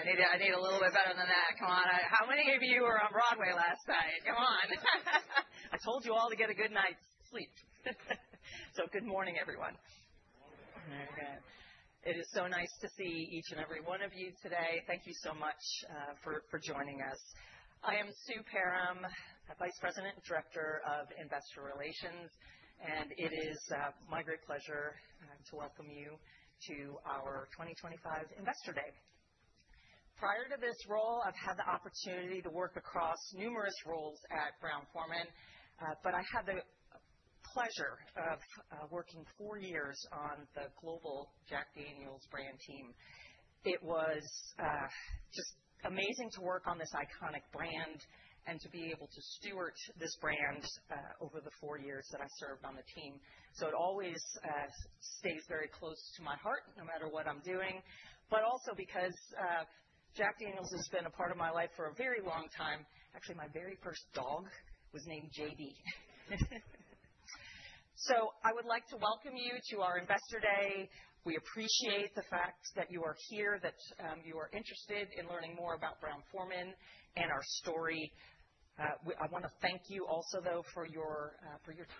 All right. I need it. I need it a little bit better than that. Come on. How many of you were on Broadway last night? Come on. I told you all to get a good night's sleep. So good morning, everyone. Very good. It is so nice to see each and every one of you today. Thank you so much for joining us. I am Sue Perram, Vice President and Director of Investor Relations, and it is my great pleasure to welcome you to our 2025 Investor Day. Prior to this role, I've had the opportunity to work across numerous roles at Brown-Forman, but I had the pleasure of working four years on the global Jack Daniel's brand team. It was just amazing to work on this iconic brand and to be able to steward this brand over the four years that I served on the team. So it always stays very close to my heart, no matter what I'm doing. But also because Jack Daniel's has been a part of my life for a very long time. Actually, my very first dog was named JD. So I would like to welcome you to our Investor Day. We appreciate the fact that you are here, that you are interested in learning more about Brown-Forman and our story. I want to thank you also, though, for your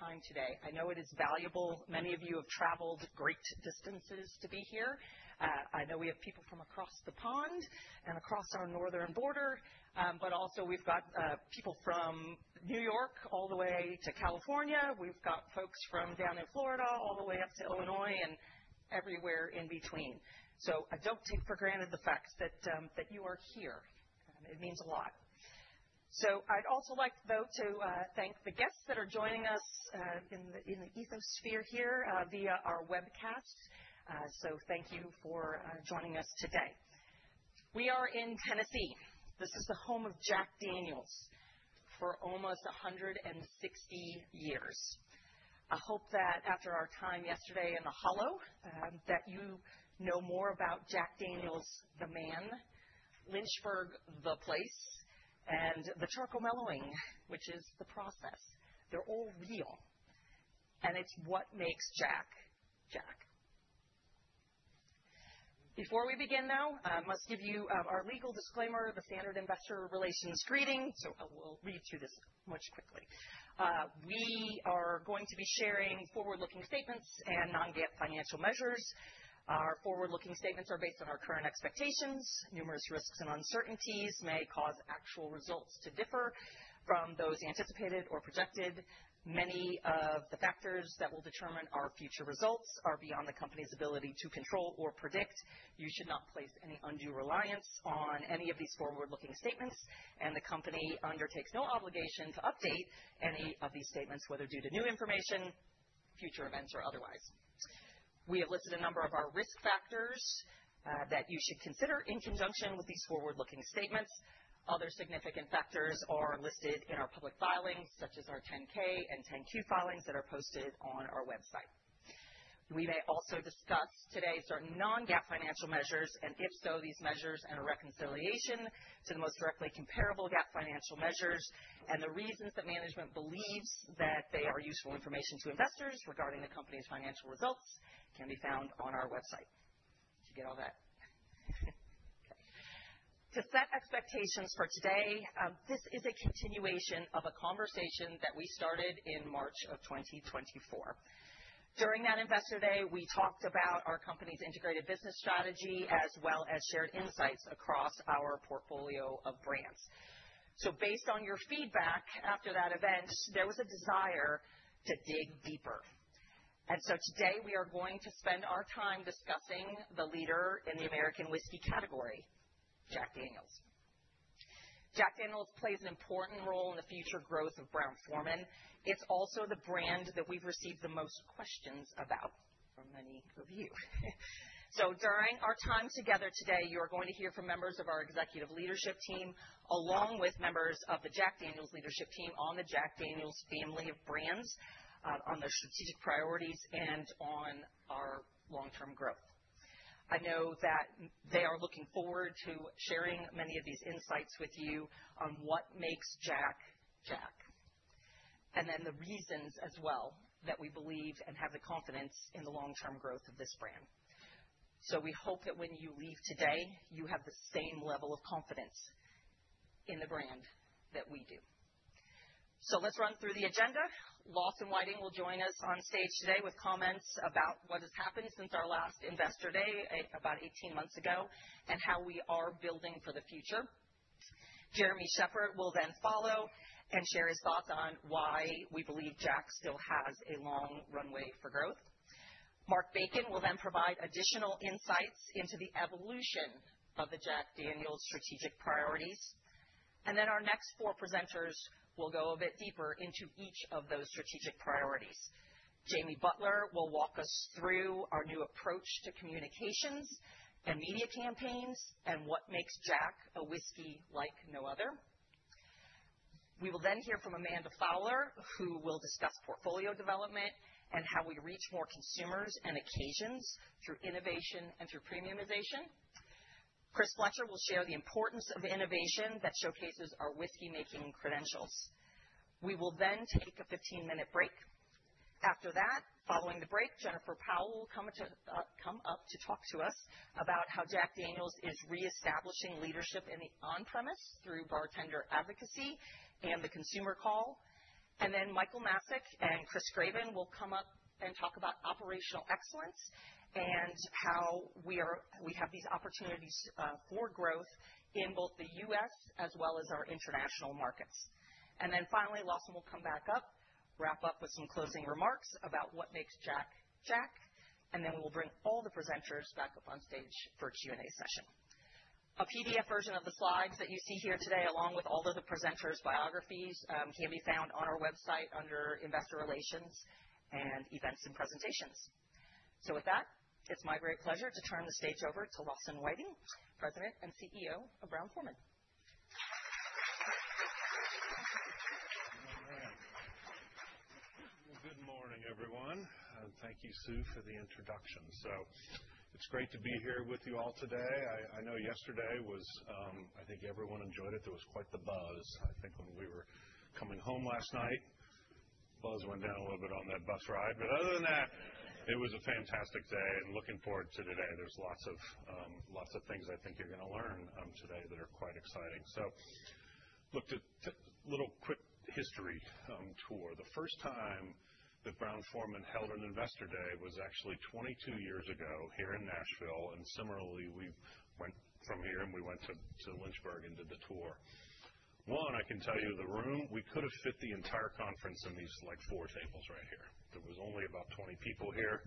time today. I know it is valuable. Many of you have traveled great distances to be here. I know we have people from across the pond and across our northern border, but also we've got people from New York all the way to California. We've got folks from down in Florida all the way up to Illinois and everywhere in between. So don't take for granted the fact that you are here. It means a lot. So I'd also like, though, to thank the guests that are joining us in the ether here via our webcast. So thank you for joining us today. We are in Tennessee. This is the home of Jack Daniel's for almost 160 years. I hope that after our time yesterday in the Hollow, that you know more about Jack Daniel's, the man, Lynchburg, the place, and the charcoal mellowing, which is the process. They're all real, and it's what makes Jack, Jack. Before we begin, though, I must give you our legal disclaimer, the standard investor relations greeting. So I will read through this much quickly. We are going to be sharing forward-looking statements and non-GAAP financial measures. Our forward-looking statements are based on our current expectations. Numerous risks and uncertainties may cause actual results to differ from those anticipated or projected. Many of the factors that will determine our future results are beyond the company's ability to control or predict. You should not place any undue reliance on any of these forward-looking statements, and the company undertakes no obligation to update any of these statements, whether due to new information, future events, or otherwise. We have listed a number of our risk factors that you should consider in conjunction with these forward-looking statements. Other significant factors are listed in our public filings, such as our 10-K and 10-Q filings that are posted on our website. We may also discuss today's non-GAAP financial measures, and if so, these measures and a reconciliation to the most directly comparable GAAP financial measures and the reasons that management believes that they are useful information to investors regarding the company's financial results can be found on our website. Did you get all that? Okay. To set expectations for today, this is a continuation of a conversation that we started in March of 2024. During that Investor Day, we talked about our company's integrated business strategy as well as shared insights across our portfolio of brands, so based on your feedback after that event, there was a desire to dig deeper, and so today we are going to spend our time discussing the leader in the American whiskey category, Jack Daniel's. Jack Daniel's plays an important role in the future growth of Brown-Forman. It's also the brand that we've received the most questions about from many of you, so during our time together today, you are going to hear from members of our executive leadership team, along with members of the Jack Daniel's leadership team on the Jack Daniel's family of brands, on their strategic priorities, and on our long-term growth. I know that they are looking forward to sharing many of these insights with you on what makes Jack, Jack, and then the reasons as well that we believe and have the confidence in the long-term growth of this brand, so we hope that when you leave today, you have the same level of confidence in the brand that we do, so let's run through the agenda. Lawson Whiting will join us on stage today with comments about what has happened since our last Investor Day about 18 months ago and how we are building for the future. Jeremy Shepherd will then follow and share his thoughts on why we believe Jack still has a long runway for growth. Mark Bacon will then provide additional insights into the evolution of the Jack Daniel's strategic priorities. And then our next four presenters will go a bit deeper into each of those strategic priorities. Jamie Butler will walk us through our new approach to communications and media campaigns and what makes Jack a whiskey like no other. We will then hear from Amanda Fowler, who will discuss portfolio development and how we reach more consumers and occasions through innovation and through premiumization. Chris Fletcher will share the importance of innovation that showcases our whiskey-making credentials. We will then take a 15-minute break. After that, following the break, Jennifer Powell will come up to talk to us about how Jack Daniel's is reestablishing leadership in the on-premise through bartender advocacy and the consumer call. And then Michael Masick and Chris Graven will come up and talk about operational excellence and how we have these opportunities for growth in both the U.S. as well as our international markets. And then finally, Lawson will come back up, wrap up with some closing remarks about what makes Jack, Jack, and then we will bring all the presenters back up on stage for a Q&A session. A PDF version of the slides that you see here today, along with all of the presenters' biographies, can be found on our website under Investor Relations and Events and Presentations. So with that, it's my great pleasure to turn the stage over to Lawson Whiting, President and CEO of Brown-Forman. Good morning, everyone. Thank you, Sue, for the introduction. It's great to be here with you all today. I know yesterday was, I think everyone enjoyed it. There was quite the buzz. I think when we were coming home last night, buzz went down a little bit on that bus ride. But other than that, it was a fantastic day and looking forward to today. There's lots of things I think you're going to learn today that are quite exciting. Looked at a little quick history tour. The first time that Brown-Forman held an Investor Day was actually 22 years ago here in Nashville. Similarly, we went from here and we went to Lynchburg and did the tour. One, I can tell you the room, we could have fit the entire conference in these four tables right here. There was only about 20 people here,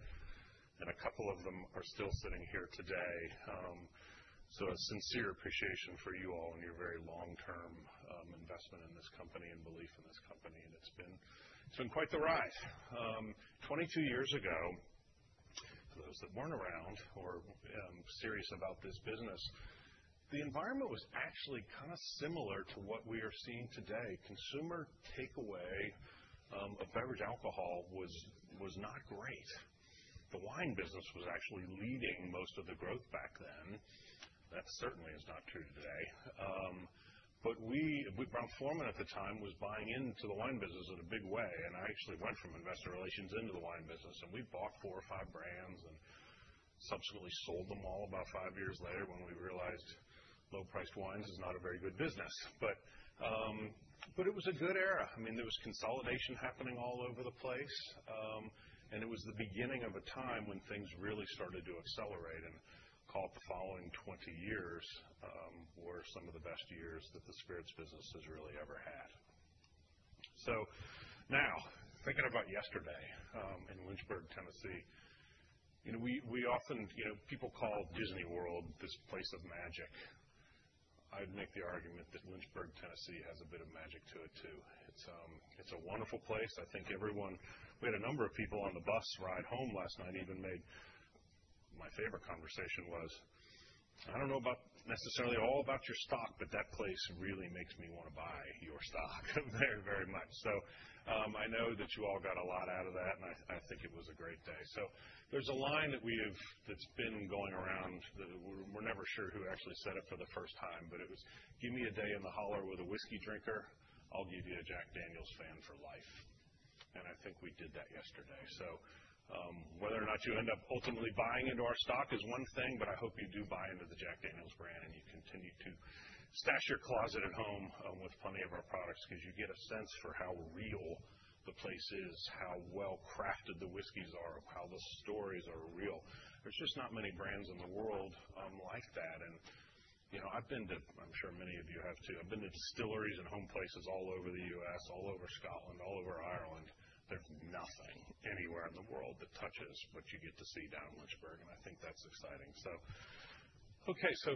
and a couple of them are still sitting here today. So a sincere appreciation for you all and your very long-term investment in this company and belief in this company. And it's been quite the ride. 22 years ago, for those that weren't around or serious about this business, the environment was actually kind of similar to what we are seeing today. Consumer takeaway of beverage alcohol was not great. The wine business was actually leading most of the growth back then. That certainly is not true today. But Brown-Forman at the time was buying into the wine business in a big way. And I actually went from investor relations into the wine business. And we bought four or five brands and subsequently sold them all about five years later when we realized low-priced wines is not a very good business. But it was a good era. I mean, there was consolidation happening all over the place. And it was the beginning of a time when things really started to accelerate. And I'll call it the following 20 years were some of the best years that the spirits business has really ever had. So now, thinking about yesterday in Lynchburg, Tennessee, we often, people call Disney World this place of magic. I'd make the argument that Lynchburg, Tennessee has a bit of magic to it too. It's a wonderful place. I think everyone, we had a number of people on the bus ride home last night, even made. My favorite conversation was, "I don't know necessarily all about your stock, but that place really makes me want to buy your stock very, very much." So I know that you all got a lot out of that, and I think it was a great day. So there's a line that we have that's been going around that we're never sure who actually said it for the first time, but it was, "Give me a day in the holler with a whiskey drinker, I'll give you a Jack Daniel's fan for life." And I think we did that yesterday. So whether or not you end up ultimately buying into our stock is one thing, but I hope you do buy into the Jack Daniel's brand and you continue to stash your closet at home with plenty of our products because you get a sense for how real the place is, how well-crafted the whiskeys are, how the stories are real. There's just not many brands in the world like that. And I've been to, I'm sure many of you have too, I've been to distilleries and home places all over the U.S., all over Scotland, all over Ireland. There's nothing anywhere in the world that touches what you get to see down in Lynchburg. And I think that's exciting. So okay, so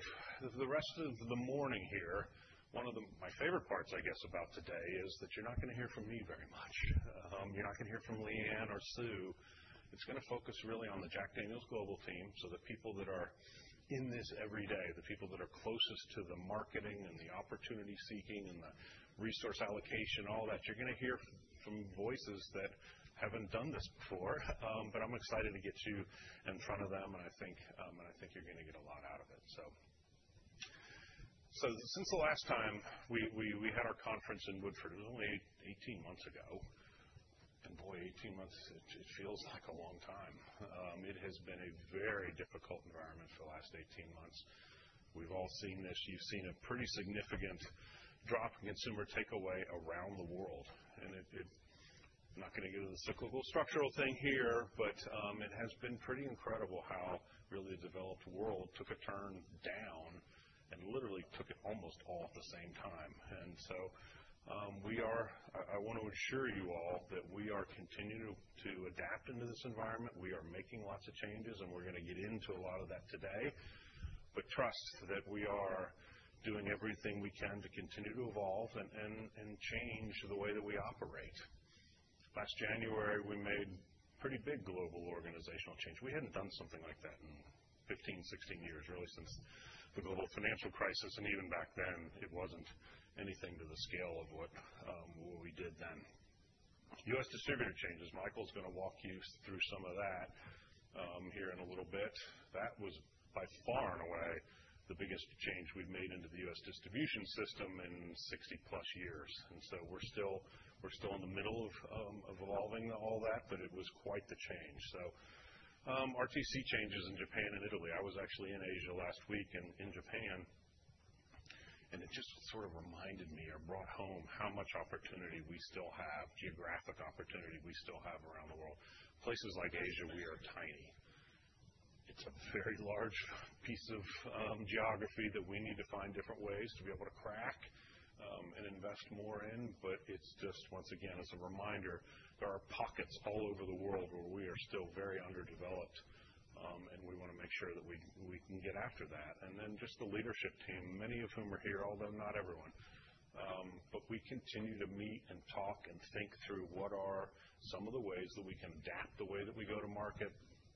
the rest of the morning here, one of my favorite parts, I guess, about today is that you're not going to hear from me very much. You're not going to hear from Leanne or Sue. It's going to focus really on the Jack Daniel's global team. So the people that are in this every day, the people that are closest to the marketing and the opportunity seeking and the resource allocation, all that, you're going to hear from voices that haven't done this before. But I'm excited to get you in front of them, and I think you're going to get a lot out of it. So since the last time we had our conference in Woodford, it was only 18 months ago. And boy, 18 months, it feels like a long time. It has been a very difficult environment for the last 18 months. We've all seen this. You've seen a pretty significant drop in consumer takeaway around the world. And I'm not going to get into the cyclical structural thing here, but it has been pretty incredible how really a developed world took a turn down and literally took it almost all at the same time. And so we are. I want to assure you all that we are continuing to adapt into this environment. We are making lots of changes, and we're going to get into a lot of that today. But trust that we are doing everything we can to continue to evolve and change the way that we operate. Last January, we made pretty big global organizational change. We hadn't done something like that in 15, 16 years, really, since the global financial crisis. And even back then, it wasn't anything to the scale of what we did then. U.S. distributor changes. Michael's going to walk you through some of that here in a little bit. That was by far and away the biggest change we've made into the U.S. distribution system in 60-plus years, and so we're still in the middle of evolving all that, but it was quite the change, so RTC changes in Japan and Italy. I was actually in Asia last week and in Japan, and it just sort of reminded me or brought home how much opportunity we still have, geographic opportunity we still have around the world. Places like Asia, we are tiny. It's a very large piece of geography that we need to find different ways to be able to crack and invest more in, but it's just, once again, as a reminder, there are pockets all over the world where we are still very underdeveloped, and we want to make sure that we can get after that. And then just the leadership team, many of whom are here, although not everyone. But we continue to meet and talk and think through what are some of the ways that we can adapt the way that we go to market.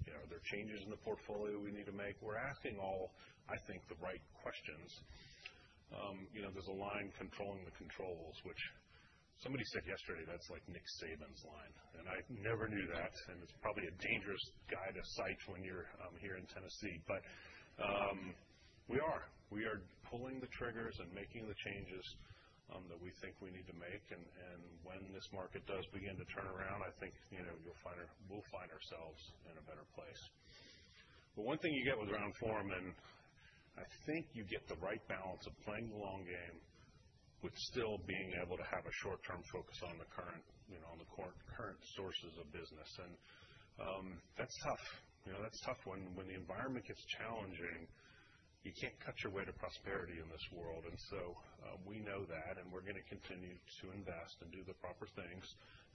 Are there changes in the portfolio we need to make? We're asking all, I think, the right questions. There's a line controlling the controllables, which somebody said yesterday, that's like Nick Saban's line. And I never knew that. And it's probably a dangerous guy to cite when you're here in Tennessee. But we are. We are pulling the triggers and making the changes that we think we need to make. And when this market does begin to turn around, I think we'll find ourselves in a better place. But one thing you get with Brown-Forman, I think you get the right balance of playing the long game but still being able to have a short-term focus on the current sources of business. And that's tough. That's tough when the environment gets challenging. You can't cut your way to prosperity in this world. And so we know that, and we're going to continue to invest and do the proper things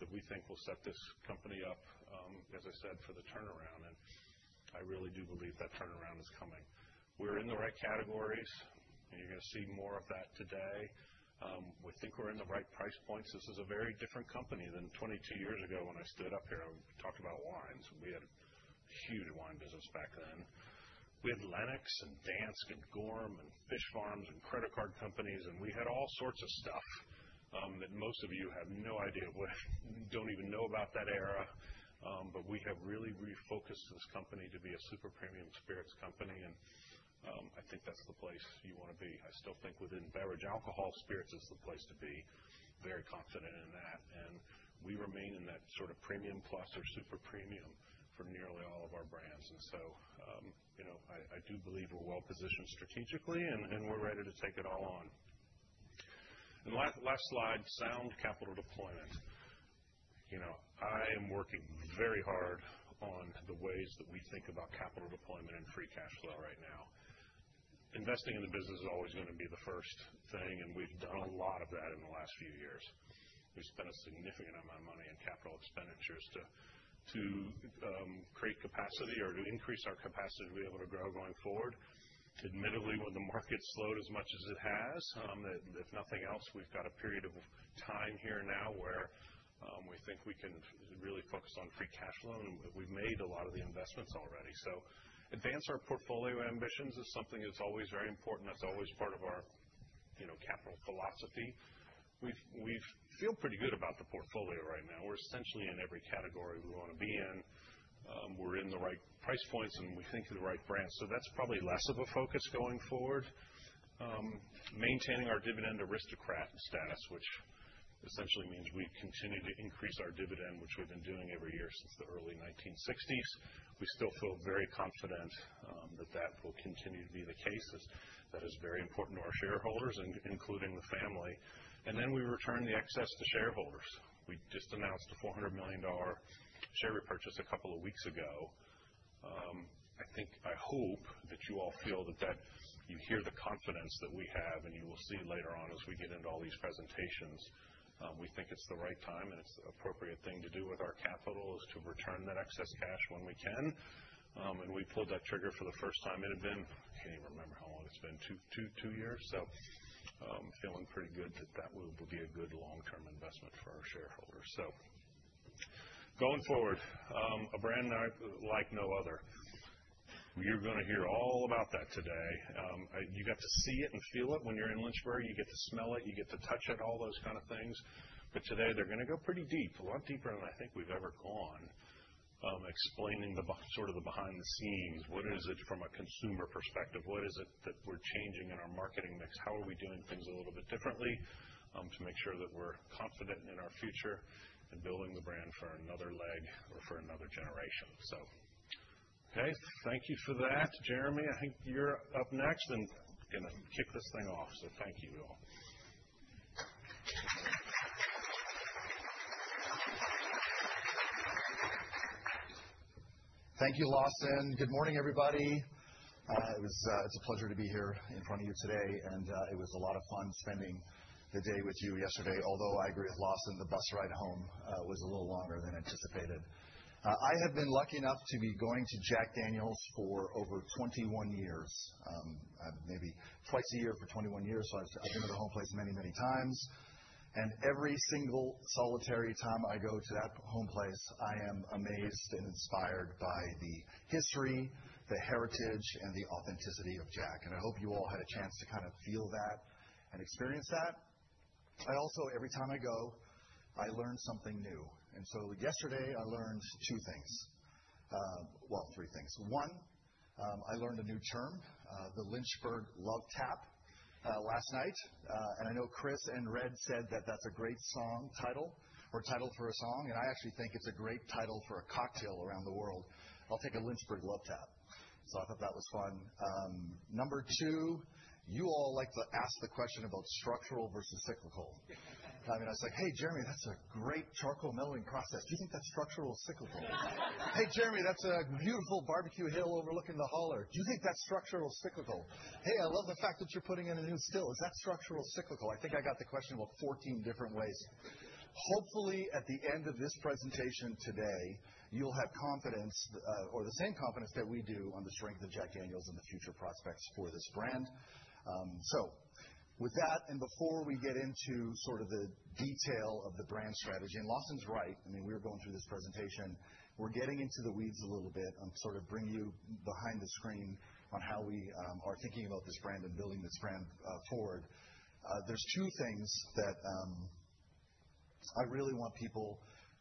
that we think will set this company up, as I said, for the turnaround. And I really do believe that turnaround is coming. We're in the right categories, and you're going to see more of that today. We think we're in the right price points. This is a very different company than 22 years ago when I stood up here and talked about wines. We had a huge wine business back then. We had Lenox and Dansk and Gorham and fish farms and credit card companies, and we had all sorts of stuff that most of you have no idea of, don't even know about that era, but we have really refocused this company to be a super premium spirits company, and I think that's the place you want to be. I still think within beverage alcohol, spirits is the place to be. Very confident in that, and we remain in that sort of premium plus or super premium for nearly all of our brands, and so I do believe we're well-positioned strategically, and we're ready to take it all on, and last slide, sound capital deployment. I am working very hard on the ways that we think about capital deployment and free cash flow right now. Investing in the business is always going to be the first thing, and we've done a lot of that in the last few years. We spent a significant amount of money in capital expenditures to create capacity or to increase our capacity to be able to grow going forward. Admittedly, when the market slowed as much as it has, if nothing else, we've got a period of time here now where we think we can really focus on free cash flow, and we've made a lot of the investments already. So advance our portfolio ambitions is something that's always very important. That's always part of our capital philosophy. We feel pretty good about the portfolio right now. We're essentially in every category we want to be in. We're in the right price points, and we think of the right brands. So that's probably less of a focus going forward. Maintaining our Dividend Aristocrat status, which essentially means we continue to increase our dividend, which we've been doing every year since the early 1960s. We still feel very confident that that will continue to be the case. That is very important to our shareholders, including the family, and then we return the excess to shareholders. We just announced a $400 million share repurchase a couple of weeks ago. I think I hope that you all feel that you hear the confidence that we have, and you will see later on as we get into all these presentations. We think it's the right time and it's the appropriate thing to do with our capital is to return that excess cash when we can, and we pulled that trigger for the first time in a bit. I can't even remember how long it's been, two years. So feeling pretty good that that will be a good long-term investment for our shareholders. So going forward, a brand like no other. You're going to hear all about that today. You got to see it and feel it when you're in Lynchburg. You get to smell it. You get to touch it, all those kind of things. But today, they're going to go pretty deep, a lot deeper than I think we've ever gone, explaining sort of the behind the scenes. What is it from a consumer perspective? What is it that we're changing in our marketing mix? How are we doing things a little bit differently to make sure that we're confident in our future and building the brand for another leg or for another generation? So, okay, thank you for that. Jeremy, I think you're up next and going to kick this thing off. So thank you, y'all. Thank you, Lawson. Good morning, everybody. It's a pleasure to be here in front of you today. And it was a lot of fun spending the day with you yesterday, although I agree with Lawson, the bus ride home was a little longer than anticipated. I have been lucky enough to be going to Jack Daniel's for over 21 years, maybe twice a year for 21 years. So I've been to the home place many, many times. And every single solitary time I go to that home place, I am amazed and inspired by the history, the heritage, and the authenticity of Jack. And I hope you all had a chance to kind of feel that and experience that. I also, every time I go, I learn something new. And so yesterday, I learned two things. Well, three things. One, I learned a new term, the Lynchburg Love Tap, last night, and I know Chris and Red said that that's a great song title or title for a song, and I actually think it's a great title for a cocktail around the world. I'll take a Lynchburg Love Tap. So I thought that was fun. Number two, you all like to ask the question about structural versus cyclical. I mean, I was like, "Hey, Jeremy, that's a great charcoal mellowing process. Do you think that's structural cyclical?" "Hey, Jeremy, that's a beautiful Barbecue Hill overlooking the Hollow. Do you think that's structural cyclical?" "Hey, I love the fact that you're putting in a new still. Is that structural cyclical?" I think I got the question about 14 different ways. Hopefully, at the end of this presentation today, you'll have confidence or the same confidence that we do on the strength of Jack Daniel's and the future prospects for this brand, so with that, and before we get into sort of the detail of the brand strategy, and Lawson's right, I mean, we were going through this presentation. We're getting into the weeds a little bit and sort of bring you behind the scenes on how we are thinking about this brand and building this brand forward. There's two things that I really want people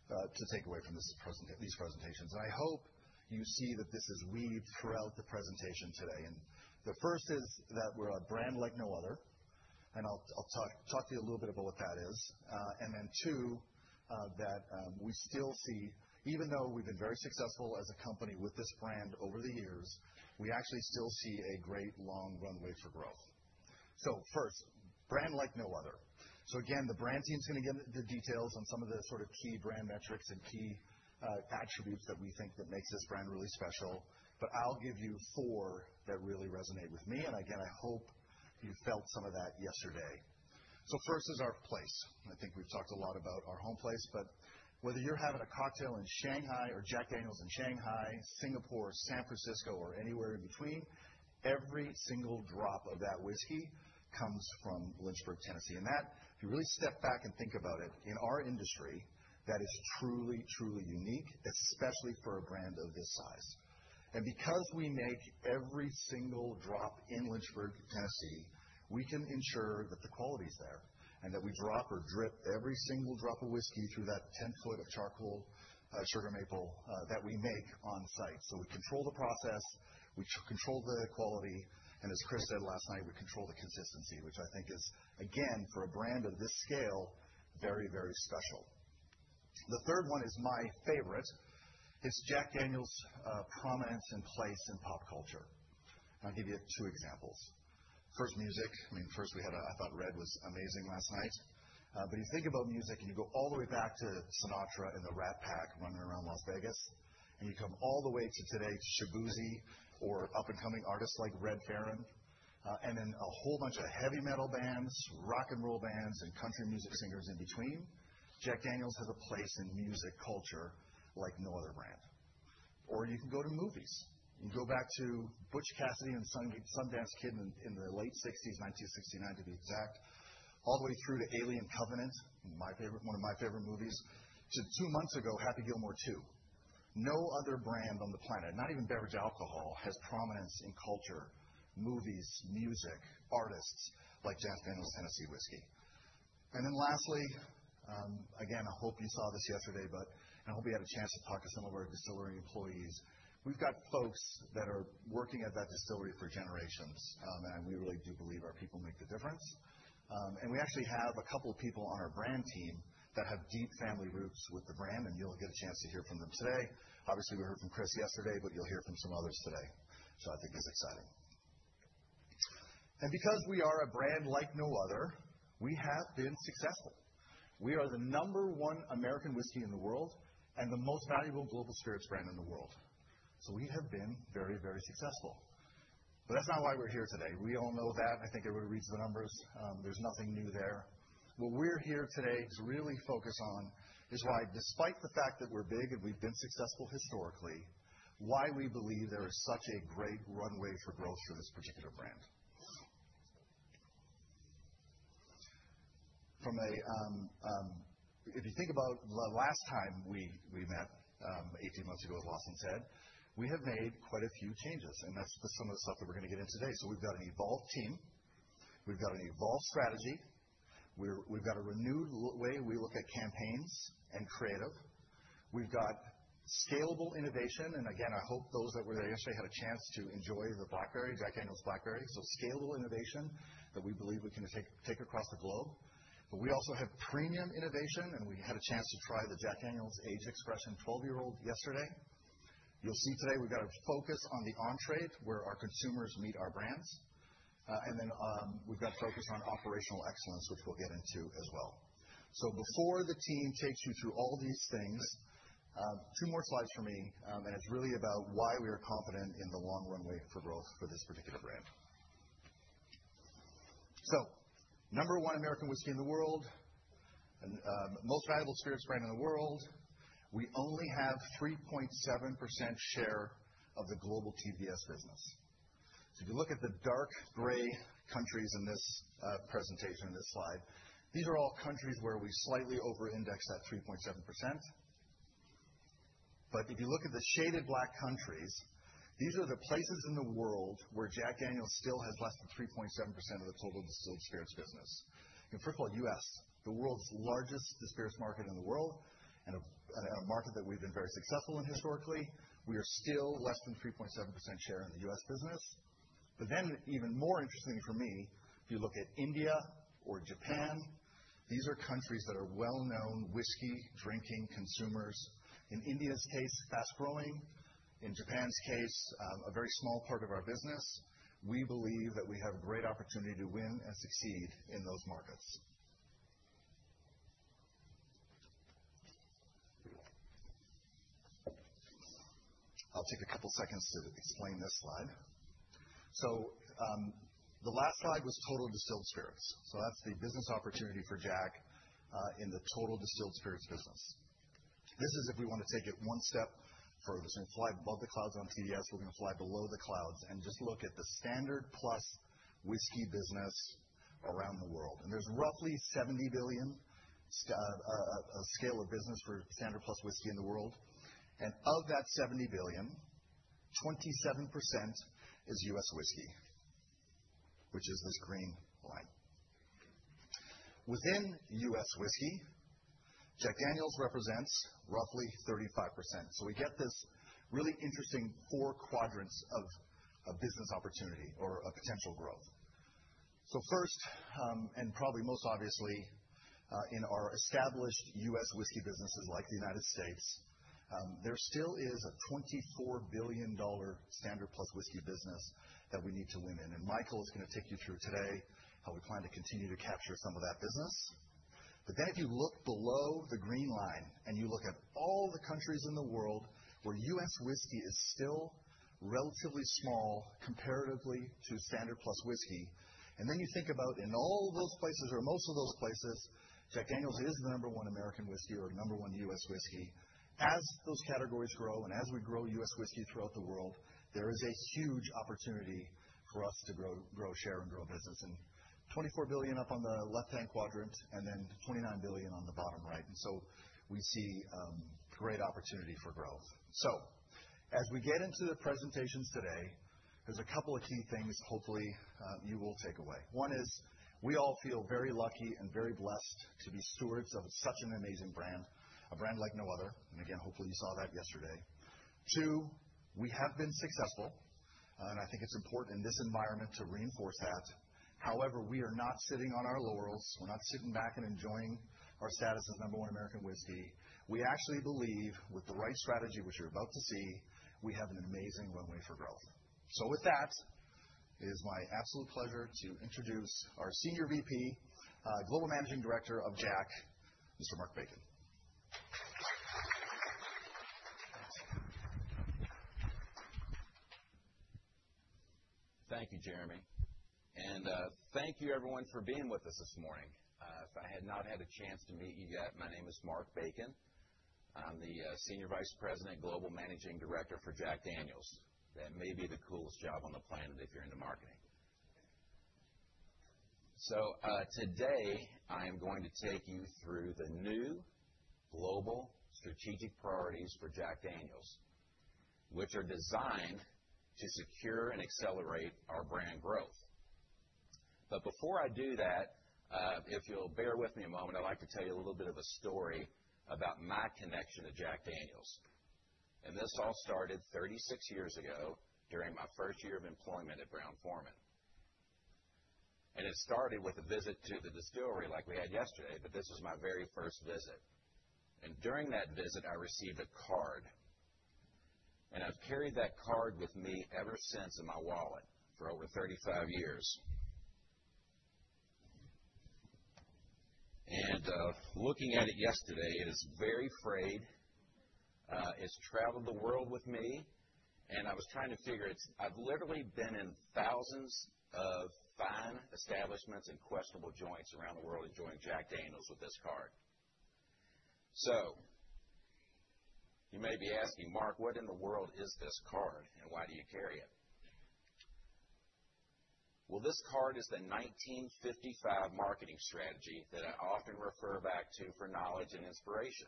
to take away from these presentations, and I hope you see that this is weaved throughout the presentation today, and the first is that we're a brand like no other, and I'll talk to you a little bit about what that is. And then two, that we still see, even though we've been very successful as a company with this brand over the years, we actually still see a great long runway for growth. So first, brand like no other. So again, the brand team's going to give the details on some of the sort of key brand metrics and key attributes that we think that makes this brand really special. But I'll give you four that really resonate with me. And again, I hope you felt some of that yesterday. So first is our place. I think we've talked a lot about our home place. But whether you're having a cocktail in Shanghai or Jack Daniel's in Shanghai, Singapore, San Francisco, or anywhere in between, every single drop of that whiskey comes from Lynchburg, Tennessee. And that, if you really step back and think about it, in our industry, that is truly, truly unique, especially for a brand of this size. And because we make every single drop in Lynchburg, Tennessee, we can ensure that the quality is there and that we drop or drip every single drop of whiskey through that 10-foot of charcoal sugar maple that we make on site. So we control the process. We control the quality. And as Chris said last night, we control the consistency, which I think is, again, for a brand of this scale, very, very special. The third one is my favorite. It's Jack Daniel's prominence and place in pop culture. And I'll give you two examples. First, music. I mean, first, I thought Red was amazing last night. But you think about music, and you go all the way back to Sinatra and the Rat Pack running around Las Vegas, and you come all the way to today to Shaboozey or up-and-coming artists like Redferrin, and then a whole bunch of heavy metal bands, rock and roll bands, and country music singers in between. Jack Daniel's has a place in music culture like no other brand. Or you can go to movies. You can go back to Butch Cassidy and Sundance Kid in the late '60s, 1969 to be exact, all the way through to Alien: Covenant, one of my favorite movies, to two months ago, Happy Gilmore 2. No other brand on the planet, not even beverage alcohol, has prominence in culture, movies, music, artists like Jack Daniel's Tennessee Whiskey. And then lastly, again, I hope you saw this yesterday, but I hope you had a chance to talk to some of our distillery employees. We've got folks that are working at that distillery for generations, and we really do believe our people make the difference. We actually have a couple of people on our brand team that have deep family roots with the brand, and you'll get a chance to hear from them today. Obviously, we heard from Chris yesterday, but you'll hear from some others today, which I think is exciting. Because we are a brand like no other, we have been successful. We are the number one American whiskey in the world and the most valuable global spirits brand in the world. We have been very, very successful. That's not why we're here today. We all know that. I think everybody reads the numbers. There's nothing new there. What we're here today to really focus on is why, despite the fact that we're big and we've been successful historically, why we believe there is such a great runway for growth for this particular brand. If you think about the last time we met, 18 months ago, as Lawson said, we have made quite a few changes, and that's some of the stuff that we're going to get into today, so we've got an evolved team. We've got an evolved strategy. We've got a renewed way we look at campaigns and creative. We've got scalable innovation, and again, I hope those that were there yesterday had a chance to enjoy the Blackberry, Jack Daniel's Blackberry, so scalable innovation that we believe we can take across the globe. But we also have premium innovation, and we had a chance to try the Jack Daniel's 12-Year-Old yesterday. You'll see today we've got a focus on the entry where our consumers meet our brands. And then we've got a focus on operational excellence, which we'll get into as well. So before the team takes you through all these things, two more slides from me, and it's really about why we are confident in the long runway for growth for this particular brand. So number one American whiskey in the world, most valuable spirits brand in the world. We only have 3.7% share of the global TDS business. So if you look at the dark gray countries in this presentation, in this slide, these are all countries where we slightly over-index that 3.7%. But if you look at the shaded black countries, these are the places in the world where Jack Daniel's still has less than 3.7% of the total distilled spirits business. And first of all, U.S., the world's largest spirits market in the world and a market that we've been very successful in historically. We are still less than 3.7% share in the U.S. business. But then even more interesting for me, if you look at India or Japan, these are countries that are well-known whiskey drinking consumers. In India's case, fast growing. In Japan's case, a very small part of our business. We believe that we have a great opportunity to win and succeed in those markets. I'll take a couple of seconds to explain this slide. So the last slide was total distilled spirits. So that's the business opportunity for Jack in the total distilled spirits business. This is if we want to take it one step further, so we fly above the clouds on TDS. We're going to fly below the clouds and just look at the standard plus whiskey business around the world, and there's roughly $70 billion scale of business for standard plus whiskey in the world, and of that $70 billion, 27% is U.S. whiskey, which is this green line. Within U.S. whiskey, Jack Daniel's represents roughly 35%, so we get this really interesting four quadrants of business opportunity or potential growth, so first, and probably most obviously, in our established U.S. whiskey businesses like the United States, there still is a $24 billion standard plus whiskey business that we need to win in, and Michael is going to take you through today how we plan to continue to capture some of that business. But then, if you look below the green line and you look at all the countries in the world where U.S. whiskey is still relatively small comparatively to standard plus whiskey, and then you think about in all those places or most of those places, Jack Daniel's is the number one American whiskey or number one U.S. whiskey. As those categories grow and as we grow U.S. whiskey throughout the world, there is a huge opportunity for us to grow share and grow business and $24 billion up on the left-hand quadrant and then $29 billion on the bottom right, and so we see great opportunity for growth, so as we get into the presentations today, there's a couple of key things hopefully you will take away. One is we all feel very lucky and very blessed to be stewards of such an amazing brand, a brand like no other. And again, hopefully you saw that yesterday. Two, we have been successful. And I think it's important in this environment to reinforce that. However, we are not sitting on our laurels. We're not sitting back and enjoying our status as number one American whiskey. We actually believe with the right strategy, which you're about to see, we have an amazing runway for growth. So with that, it is my absolute pleasure to introduce our Senior VP, Global Managing Director of Jack, Mr. Mark Bacon. Thank you, Jeremy. And thank you, everyone, for being with us this morning. If I had not had a chance to meet you yet, my name is Mark Bacon. I'm the Senior Vice President, Global Managing Director for Jack Daniel's. That may be the coolest job on the planet if you're into marketing. So today, I am going to take you through the new global strategic priorities for Jack Daniel's, which are designed to secure and accelerate our brand growth. But before I do that, if you'll bear with me a moment, I'd like to tell you a little bit of a story about my connection to Jack Daniel's. And this all started 36 years ago during my first year of employment at Brown-Forman. And it started with a visit to the distillery like we had yesterday, but this was my very first visit. And during that visit, I received a card. And I've carried that card with me ever since in my wallet for over 35 years. And looking at it yesterday, it is very frayed. It's traveled the world with me. And I was trying to figure I've literally been in thousands of fine establishments and questionable joints around the world enjoying Jack Daniel's with this card. So you may be asking, "Mark, what in the world is this card and why do you carry it?" Well, this card is the 1955 marketing strategy that I often refer back to for knowledge and inspiration.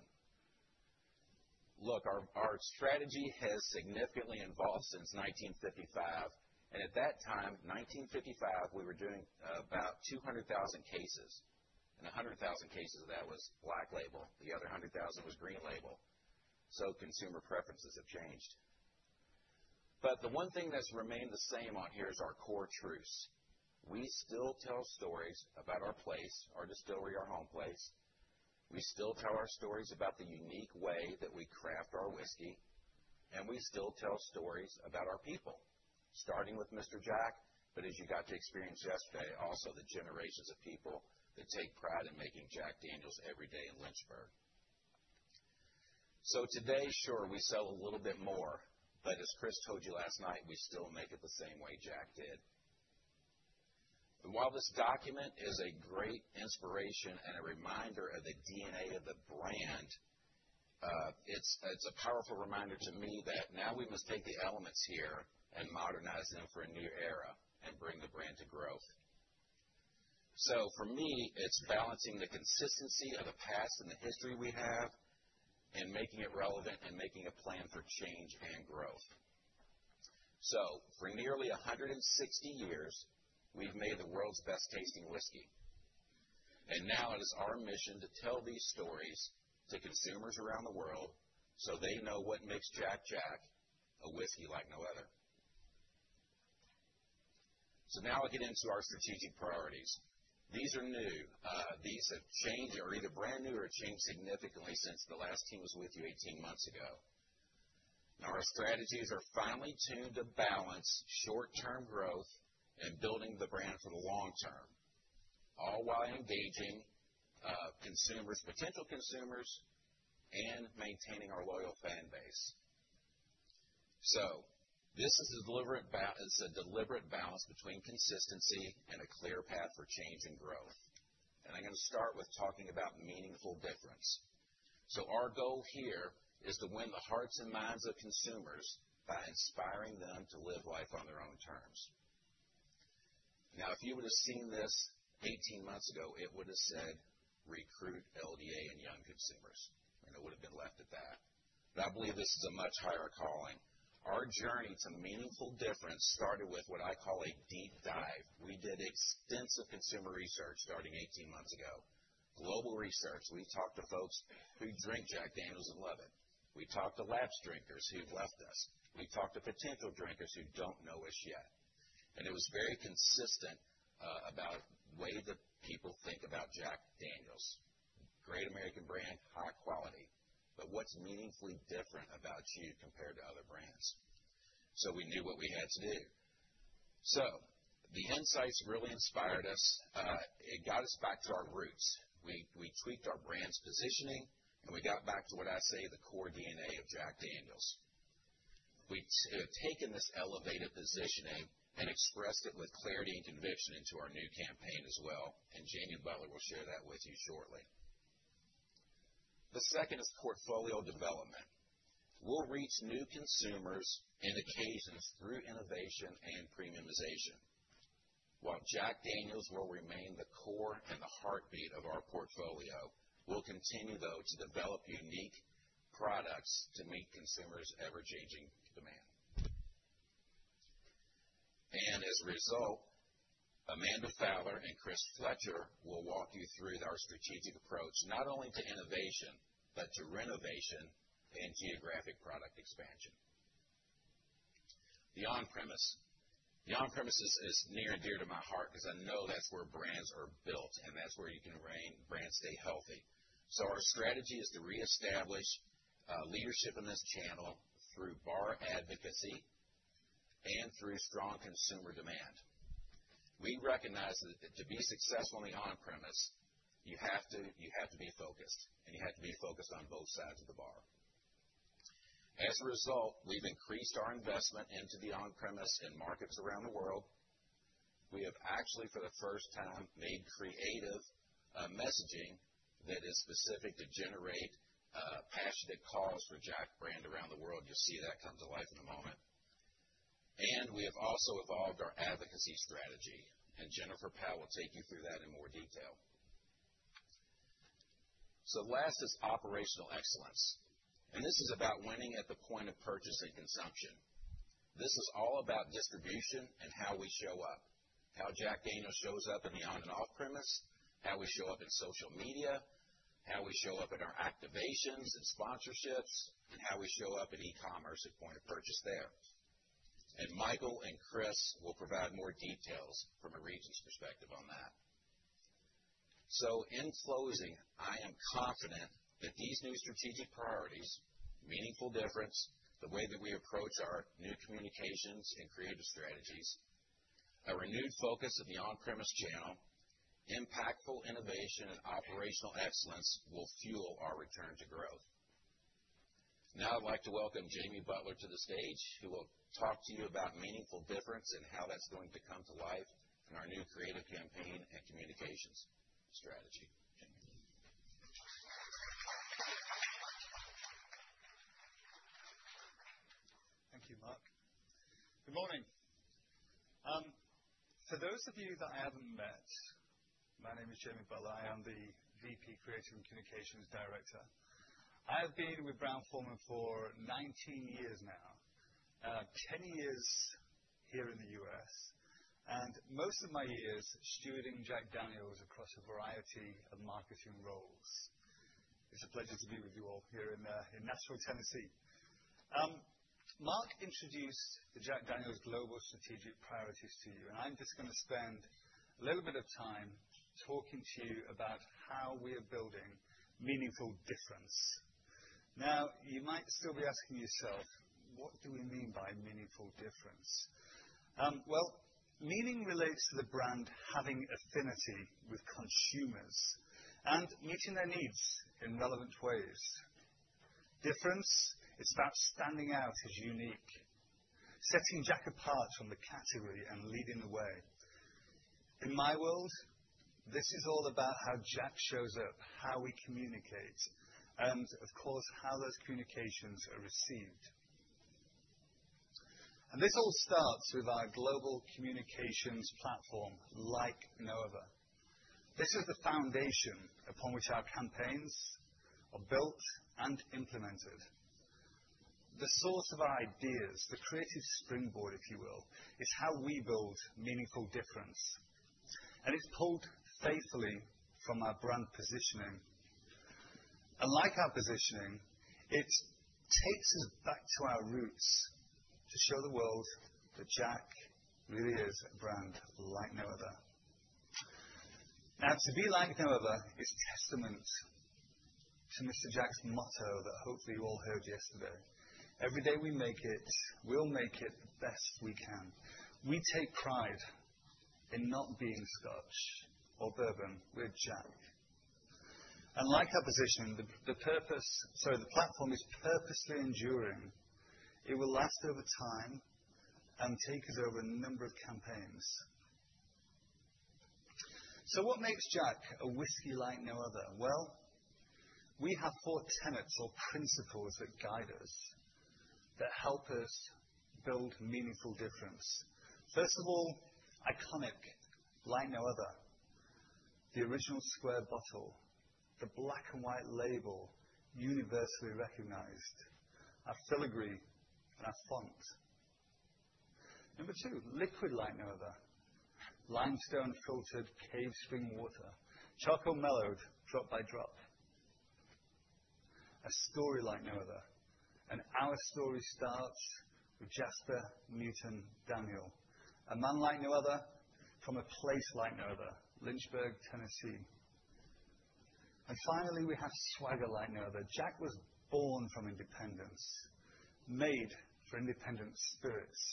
Look, our strategy has significantly evolved since 1955. And at that time, 1955, we were doing about 200,000 cases. And 100,000 cases of that was Black Label. The other 100,000 was. So consumer preferences have changed. But the one thing that's remained the same on here is our core truths. We still tell stories about our place, our distillery, our home place. We still tell our stories about the unique way that we craft our whiskey. And we still tell stories about our people, starting with Mr. Jack, but as you got to experience yesterday, also the generations of people that take pride in making Jack Daniel's every day in Lynchburg. So today, sure, we sell a little bit more, but as Chris told you last night, we still make it the same way Jack did. And while this document is a great inspiration and a reminder of the DNA of the brand, it's a powerful reminder to me that now we must take the elements here and modernize them for a new era and bring the brand to growth. For me, it's balancing the consistency of the past and the history we have and making it relevant and making a plan for change and growth. For nearly 160 years, we've made the world's best tasting whiskey. Now it is our mission to tell these stories to consumers around the world so they know what makes Jack Jack, a whiskey like no other. Now I'll get into our strategic priorities. These are new. These have changed or either brand new or changed significantly since the last team was with you 18 months ago. Our strategies are finally tuned to balance short-term growth and building the brand for the long term, all while engaging potential consumers and maintaining our loyal fan base. This is a deliberate balance between consistency and a clear path for change and growth. And I'm going to start with talking about meaningful difference. So our goal here is to win the hearts and minds of consumers by inspiring them to live life on their own terms. Now, if you would have seen this 18 months ago, it would have said, "Recruit LDA and young consumers." And it would have been left at that. But I believe this is a much higher calling. Our journey to meaningful difference started with what I call a deep dive. We did extensive consumer research starting 18 months ago, global research. We talked to folks who drink Jack Daniel's and love it. We talked to lapse drinkers who've left us. We talked to potential drinkers who don't know us yet. And it was very consistent about the way that people think about Jack Daniel's. Great American brand, high quality. But what's meaningfully different about you compared to other brands? So we knew what we had to do. So the insights really inspired us. It got us back to our roots. We tweaked our brand's positioning, and we got back to what I say the core DNA of Jack Daniel's. We've taken this elevated positioning and expressed it with clarity and conviction into our new campaign as well. And Jamie Butler will share that with you shortly. The second is portfolio development. We'll reach new consumers and occasions through innovation and premiumization. While Jack Daniel's will remain the core and the heartbeat of our portfolio, we'll continue, though, to develop unique products to meet consumers' ever-changing demand. And as a result, Amanda Fowler and Chris Fletcher will walk you through our strategic approach, not only to innovation, but to renovation and geographic product expansion. The on-premise. The on-premise is near and dear to my heart because I know that's where brands are built, and that's where brands can stay healthy, so our strategy is to reestablish leadership in this channel through bar advocacy and through strong consumer demand. We recognize that to be successful on the on-premise, you have to be focused, and you have to be focused on both sides of the bar. As a result, we've increased our investment into the on-premise and markets around the world. We have actually, for the first time, made creative messaging that is specific to generate passionate calls for Jack brand around the world. You'll see that come to life in a moment, and we have also evolved our advocacy strategy, and Jennifer Powell will take you through that in more detail, so last is operational excellence. And this is about winning at the point of purchase and consumption. This is all about distribution and how we show up, how Jack Daniel's shows up in the on- and off-premise, how we show up in social media, how we show up at our activations and sponsorships, and how we show up in e-commerce at point of purchase there. And Michael and Chris will provide more details from a region's perspective on that. So in closing, I am confident that these new strategic priorities, meaningful difference, the way that we approach our new communications and creative strategies, a renewed focus of the on-premise channel, impactful innovation, and operational excellence will fuel our return to growth. Now I'd like to welcome Jamie Butler to the stage, who will talk to you about meaningful difference and how that's going to come to life in our new creative campaign and communications strategy. Thank you, Mark. Good morning. For those of you that I haven't met, my name is Jamie Butler. I am the VP Creative and Communications Director. I have been with Brown-Forman for 19 years now, 10 years here in the U.S., and most of my years stewarding Jack Daniel's across a variety of marketing roles. It's a pleasure to be with you all here in Nashville, Tennessee. Mark introduced the Jack Daniel's Global Strategic Priorities to you, and I'm just going to spend a little bit of time talking to you about how we are building meaningful difference. Now, you might still be asking yourself, "What do we mean by meaningful difference?" Well, meaning relates to the brand having affinity with consumers and meeting their needs in relevant ways. Difference is about standing out as unique, setting Jack apart from the category and leading the way. In my world, this is all about how Jack shows up, how we communicate, and of course, how those communications are received. And this all starts with our global communications platform like no other. This is the foundation upon which our campaigns are built and implemented. The source of our ideas, the creative springboard, if you will, is how we build meaningful difference. And it's pulled faithfully from our brand positioning. And like our positioning, it takes us back to our roots to show the world that Jack really is a brand like no other. Now, to be like no other is testament to Mr. Jack's motto that hopefully you all heard yesterday. Every day we make it, we'll make it the best we can. We take pride in not being Scotch or Bourbon. We're Jack. And like our positioning, the platform is purposely enduring. It will last over time and take us over a number of campaigns. So what makes Jack a whiskey like no other? Well, we have four tenets or principles that guide us, that help us build meaningful difference. First of all, iconic like no other. The original square bottle, the black and white label universally recognized, our filigree, our font. Number two, liquid like no other. Limestone filtered cave spring water, charcoal mellowed drop by drop. A story like no other. And our story starts with Jasper Newton Daniel, a man like no other. From a place like no other, Lynchburg, Tennessee. And finally, we have swagger like no other. Jack was born from independence, made for independent spirits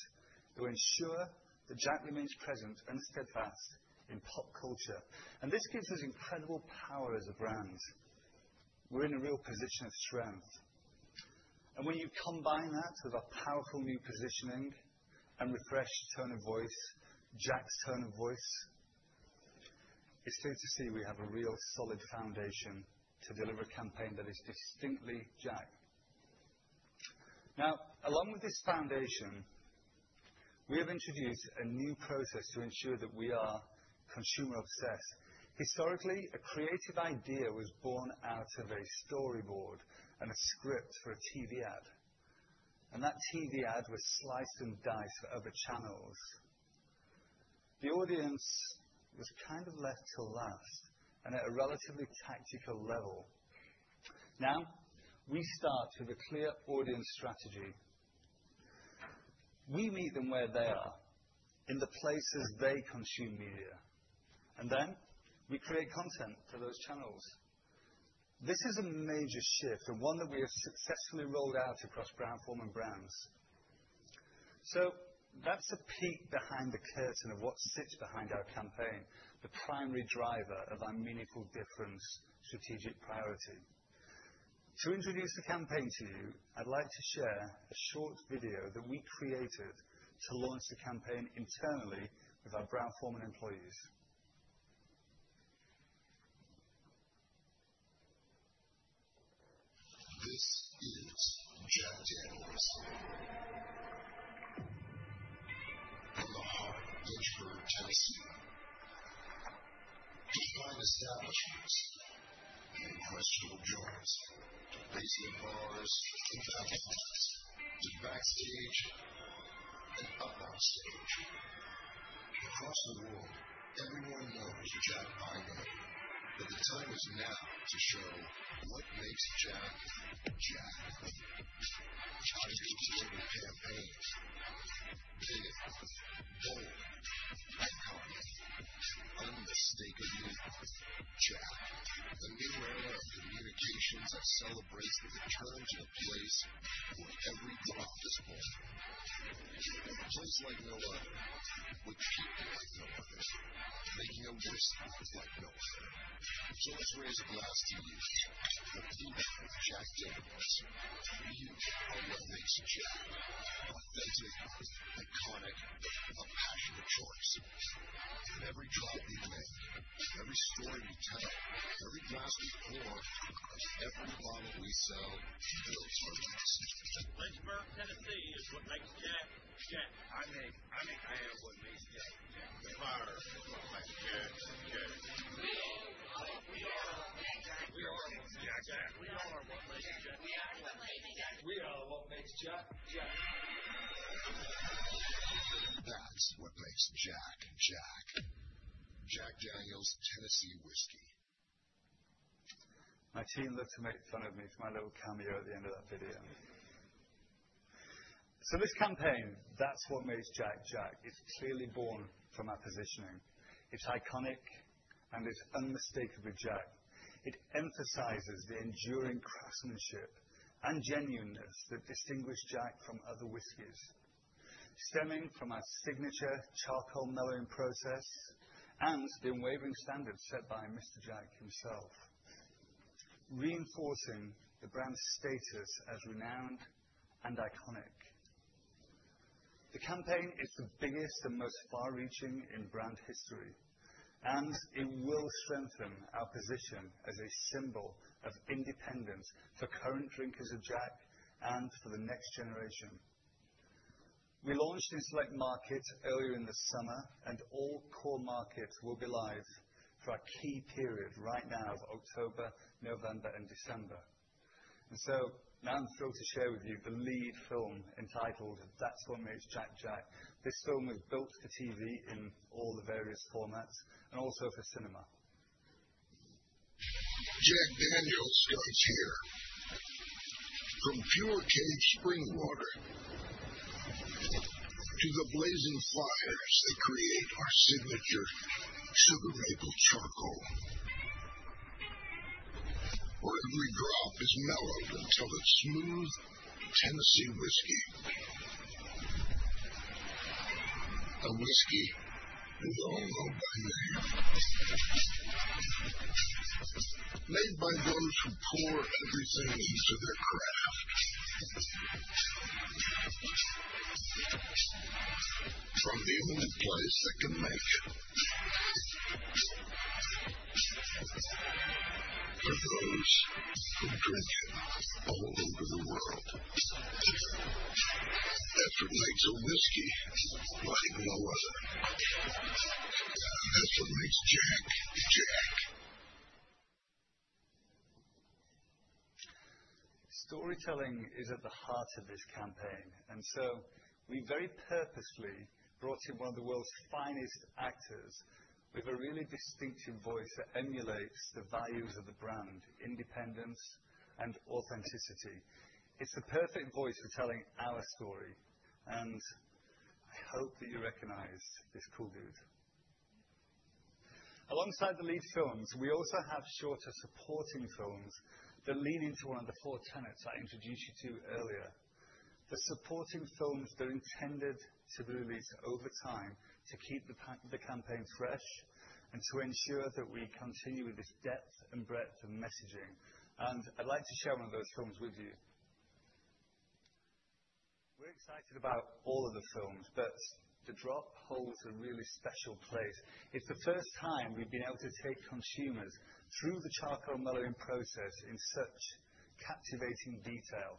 to ensure that Jack remains present and steadfast in pop culture. And this gives us incredible power as a brand. We're in a real position of strength. And when you combine that with our powerful new positioning and refreshed tone of voice, Jack's tone of voice, it's good to see we have a real solid foundation to deliver a campaign that is distinctly Jack. Now, along with this foundation, we have introduced a new process to ensure that we are consumer-obsessed. Historically, a creative idea was born out of a storyboard and a script for a TV ad. And that TV ad was sliced and diced for other channels. The audience was kind of left to last and at a relatively tactical level. Now, we start with a clear audience strategy. We meet them where they are, in the places they consume media. And then we create content for those channels. This is a major shift, a one that we have successfully rolled out across Brown-Forman brands. So that's the peek behind the curtain of what sits behind our campaign, the primary driver of our meaningful difference strategic priority. To introduce the campaign to you, I'd like to share a short video that we created to launch the campaign internally with our Brown-Forman employees. This is Jack Daniel's from the heart of Lynchburg, Tennessee. Defying establishments and questionable jars to bayside bars, to downtowns, to backstage, and up on stage. Across the world, everyone knows Jack by name, but the time is now to show what makes Jack Jack. Our new story campaigns, vivid, bold, iconic, and unmistakably Jack, a new era of communications that celebrates the return to a place where every thought is born. A place like no other, with people like no other, making a whiskey like no other, so let's raise a glass to you, the people of Jack Daniel's. For you are what makes Jack authentic, iconic, a passionate choice, and every drop we make, every story we tell, every glass we pour, every bottle we sell builds our next. Lynchburg, Tennessee is what makes Jack Jack. I am what makes Jack Jack. Fire. We are what makes Jack Jack. We are what makes Jack Jack. We are what makes Jack. We are what makes Jack Jack. We are what makes Jack Jack. That's what makes Jack Jack. Jack Daniel's Tennessee Whiskey. My team looked to make fun of me for my little cameo at the end of that video. So this campaign, That's What Makes Jack Jack. It's clearly born from our positioning. It's iconic, and it's unmistakably Jack. It emphasizes the enduring craftsmanship and genuineness that distinguish Jack from other whiskeys, stemming from our signature charcoal mellowing process and the unwavering standards set by Mr. Jack himself, reinforcing the brand's status as renowned and iconic. The campaign is the biggest and most far-reaching in brand history, and it will strengthen our position as a symbol of independence for current drinkers of Jack and for the next generation. We launched in select markets earlier in the summer, and all core markets will be live for our key period right now of October, November, and December. And so now I'm thrilled to share with you the lead film entitled That's What Makes Jack Jack. This film was built for TV in all the various formats and also for cinema. Jack Daniel's comes here. From pure cave spring water to the blazing fires that create our signature sugar maple charcoal, where every drop is mellowed until it's smooth Tennessee Whiskey. A whiskey we all know by name, made by those who pour everything into their craft from the only place that can make it for those who drink it all over the world. That's what makes a whiskey like no other. That's what makes Jack Jack. Storytelling is at the heart of this campaign, and so we very purposely brought in one of the world's finest actors with a really distinctive voice that emulates the values of the brand, independence, and authenticity. It's the perfect voice for telling our story, and I hope that you recognize this cool dude. Alongside the lead films, we also have shorter supporting films that lean into one of the four tenets I introduced you to earlier. The supporting films that are intended to be released over time to keep the campaign fresh and to ensure that we continue with this depth and breadth of messaging, and I'd like to share one of those films with you. We're excited about all of the films, but The Drop holds a really special place. It's the first time we've been able to take consumers through the charcoal mellowing process in such captivating detail.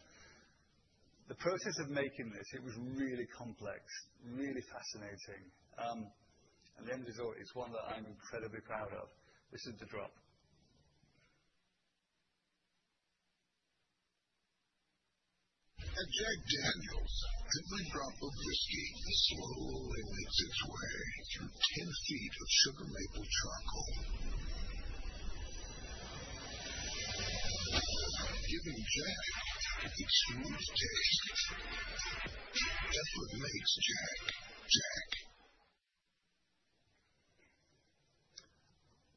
The process of making this, it was really complex, really fascinating, and the end result is one that I'm incredibly proud of. This is The Drop. At Jack Daniel's, every drop of whiskey slowly makes its way through 10 feet of sugar maple charcoal, giving Jack its smooth taste. That's what makes Jack Jack.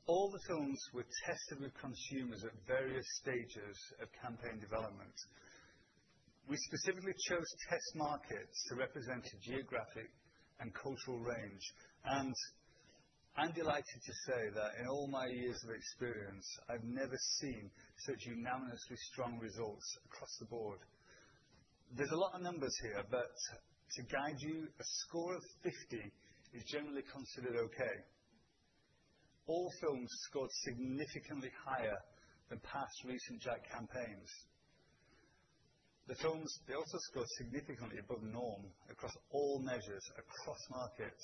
All the films were tested with consumers at various stages of campaign development. We specifically chose test markets to represent a geographic and cultural range, and I'm delighted to say that in all my years of experience, I've never seen such unanimously strong results across the board. There's a lot of numbers here, but to guide you, a score of 50 is generally considered okay. All films scored significantly higher than past recent Jack campaigns. The films they also scored significantly above norm across all measures, across markets.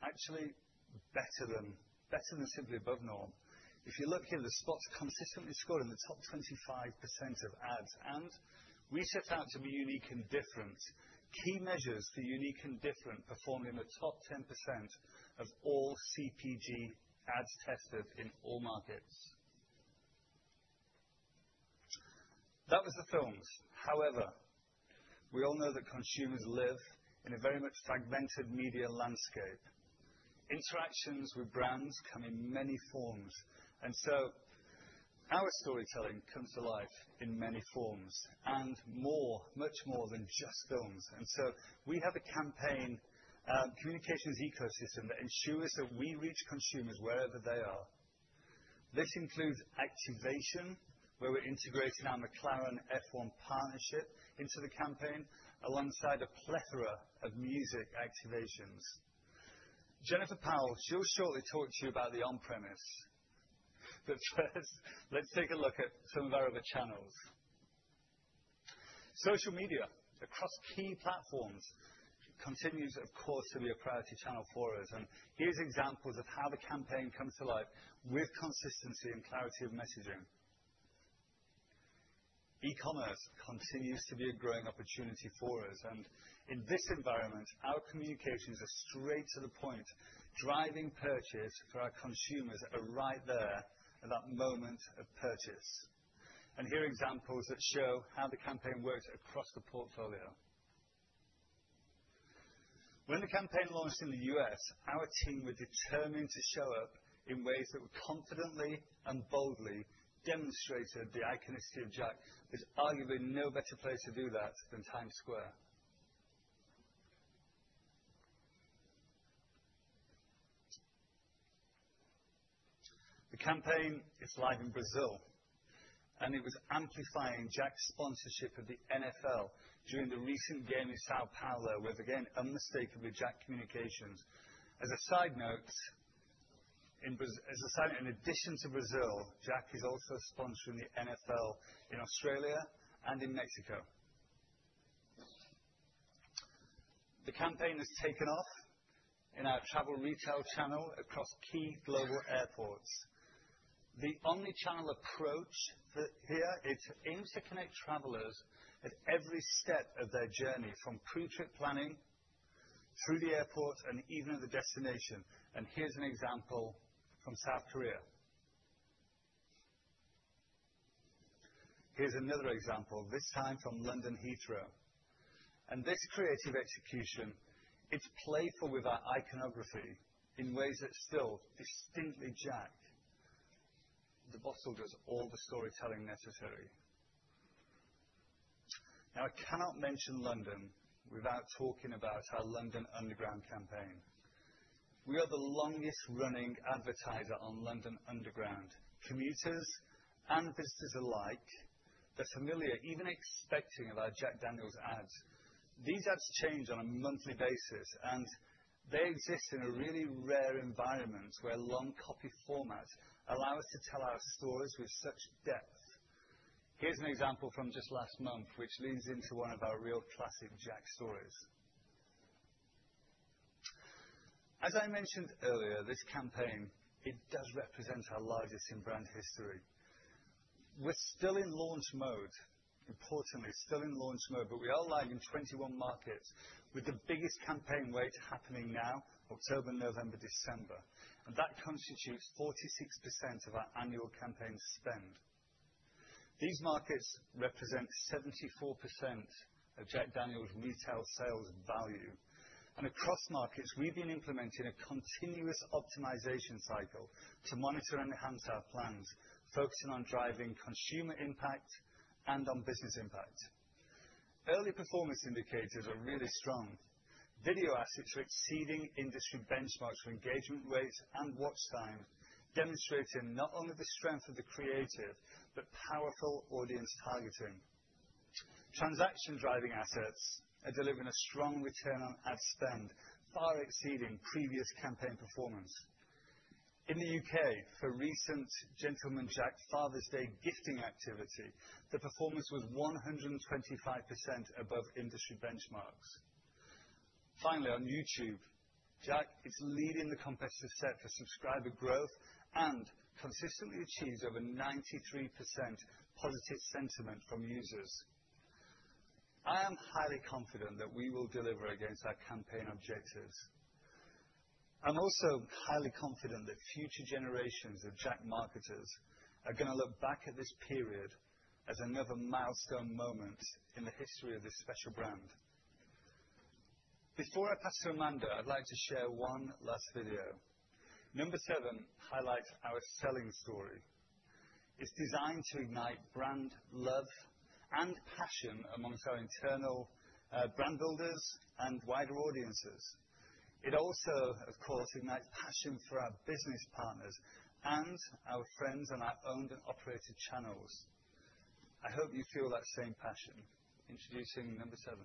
Actually, better than simply above norm. If you look here, the spots consistently scored in the top 25% of ads, and we set out to be unique and different. Key measures for unique and different performed in the top 10% of all CPG ads tested in all markets. That was the films. However, we all know that consumers live in a very much fragmented media landscape. Interactions with brands come in many forms, and so our storytelling comes to life in many forms and much more than just films, and so we have a campaign communications ecosystem that ensures that we reach consumers wherever they are. This includes activation, where we're integrating our McLaren F1 partnership into the campaign alongside a plethora of music activations. Jennifer Powell, she'll shortly talk to you about the on-premise, but first, let's take a look at some of our other channels. Social media across key platforms continues, of course, to be a priority channel for us, and here's examples of how the campaign comes to life with consistency and clarity of messaging. E-commerce continues to be a growing opportunity for us. In this environment, our communications are straight to the point, driving purchase for our consumers right there at that moment of purchase. Here are examples that show how the campaign worked across the portfolio. When the campaign launched in the U.S., our team were determined to show up in ways that would confidently and boldly demonstrate the iconicity of Jack. There's arguably no better place to do that than Times Square. The campaign is live in Brazil. It was amplifying Jack's sponsorship of the NFL during the recent game in São Paulo with, again, unmistakably Jack communications. As a side note, in addition to Brazil, Jack is also sponsoring the NFL in Australia and in Mexico. The campaign has taken off in our travel retail channel across key global airports. The omnichannel approach here aims to connect travelers at every step of their journey from pre-trip planning through the airport and even at the destination. And here's an example from South Korea. Here's another example, this time from London Heathrow. And this creative execution, it's playful with our iconography in ways that still distinctly Jack. The bottle does all the storytelling necessary. Now, I cannot mention London without talking about our London Underground campaign. We are the longest-running advertiser on London Underground. Commuters and visitors alike are familiar, even expecting, of our Jack Daniel's ads. These ads change on a monthly basis, and they exist in a really rare environment where long copy formats allow us to tell our stories with such depth. Here's an example from just last month, which leads into one of our real classic Jack stories. As I mentioned earlier, this campaign, it does represent our largest in brand history. We're still in launch mode, importantly, still in launch mode, but we are live in 21 markets with the biggest campaign weight happening now, October, November, December, and that constitutes 46% of our annual campaign spend. These markets represent 74% of Jack Daniel's retail sales value, and across markets, we've been implementing a continuous optimization cycle to monitor and enhance our plans, focusing on driving consumer impact and on business impact. Early performance indicators are really strong. Video assets are exceeding industry benchmarks for engagement rates and watch time, demonstrating not only the strength of the creative but powerful audience targeting. Transaction-driving assets are delivering a strong return on ad spend, far exceeding previous campaign performance. In the U.K., for recent Gentleman Jack Father's Day gifting activity, the performance was 125% above industry benchmarks. Finally, on YouTube, Jack is leading the competitive set for subscriber growth and consistently achieves over 93% positive sentiment from users. I am highly confident that we will deliver against our campaign objectives. I'm also highly confident that future generations of Jack marketers are going to look back at this period as another milestone moment in the history of this special brand. Before I pass to Amanda, I'd like to share one last video. Number seven highlights our selling story. It's designed to ignite brand love and passion among our internal brand builders and wider audiences. It also, of course, ignites passion for our business partners and our friends on our owned and operated channels. I hope you feel that same passion. Introducing number seven.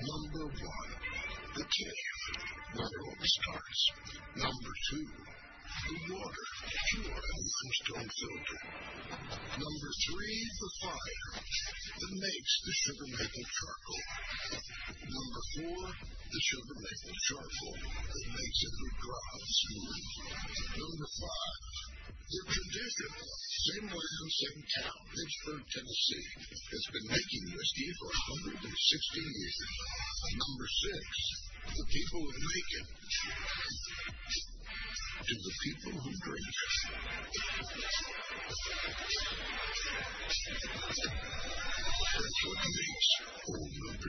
Number one, the cave, where it all starts. Number two, the water, the pure and limestone filter. Number three, the fire that makes the sugar maple charcoal. Number four, the sugar maple charcoal that makes it look dry and smooth. Number five, the tradition, same land, same town, Lynchburg, Tennessee, has been making whiskey for 160 years. Number six, the people who make it to the people who drink it. That's what makes Old No. 7.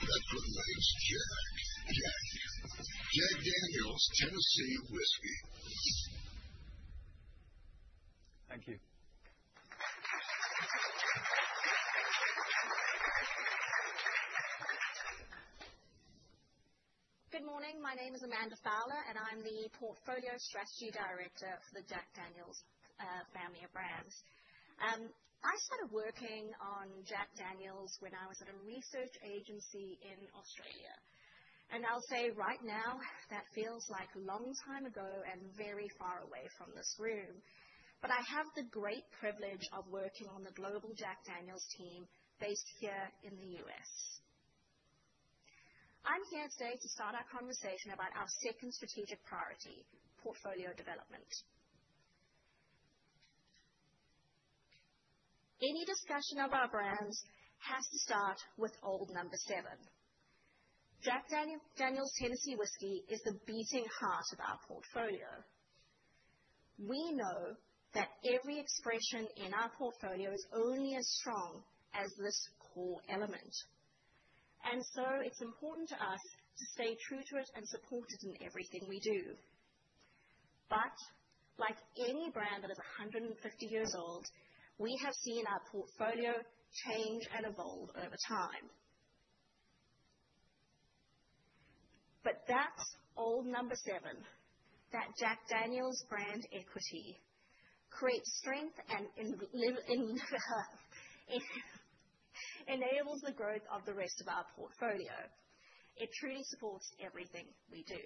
That's what makes Jack Jack Jack Daniel's Tennessee Whiskey. Thank you. Good morning. My name is Amanda Fowler, and I'm the portfolio strategy director for the Jack Daniel's family of brands. I started working on Jack Daniel's when I was at a research agency in Australia, and I'll say right now, that feels like a long time ago and very far away from this room, but I have the great privilege of working on the global Jack Daniel's team based here in the U.S. I'm here today to start our conversation about our second strategic priority, portfolio development. Any discussion of our brands has to start with Old No. 7. Jack Daniel's Tennessee Whiskey is the beating heart of our portfolio. We know that every expression in our portfolio is only as strong as this core element. And so it's important to us to stay true to it and support it in everything we do. But like any brand that is 150 years old, we have seen our portfolio change and evolve over time. But that Old No. 7, that Jack Daniel's brand equity, creates strength and enables the growth of the rest of our portfolio. It truly supports everything we do.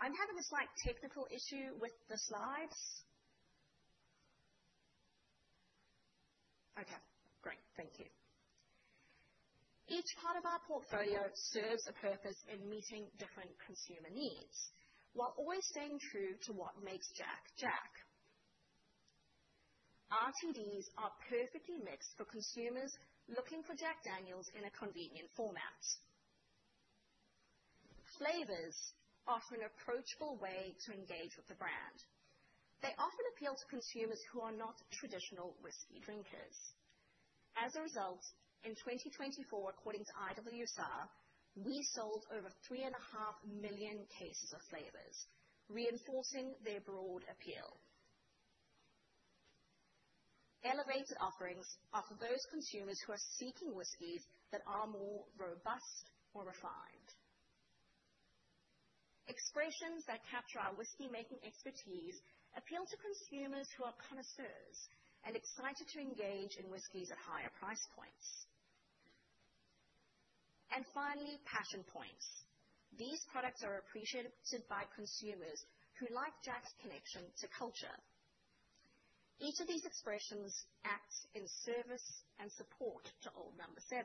I'm having a slight technical issue with the slides. Okay. Great. Thank you. Each part of our portfolio serves a purpose in meeting different consumer needs while always staying true to what makes Jack Jack. RTDs are perfectly mixed for consumers looking for Jack Daniel's in a convenient format. Flavors offer an approachable way to engage with the brand. They often appeal to consumers who are not traditional whiskey drinkers. As a result, in 2024, according to IWSR, we sold over 3.5 million cases of flavors, reinforcing their broad appeal. Elevated offerings are for those consumers who are seeking whiskeys that are more robust or refined. Expressions that capture our whiskey-making expertise appeal to consumers who are connoisseurs and excited to engage in whiskeys at higher price points. And finally, passion points. These products are appreciated by consumers who like Jack's connection to culture. Each of these expressions acts in service and support to Old No. 7.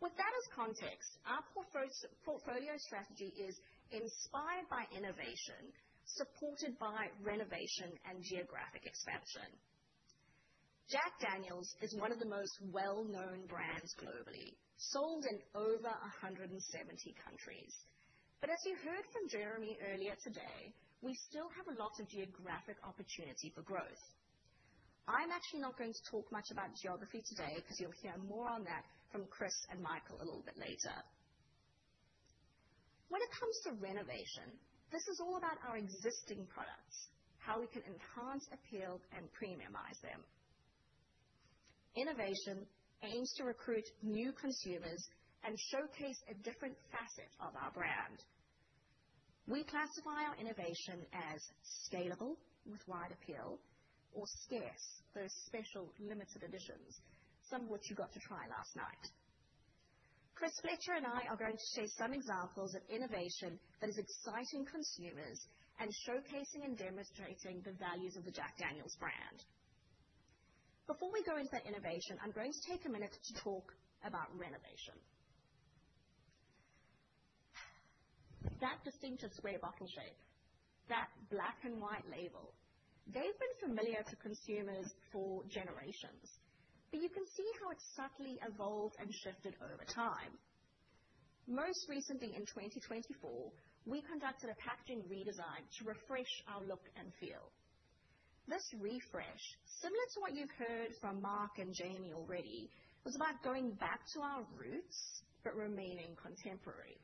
With that as context, our portfolio strategy is inspired by innovation, supported by renovation and geographic expansion. Jack Daniel's is one of the most well-known brands globally, sold in over 170 countries, but as you heard from Jeremy earlier today, we still have a lot of geographic opportunity for growth. I'm actually not going to talk much about geography today because you'll hear more on that from Chris and Michael a little bit later. When it comes to renovation, this is all about our existing products, how we can enhance appeal and premiumize them. Innovation aims to recruit new consumers and showcase a different facet of our brand. We classify our innovation as scalable with wide appeal or scarce, those special limited editions, some of which you got to try last night. Chris Fletcher and I are going to share some examples of innovation that is exciting consumers and showcasing and demonstrating the values of the Jack Daniel's brand. Before we go into that innovation, I'm going to take a minute to talk about renovation. That distinctive square bottle shape, that black and white label, they've been familiar to consumers for generations. But you can see how it's subtly evolved and shifted over time. Most recently, in 2024, we conducted a packaging redesign to refresh our look and feel. This refresh, similar to what you've heard from Mark and Jamie already, was about going back to our roots but remaining contemporary.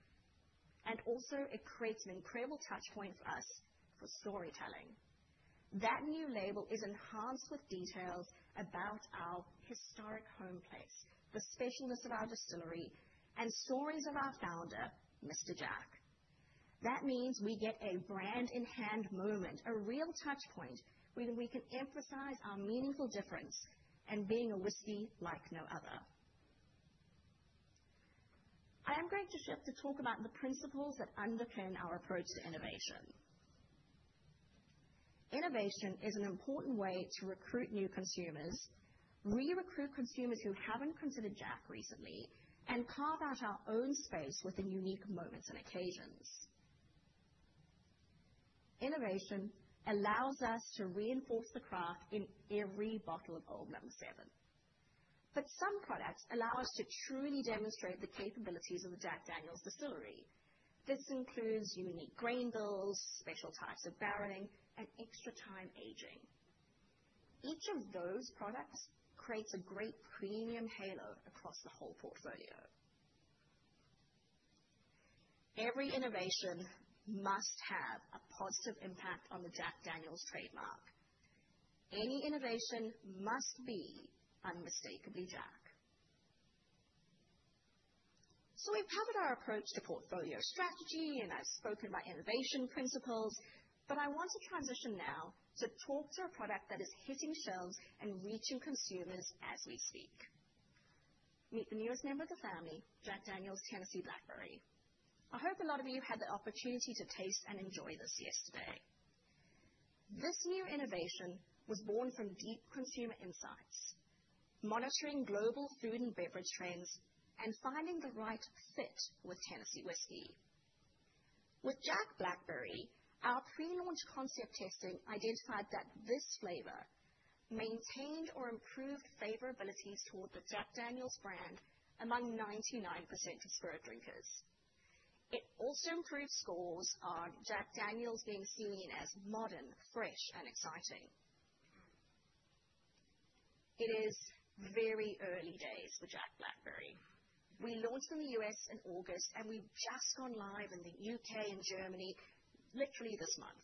And also, it creates an incredible touchpoint for us for storytelling. That new label is enhanced with details about our historic home place, the specialness of our distillery, and stories of our founder, Mr. Jack. That means we get a brand-in-hand moment, a real touchpoint where we can emphasize our meaningful difference and being a whiskey like no other. I am going to shift to talk about the principles that underpin our approach to innovation. Innovation is an important way to recruit new consumers, re-recruit consumers who haven't considered Jack recently, and carve out our own space within unique moments and occasions. Innovation allows us to reinforce the craft in every bottle of Old No. 7. But some products allow us to truly demonstrate the capabilities of the Jack Daniel's distillery. This includes unique grain bills, special types of barreling, and extra time aging. Each of those products creates a great premium halo across the whole portfolio. Every innovation must have a positive impact on the Jack Daniel's trademark. Any innovation must be unmistakably Jack. So we've covered our approach to portfolio strategy, and I've spoken about innovation principles. But I want to transition now to talk to a product that is hitting shelves and reaching consumers as we speak. Meet the newest member of the family, Jack Daniel's Tennessee Blackberry. I hope a lot of you had the opportunity to taste and enjoy this yesterday. This new innovation was born from deep consumer insights, monitoring global food and beverage trends and finding the right fit with Tennessee Whiskey. With Jack Blackberry, our pre-launch concept testing identified that this flavor maintained or improved favorabilities toward the Jack Daniel's brand among 99% of spirit drinkers. It also improved scores on Jack Daniel's being seen as modern, fresh, and exciting. It is very early days for Jack Blackberry. We launched in the U.S. in August, and we've just gone live in the U.K. and Germany literally this month.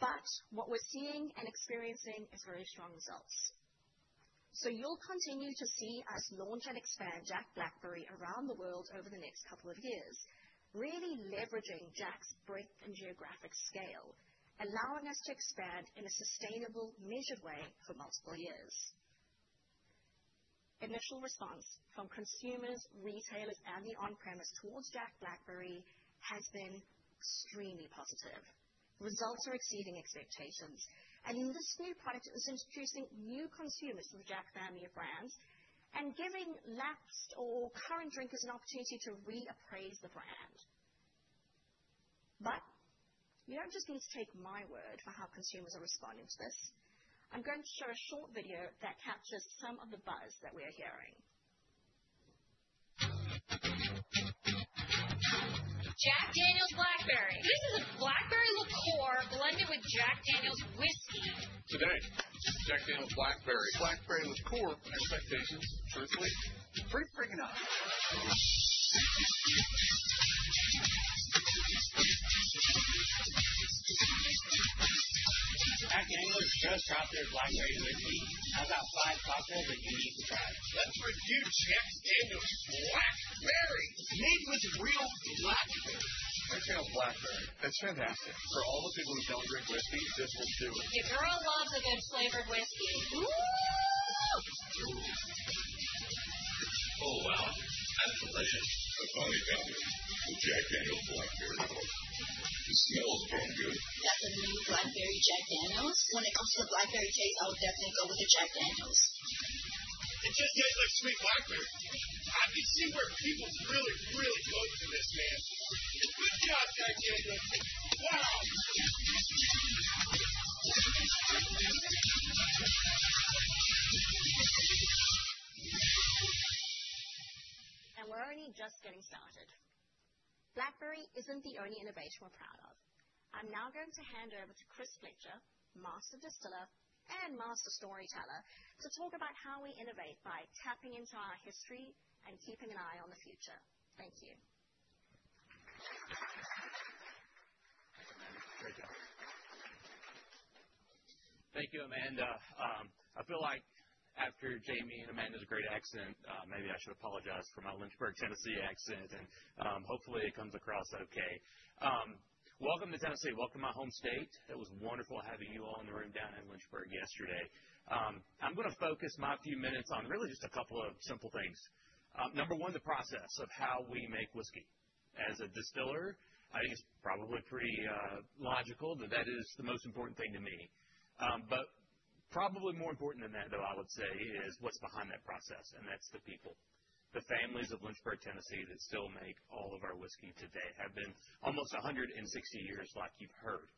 But what we're seeing and experiencing is very strong results. So you'll continue to see us launch and expand Jack Blackberry around the world over the next couple of years, really leveraging Jack's breadth and geographic scale, allowing us to expand in a sustainable, measured way for multiple years. Initial response from consumers, retailers, and the on-premise towards Jack Blackberry has been extremely positive. Results are exceeding expectations. And in this new product, it is introducing new consumers to the Jack family of brands and giving lapsed or current drinkers an opportunity to reappraise the brand. But you don't just need to take my word for how consumers are responding to this. I'm going to show a short video that captures some of the buzz that we are hearing. Jack Daniel's Blackberry. This is a blackberry liqueur blended with Jack Daniel's whiskey. Today, Jack Daniel's Blackberry. Blackberry liqueur. Expectations. Truthfully. Pretty friggin' nice. Jack Daniel's just dropped their Blackberry whiskey. How about five cocktails that you need to try? Let's review Jack Daniel's Blackberry. Made with real blackberries. That's real blackberry. That's fantastic. For all the people who don't drink whiskey, this will do it. Your girl loves a good flavored whiskey. Ooh. Oh, wow. That's delicious. I finally found it. The Jack Daniel's Blackberry liqueur. The smell is damn good. That's a new Blackberry Jack Daniel's. When it comes to the Blackberry taste, I would definitely go with the Jack Daniel's. It just tastes like sweet blackberry. I can see where people really, really go for this, man. Good job, Jack Daniel's. Wow. And we're only just getting started. Blackberry isn't the only innovation we're proud of. I'm now going to hand over to Chris Fletcher, Master Distiller and master storyteller, to talk about how we innovate by tapping into our history and keeping an eye on the future. Thank you. Great job. Thank you, Amanda. I feel like after Jamie and Amanda's great accent, maybe I should apologize for my Lynchburg, Tennessee accent, and hopefully it comes across okay. Welcome to Tennessee. Welcome to my home state. It was wonderful having you all in the room down in Lynchburg yesterday. I'm going to focus my few minutes on really just a couple of simple things. Number one, the process of how we make whiskey. As a distiller, I think it's probably pretty logical that that is the most important thing to me, but probably more important than that, though, I would say, is what's behind that process. That's the people, the families of Lynchburg, Tennessee, that still make all of our whiskey today, have been almost 160 years, like you've heard.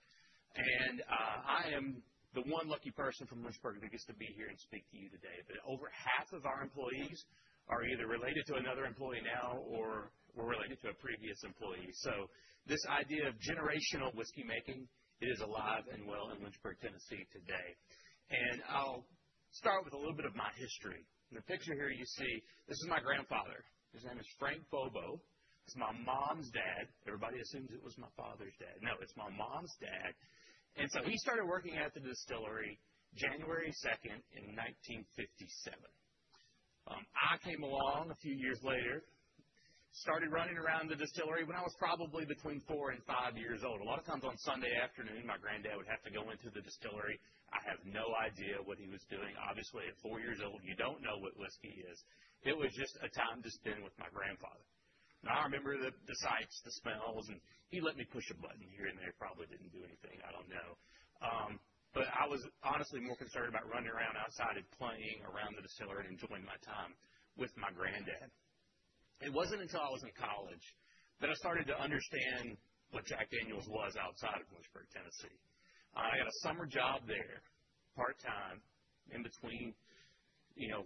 I am the one lucky person from Lynchburg that gets to be here and speak to you today. Over half of our employees are either related to another employee now or were related to a previous employee. This idea of generational whiskey-making, it is alive and well in Lynchburg, Tennessee today. I'll start with a little bit of my history. In the picture here, you see this is my grandfather. His name is Frank Bobo. It's my mom's dad. Everybody assumes it was my father's dad. No, it's my mom's dad. And so he started working at the distillery January 2nd in 1957. I came along a few years later, started running around the distillery when I was probably between four and five years old. A lot of times on Sunday afternoon, my granddad would have to go into the distillery. I have no idea what he was doing. Obviously, at four years old, you don't know what whiskey is. It was just a time to spend with my grandfather. Now, I remember the sights, the smells, and he let me push a button here and there. Probably didn't do anything. I don't know, but I was honestly more concerned about running around outside and playing around the distillery and enjoying my time with my granddad. It wasn't until I was in college that I started to understand what Jack Daniel's was outside of Lynchburg, Tennessee. I got a summer job there, part-time, in between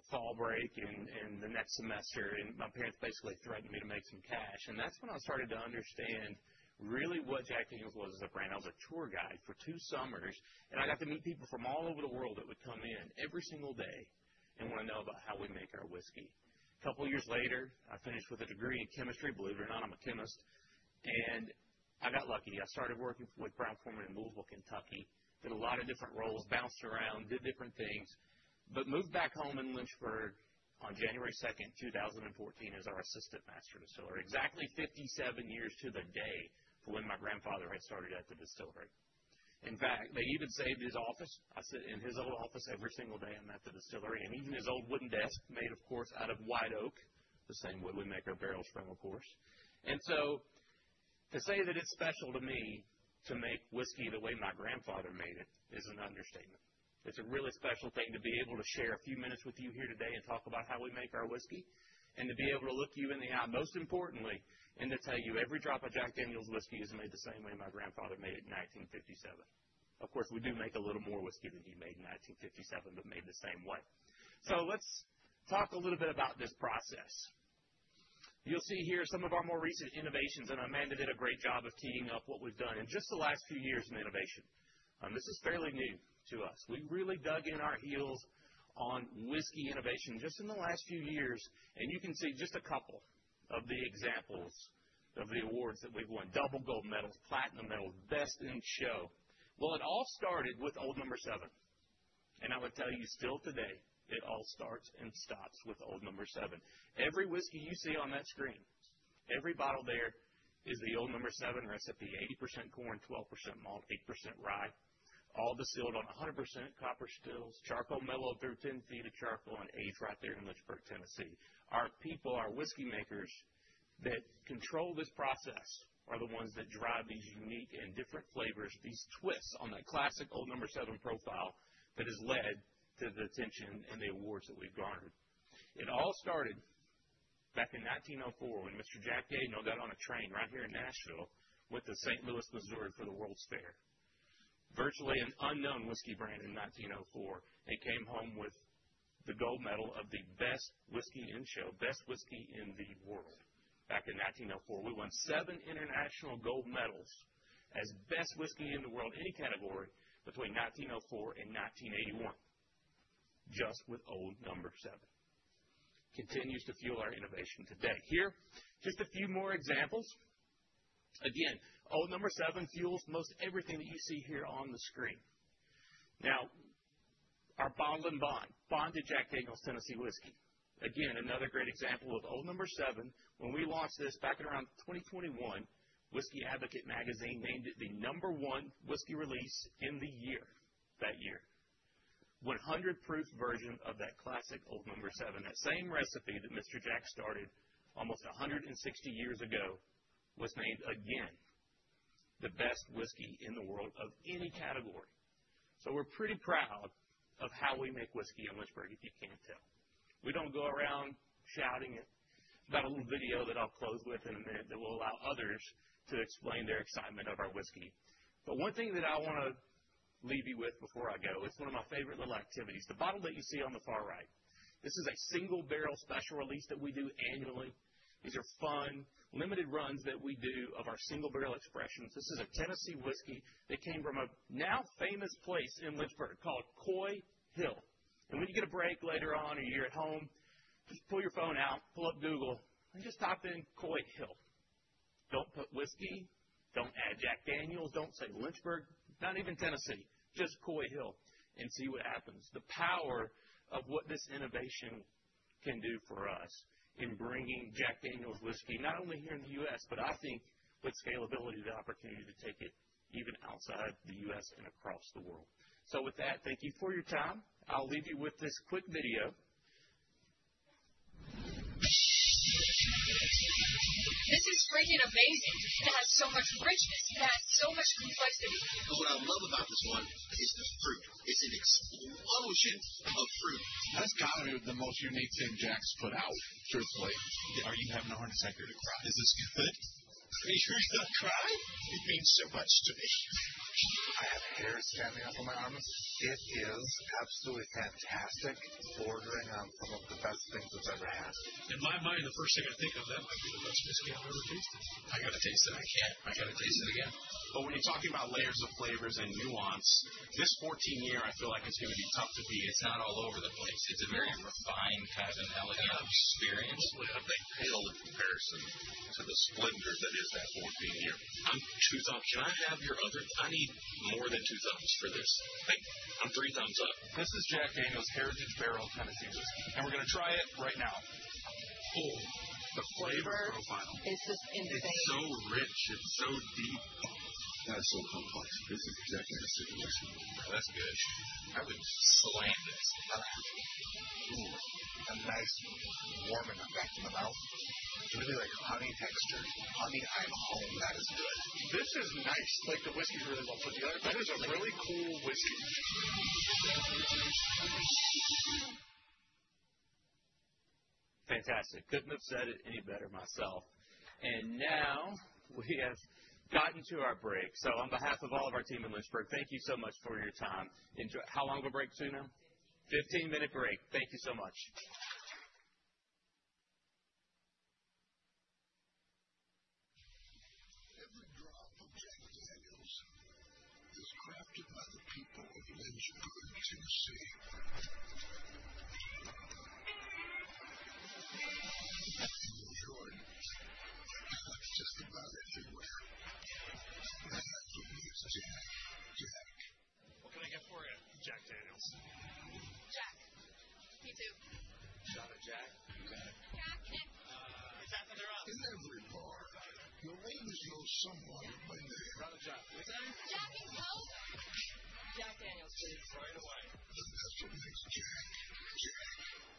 fall break and the next semester. And my parents basically threatened me to make some cash. And that's when I started to understand really what Jack Daniel's was as a brand. I was a tour guide for two summers, and I got to meet people from all over the world that would come in every single day and want to know about how we make our whiskey. A couple of years later, I finished with a degree in chemistry. Believe it or not, I'm a chemist. And I got lucky. I started working with Brown-Forman in Louisville, Kentucky, did a lot of different roles, bounced around, did different things, but moved back home in Lynchburg on January 2nd, 2014, as our assistant master distiller. Exactly 57 years to the day for when my grandfather had started at the distillery. In fact, they even saved his office. I sit in his old office every single day. I'm at the distillery. And even his old wooden desk, made, of course, out of white oak, the same wood we make our barrels from, of course. And so to say that it's special to me to make whiskey the way my grandfather made it is an understatement. It's a really special thing to be able to share a few minutes with you here today and talk about how we make our whiskey and to be able to look you in the eye, most importantly, and to tell you every drop of Jack Daniel's whiskey is made the same way my grandfather made it in 1957. Of course, we do make a little more whiskey than he made in 1957, but made the same way. So let's talk a little bit about this process. You'll see here some of our more recent innovations. Amanda did a great job of teeing up what we've done in just the last few years in innovation. This is fairly new to us. We really dug in our heels on whiskey innovation just in the last few years. And you can see just a couple of the examples of the awards that we've won: double gold medals, platinum medals, best in show. Well, it all started with Old No. 7. And I would tell you still today, it all starts and stops with Old No. 7. Every whiskey you see on that screen, every bottle there is the Old No. 7 recipe, 80% corn, 12% malt, eight% rye, all distilled on 100% copper stills, charcoal mellowed through 10 feet of charcoal and aged right there in Lynchburg, Tennessee. Our people, our whiskey makers that control this process are the ones that drive these unique and different flavors, these twists on that classic Old No. 7 profile that has led to the attention and the awards that we've garnered. It all started back in 1904 when Mr. Jack Daniel got on a train right here in Nashville to St. Louis, Missouri, for the World's Fair. Virtually an unknown whiskey brand in 1904, they came home with the gold medal of the best whiskey in show, best whiskey in the world. Back in 1904, we won seven international gold medals as best whiskey in the world, any category, between 1904 and 1981, just with Old No. 7. Continues to fuel our innovation today. Here, just a few more examples. Again, Old No. 7 fuels most everything that you see here on the screen. Now, our Bottled-in-Bond, Bonded Jack Daniel's Tennessee Whiskey. Again, another great example of Old No. 7. When we launched this back in around 2021, Whisky Advocate Magazine named it the number one whiskey release in the year, that year. 100-proof version of that classic Old No. 7. That same recipe that Mr. Jack started almost 160 years ago was named again the best whiskey in the world of any category. So we're pretty proud of how we make whiskey in Lynchburg, if you can't tell. We don't go around shouting it. I've got a little video that I'll close with in a minute that will allow others to explain their excitement of our whiskey. But one thing that I want to leave you with before I go is one of my favorite little activities. The bottle that you see on the far right, this is a Single Barrel special release that we do annually. These are fun limited runs that we do of our Single Barrel expressions. This is a Tennessee Whiskey that came from a now famous place in Lynchburg called Coy Hill. And when you get a break later on or you're at home, just pull your phone out, pull up Google, and just type in Coy Hill. Don't put whiskey. Don't add Jack Daniel's. Don't say Lynchburg. Not even Tennessee. Just Coy Hill and see what happens. The power of what this innovation can do for us in bringing Jack Daniel's whiskey, not only here in the U.S., but I think with scalability, the opportunity to take it even outside the U.S. and across the world. So with that, thank you for your time. I'll leave you with this quick video. This is freaking amazing. It has so much richness. It has so much complexity. But what I love about this one is the fruit. It's an explosion of fruit. That's gotten into the most unique thing Jack's put out, truthfully. Are you having a heart attack here to cry? Is this good? Are you here to cry? It means so much to me. I have tears jamming up in my arms. It is absolutely fantastic. Bordering on some of the best things I've ever had. In my mind, the first thing I think of, that might be the best whiskey I've ever tasted. I got to taste it. I can't. I got to taste it again. But when you're talking about layers of flavors and nuance, this 14-year, I feel like it's going to be tough to beat. It's not all over the place. It's a very refined kind of an elegant experience. Totally unthinkable in comparison to the splendor that is that 14-year. I'm two thumbs. Can I have your other? I need more than two thumbs for this. I'm three thumbs up. This is Jack Daniel's Heritage Barrel Tennessee Whiskey. And we're going to try it right now. Ooh. The flavor profile. It's just insane. It's so rich. It's so deep. That is so complex. This is exactly the stuff you're looking for. That's good. I would slam this. That is amazing. Ooh. And nice. Warming up back in the mouth. Really like a honey texture. Honey I'm home. That is good. This is nice. Like the whiskey's really well put together. That is a really cool whiskey. Fantastic. Couldn't have said it any better myself. And now we have gotten to our break. So on behalf of all of our team in Lynchburg, thank you so much for your time. How long of a break is it now? 15. 15-minute break. Thank you so much. Every drop of Jack Daniel's is crafted by the people of Lynchburg, Tennessee. People of Jordan, my God, you just about everywhere. Don't be like the ways Jack. Jack. What can I get for you, Jack Daniel's? Jack. Me too. Shout out Jack. You got it. Jack. It's happening to us. In every bar, you'll always know somebody by name. Shout out Jack. Jack and Coke. Jack Daniel's. Right away. The best of things, Jack. Jack. At Jack Daniel's,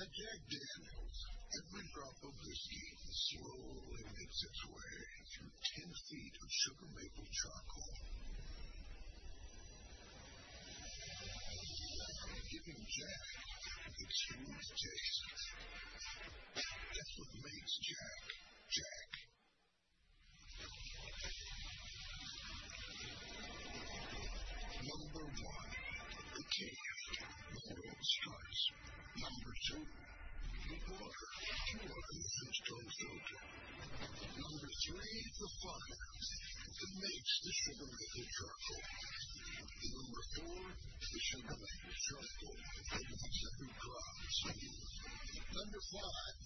every drop of whiskey slowly makes its way through 10 feet of sugar maple charcoal. Giving Jack its unique taste. That's what makes Jack, Jack. Number one, the taste that always strikes. Number two, the water in the Lynchburg filter. Number three, the fire that makes the sugar maple charcoal. Number four, the sugar maple charcoal that makes every drop. Number five,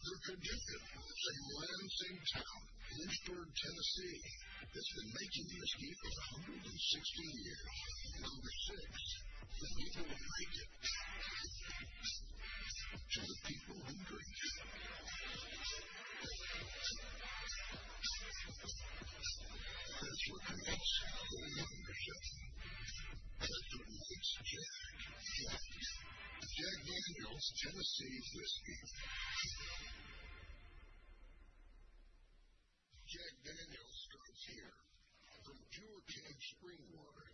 the cavern. Saying Lynchburg town, Lynchburg, Tennessee, has been making whiskey for 160 years. Number six, the people who make it to the people who drink it. That's what makes it. Number seven, that's what makes Jack, Jack. At Jack Daniel's Tennessee Whiskey. Jack Daniel's starts here, from pure cavern spring water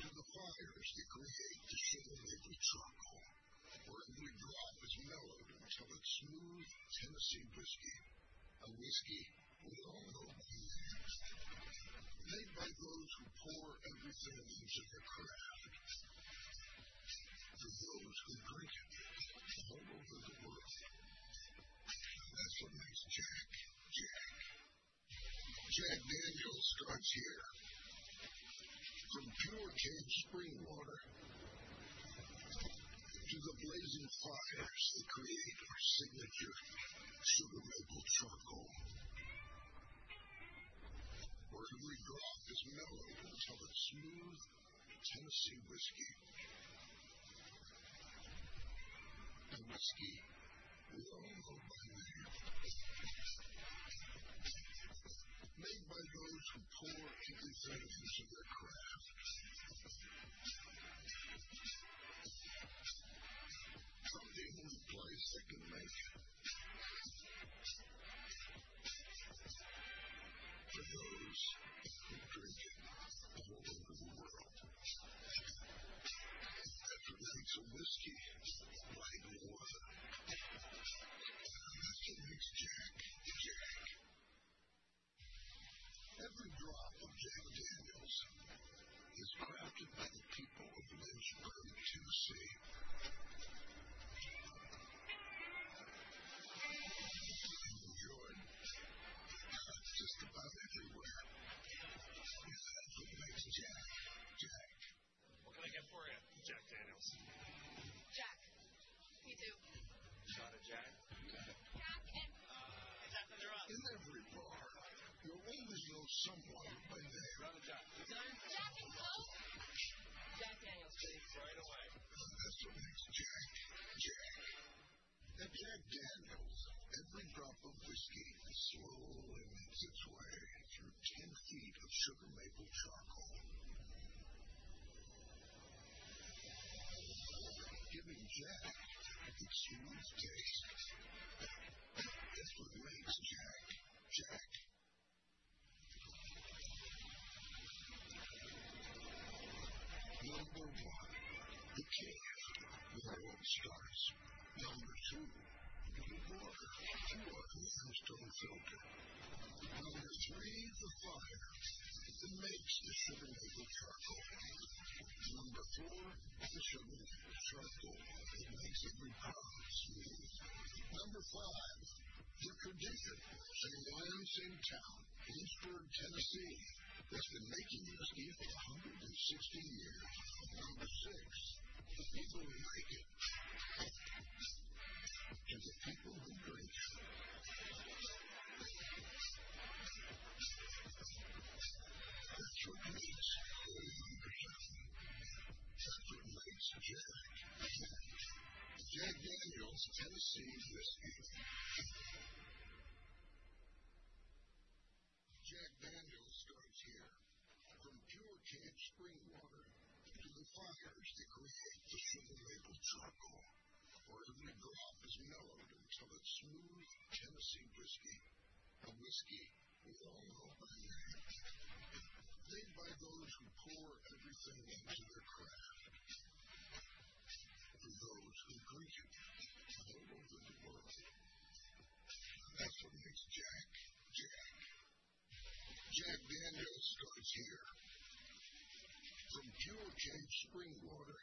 to the fires that create the sugar maple charcoal, where every drop is mellowed until it's smooth Tennessee Whiskey, a whiskey we all know. Made by those who pour everything into their craft, for those who drink it all over the world. That's what makes Jack, Jack. Jack Daniel's starts here, from pure cave spring water to the blazing fires that create our signature sugar maple charcoal, where every drop is mellowed until it's smooth Tennessee Whiskey, a whiskey we all know by name. Made by those who pour every benefit of their craft, from the only place that can make it for those who drink it all over the world. That's what makes a whiskey like water. That's what makes Jack, Jack. Every drop of Jack Daniel's is crafted by the people of Lynchburg, Tennessee. People who order,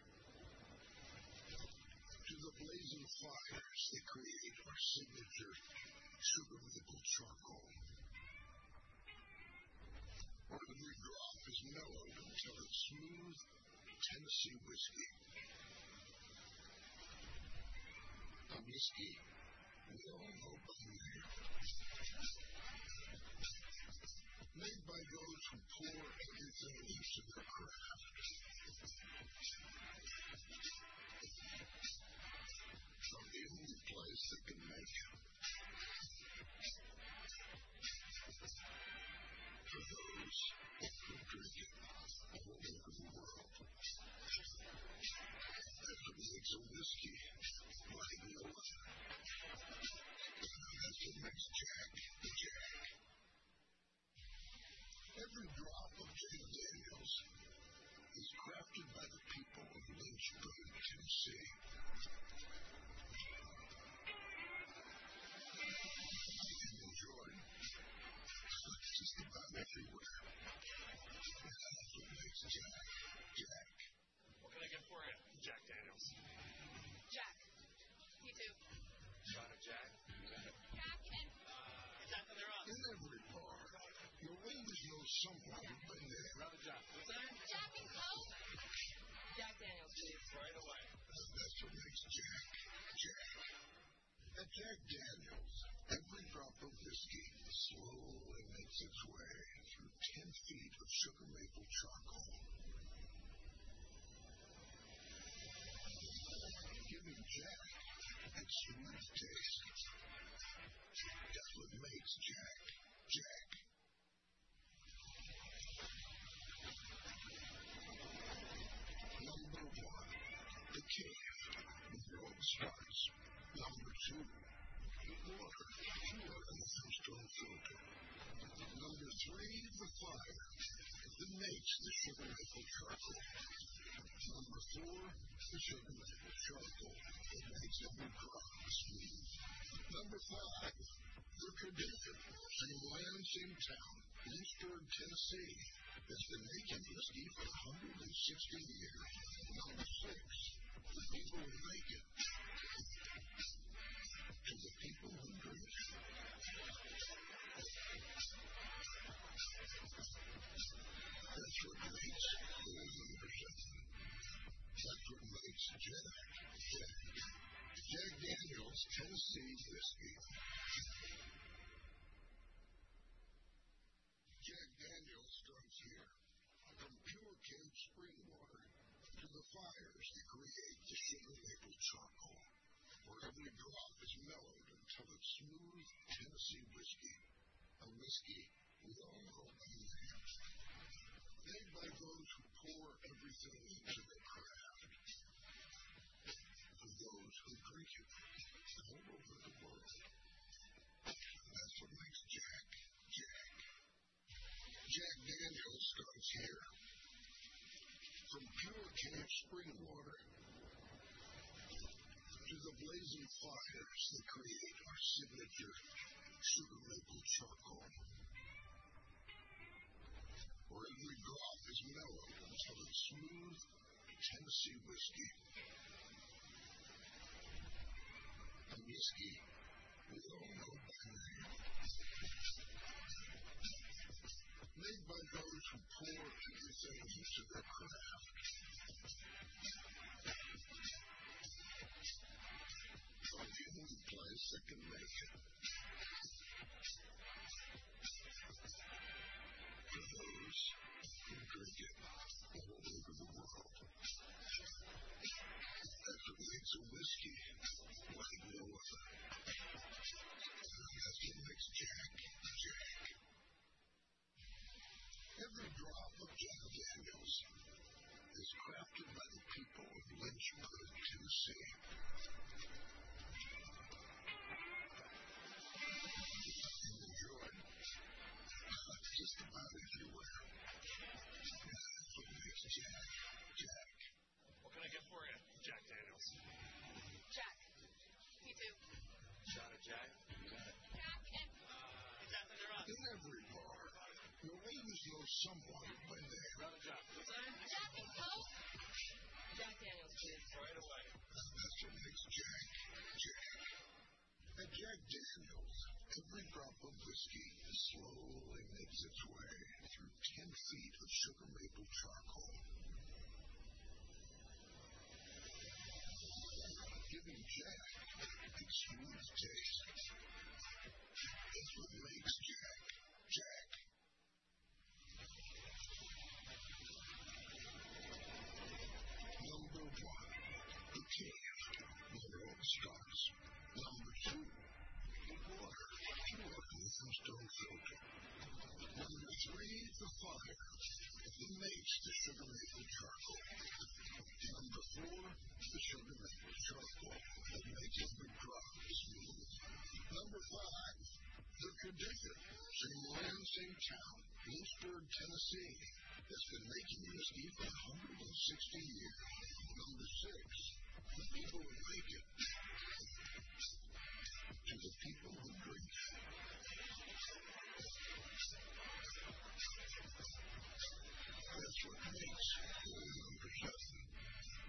you got it just about everywhere. That's what makes Jack, Jack. What can I get for you, Jack Daniel's? Jack. Me too. Shout out Jack. You got it. Jack. It's happening to us. In every bar, you'll always know somebody by name. Shout out Jack. Jack and Coke. Jack Daniel's. Right away. The best of things, Jack. Jack. At Jack Daniel's, every drop of whiskey slowly makes its way through 10 feet of sugar maple charcoal, giving Jack its unique taste. That's what makes Jack, Jack. Number one, the taste that always starts. Number two, the water through our limestone filter. Number three, the fire that makes the sugar maple charcoal. Number four, the sugar maple charcoal that makes every drop smooth. Number five, the location, Lynchburg, Tennessee, that's been making whiskey for 160 years. Number six, the people who make it to the people who drink it. That's what makes it. Number seven, that's what makes Jack, Jack. At Jack Daniel's Tennessee Whiskey. Jack Daniel's starts here, from pure cave spring water to the fires that create the sugar maple charcoal, where every drop is mellowed until it's smooth Tennessee Whiskey, a whiskey we all know by name. Made by those who pour everything into their craft, for those who drink it all over the world. That's what makes Jack, Jack. Jack Daniel's starts here, from pure cave spring water to the blazing fires that create our signature sugar maple charcoal, where every drop is mellowed until it's smooth Tennessee Whiskey, a whiskey we all know by name. Made by those who pour everything into their craft, from the only place that can make it for those who drink it all over the world. That's what makes a whiskey like water. That's what makes Jack, Jack. Every drop of Jack Daniel's is crafted by the people of Lynchburg, Tennessee. Jack Daniel's Tennessee, that's what makes it available everywhere. That's what makes Jack, Jack. What can I get for you, Jack Daniel's? Jack. Me too. Shout out Jack. You got it. Jack. It's happening to us. In every bar, you'll always know somebody by name. Shout out Jack. What's that? Jack and Coke. Jack Daniel's. Right away. That's what makes Jack, Jack. At Jack Daniel's, every drop of whiskey slowly makes its way through 10 feet of sugar maple charcoal, giving Jack its unique taste. That's what makes Jack, Jack. Number one, the cane with no spice. Number two, the water through our limestone filter. Number three, the fire that makes the sugar maple charcoal. Number four, the sugar maple charcoal that makes every drop smooth. Number five, the condition. Says Lynchburg, Tennessee, that's been making whiskey for 160 years. Number six, the people who make it to the people who drink it. That's what makes. Number seven,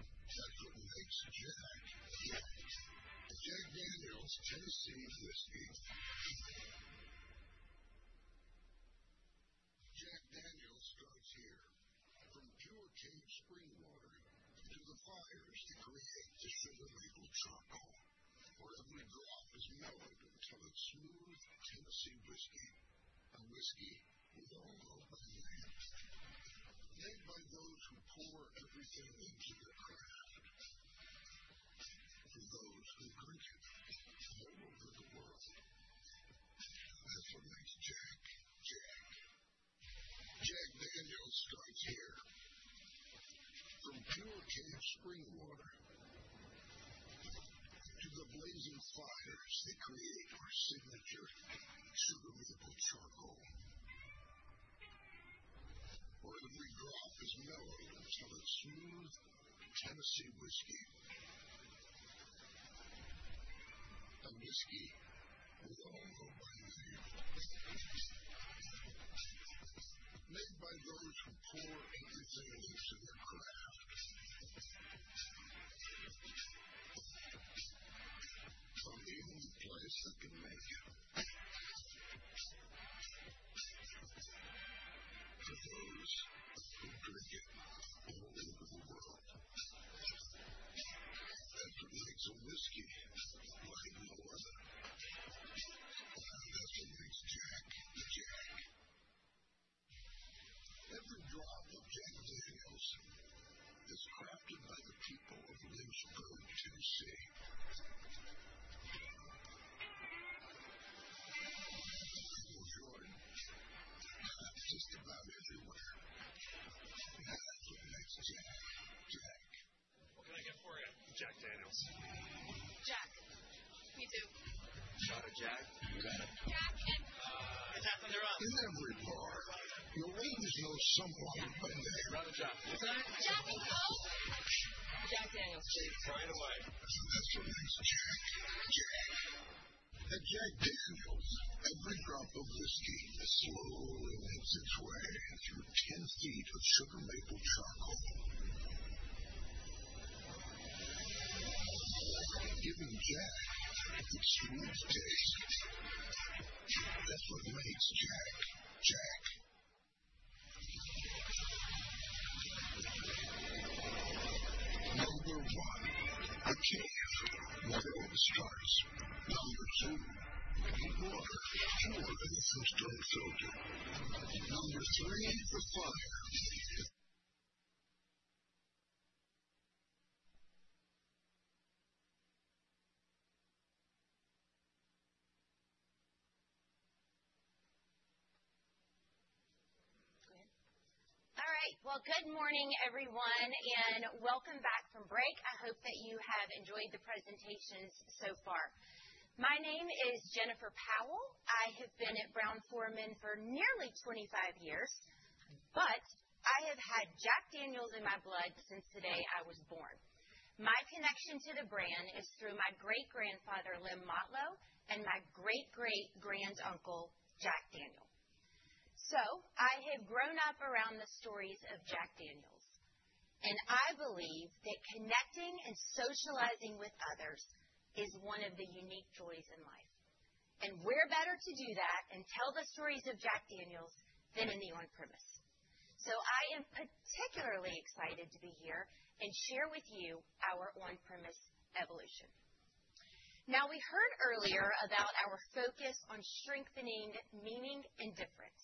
that's what makes Jack, Jack. At Jack Daniel's Tennessee Whiskey. Jack Daniel's starts here, from pure cave spring water to the fires that create the sugar maple charcoal, where every drop is mellowed until it's smooth Tennessee Whiskey, a whiskey we all know by name. Made by those who pour everything into their craft, for those who drink it all over the world. That's what makes Jack, Jack. At Jack Daniel's starts here, from pure cave spring water to the blazing fires that create our signature sugar maple charcoal, where every drop is mellowed until it's smooth Tennessee Whiskey, a whiskey we all know by name. Made by those who pour everything into their craft, from the only place that can make it for those who drink it all over the world. That's what makes a whiskey like water. That's what makes Jack, Jack. Every drop of Jack Daniel's is crafted by the people of Lynchburg, Tennessee. At Jack Daniel's Tennessee, that's happening to us just about everywhere. That's what makes Jack, Jack. What can I get for you, Jack Daniel's? Jack. Me too. Shout out Jack. You got it. Jack. It's happening to us. In every bar, you'll always know somebody by name. Shout out Jack. What's that? Jack and Coke. Jack Daniel's. Right away. The best of things, Jack, Jack. At Jack Daniel's, every drop of whiskey slowly makes its way through 10 feet of sugar maple charcoal, giving Jack its unique taste. That's what makes Jack, Jack. good morning, everyone, and welcome back from break. I hope that you have enjoyed the presentations so far. My name is Jennifer Powell. I have been at Brown-Forman for nearly 25 years, but I have had Jack Daniel's in my blood since the day I was born. My connection to the brand is through my great-grandfather, Lem Motlow, and my great-great-granduncle, Jack Daniel. So I have grown up around the stories of Jack Daniel's, and I believe that connecting and socializing with others is one of the unique joys in life. And where better to do that and tell the stories of Jack Daniel's than in the on-premise? So I am particularly excited to be here and share with you our on-premise evolution. Now, we heard earlier about our focus on strengthening meaning and difference,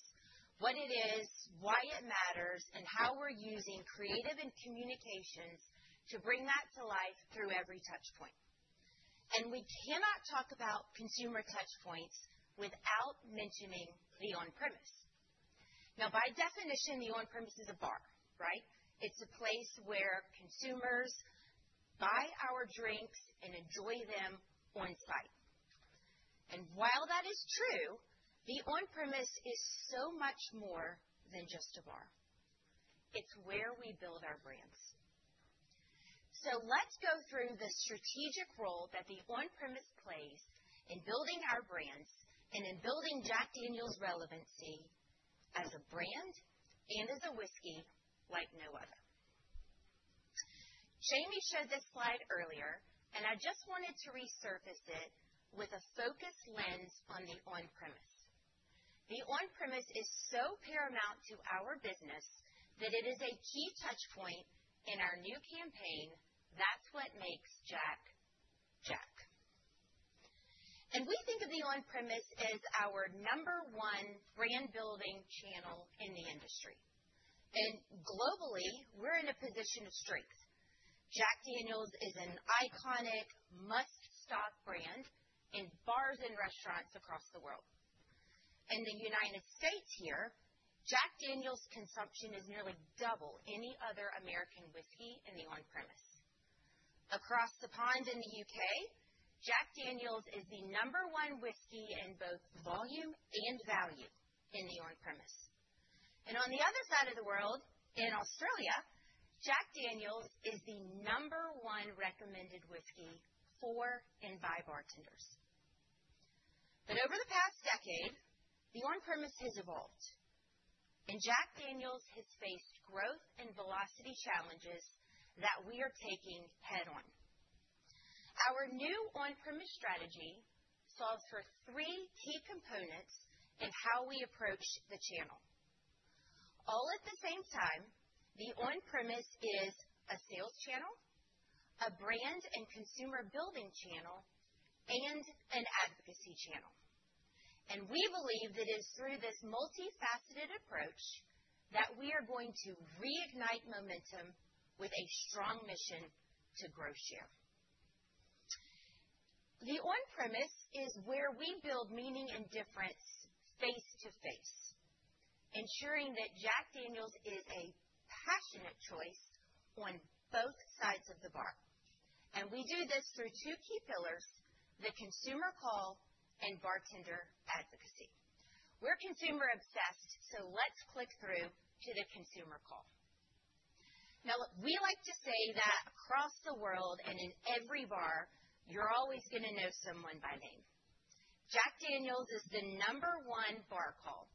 what it is, why it matters, and how we're using creative and communications to bring that to life through every touchpoint. We cannot talk about consumer touchpoints without mentioning the on-premise. Now, by definition, the on-premise is a bar, right? It's a place where consumers buy our drinks and enjoy them on-site. While that is true, the on-premise is so much more than just a bar. It's where we build our brands. Let's go through the strategic role that the on-premise plays in building our brands and in building Jack Daniel's relevancy as a brand and as a whiskey like no other. Jamie showed this slide earlier, and I just wanted to resurface it with a focused lens on the on-premise. The on-premise is so paramount to our business that it is a key touchpoint in our new campaign. That's what makes Jack, Jack. We think of the on-premise as our number one brand-building channel in the industry. Globally, we're in a position of strength. Jack Daniel's is an iconic must-stop brand in bars and restaurants across the world. In the United States here, Jack Daniel's consumption is nearly double any other American whiskey in the on-premise. Across the pond in the U.K., Jack Daniel's is the number one whiskey in both volume and value in the on-premise, and on the other side of the world, in Australia, Jack Daniel's is the number one recommended whiskey for and by bartenders, but over the past decade, the on-premise has evolved, and Jack Daniel's has faced growth and velocity challenges that we are taking head-on. Our new on-premise strategy solves for three key components in how we approach the channel. All at the same time, the on-premise is a sales channel, a brand and consumer-building channel, and an advocacy channel. And we believe that it is through this multifaceted approach that we are going to reignite momentum with a strong mission to grow share. The on-premise is where we build meaning and difference face to face, ensuring that Jack Daniel's is a passionate choice on both sides of the bar. And we do this through two key pillars: the consumer call and bartender advocacy. We're consumer-obsessed, so let's click through to the consumer call. Now, we like to say that across the world and in every bar, you're always going to know someone by name. Jack Daniel's is the number one bar call,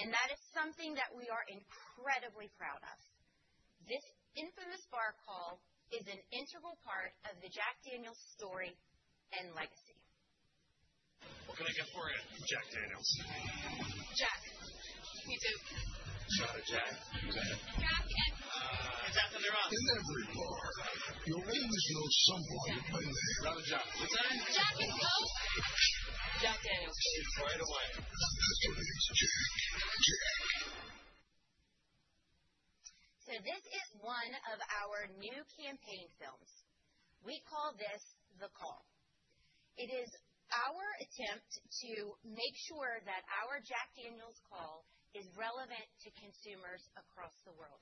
and that is something that we are incredibly proud of. This infamous bar call is an integral part of the Jack Daniel's story and legacy. What can I get for you, Jack Daniel's? Jack. Me too. Shout out Jack. You got it. Jack. It's happening to us. In every bar, you'll always know somebody by name. Shout out Jack. What's that? Jack and Coke. Jack Daniel's. Right away. That's what makes Jack, Jack. So this is one of our new campaign films. We call this the call. It is our attempt to make sure that our Jack Daniel's call is relevant to consumers across the world.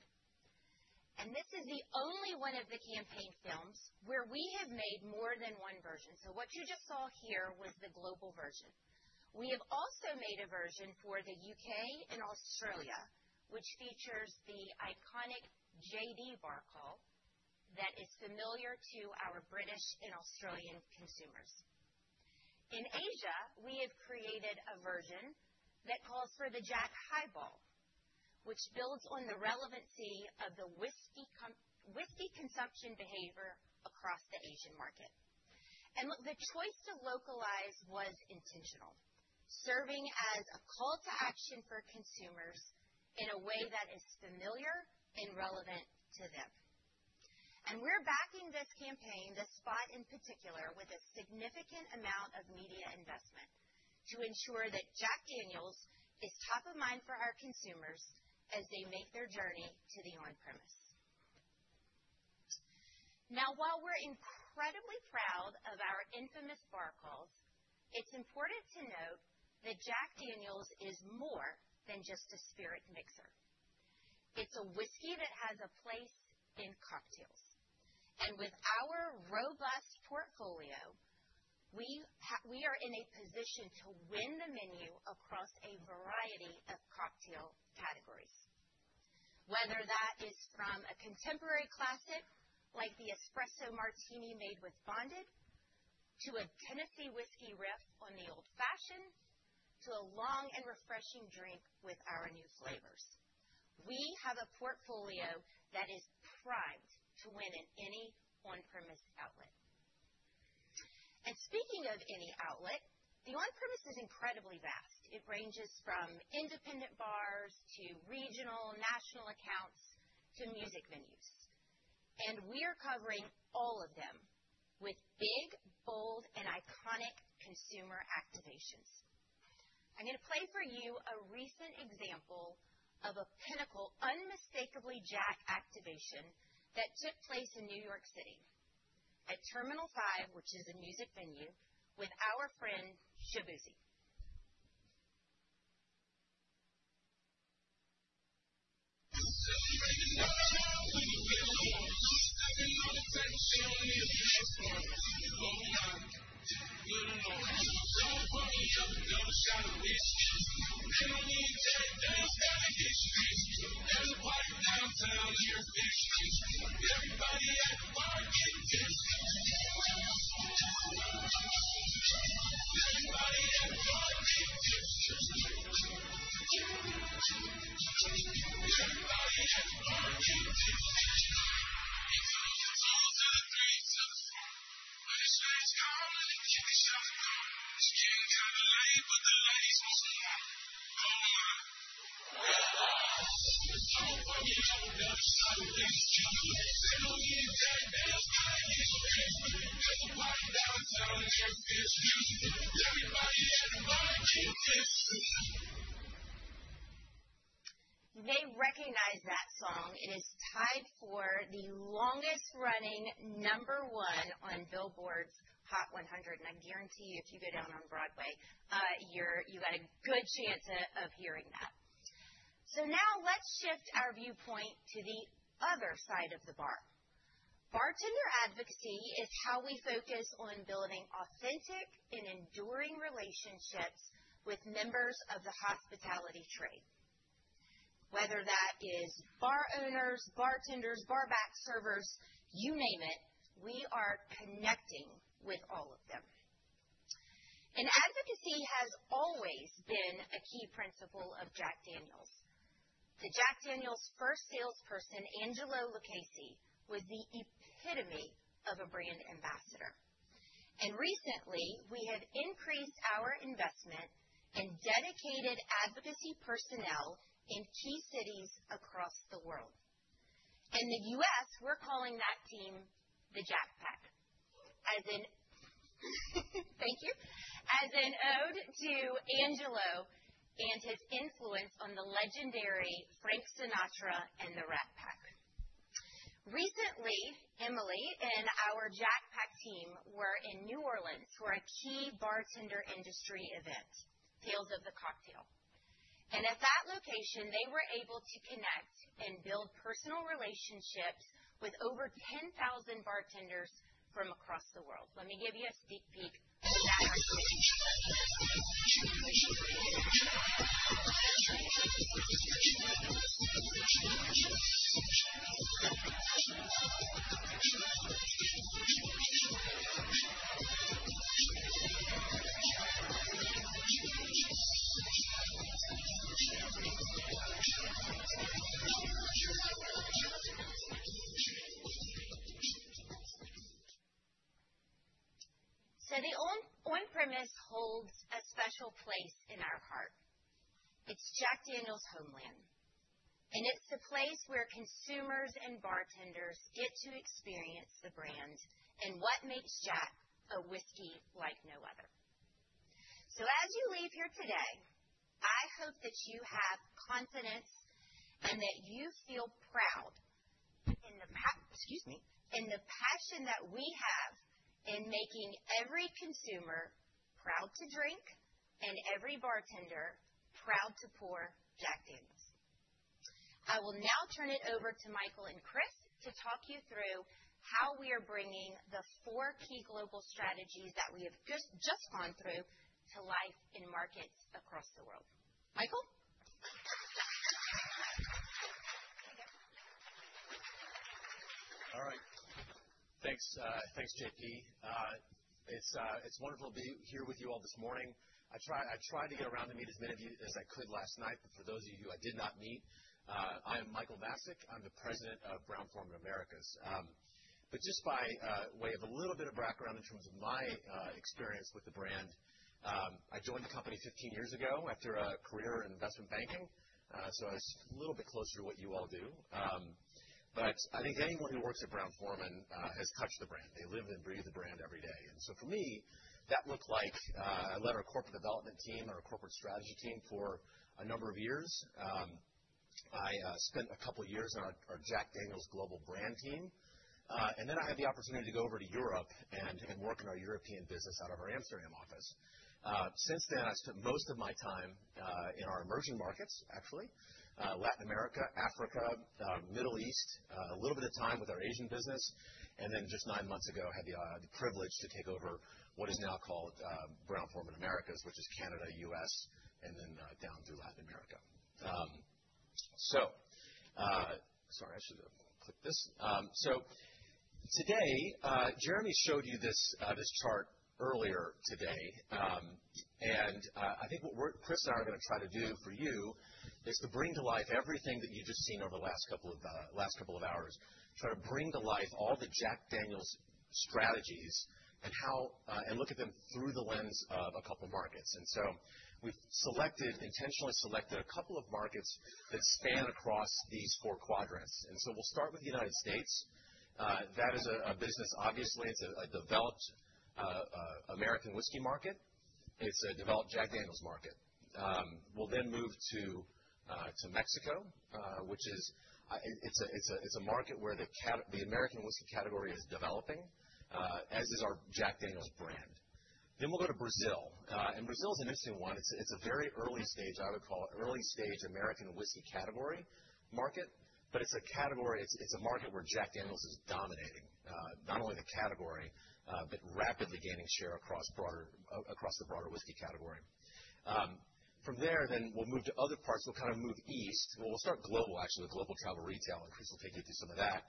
And this is the only one of the campaign films where we have made more than one version. So what you just saw here was the global version. We have also made a version for the U.K. and Australia, which features the iconic JD bar call that is familiar to our British and Australian consumers. In Asia, we have created a version that calls for the Jack Highball, which builds on the relevancy of the whiskey consumption behavior across the Asian market. And the choice to localize was intentional, serving as a call to action for consumers in a way that is familiar and relevant to them. And we're backing this campaign, this spot in particular, with a significant amount of media investment to ensure that Jack Daniel's is top of mind for our consumers as they make their journey to the on-premise. Now, while we're incredibly proud of our infamous bar calls, it's important to note that Jack Daniel's is more than just a spirit mixer. It's a whiskey that has a place in cocktails. And with our robust portfolio, we are in a position to win the menu across a variety of cocktail categories, whether that is from a contemporary classic like the Espresso Martini made with bonded to a Tennessee Whiskey riff on the Old Fashioned to a long and refreshing drink with our new flavors. We have a portfolio that is primed to win at any on-premise outlet, and speaking of any outlet, the on-premise is incredibly vast. It ranges from independent bars to regional, national accounts to music venues, and we are covering all of them with big, bold, and iconic consumer activations. I'm going to play for you a recent example of a pinnacle, unmistakably Jack activation that took place in New York City at Terminal 5, which is a music venue, with our friend Shaboozey. They recognize that song. It is tied for the longest-running number one on Billboard's Hot 100. And I guarantee you, if you go down on Broadway, you got a good chance of hearing that. So now let's shift our viewpoint to the other side of the bar. Bartender advocacy is how we focus on building authentic and enduring relationships with members of the hospitality trade, whether that is bar owners, bartenders, barback servers, you name it, we are connecting with all of them. And advocacy has always been a key principle of Jack Daniel's. Jack Daniel's first salesperson, Angelo Lucchese, was the epitome of a brand ambassador. And recently, we have increased our investment and dedicated advocacy personnel in key cities across the world. In the U.S., we're calling that team the Jackpack, as in thank you, as in ode to Angelo and his influence on the legendary Frank Sinatra and the Rat Pack. Recently, Emily and our Jackpack team were in New Orleans for a key bartender industry event, Tales of the Cocktail. And at that location, they were able to connect and build personal relationships with over 10,000 bartenders from across the world. Let me give you a sneak peek of that activity. So the on-premise holds a special place in our heart. It's Jack Daniel's homeland, and it's the place where consumers and bartenders get to experience the brand and what makes Jack a whiskey like no other. So as you leave here today, I hope that you have confidence and that you feel proud in the passion that we have in making every consumer proud to drink and every bartender proud to pour Jack Daniel's. I will now turn it over to Michael and Chris to talk you through how we are bringing the four key global strategies that we have just gone through to life in markets across the world. Michael? All right. Thanks, JP. It's wonderful to be here with you all this morning. I tried to get around to meet as many of you as I could last night, but for those of you I did not meet, I am Michael Masick. I'm the president of Brown-Forman Americas. But just by way of a little bit of background in terms of my experience with the brand, I joined the company 15 years ago after a career in investment banking. So I was a little bit closer to what you all do. But I think anyone who works at Brown-Forman has touched the brand. They live and breathe the brand every day. And so for me, that looked like I led our corporate development team, our corporate strategy team for a number of years. I spent a couple of years on our Jack Daniel's global brand team. And then I had the opportunity to go over to Europe and work in our European business out of our Amsterdam office. Since then, I spent most of my time in our emerging markets, actually, Latin America, Africa, Middle East, a little bit of time with our Asian business, and then just nine months ago, I had the privilege to take over what is now called Brown-Forman Americas, which is Canada, U.S., and then down through Latin America, so sorry, I should have clicked this, so today, Jeremy showed you this chart earlier today, and I think what Chris and I are going to try to do for you is to bring to life everything that you've just seen over the last couple of hours, try to bring to life all the Jack Daniel's strategies and look at them through the lens of a couple of markets, and so we've intentionally selected a couple of markets that span across these four quadrants, and so we'll start with the United States. That is a business, obviously. It's a developed American whiskey market. It's a developed Jack Daniel's market. We'll then move to Mexico, which is a market where the American whiskey category is developing, as is our Jack Daniel's brand. Then we'll go to Brazil. And Brazil is an interesting one. It's a very early stage, I would call it, early stage American whiskey category market, but it's a market where Jack Daniel's is dominating, not only the category, but rapidly gaining share across the broader whiskey category. From there, then we'll move to other parts. We'll kind of move east. Well, we'll start global, actually, with global travel retail. And Chris will take you through some of that.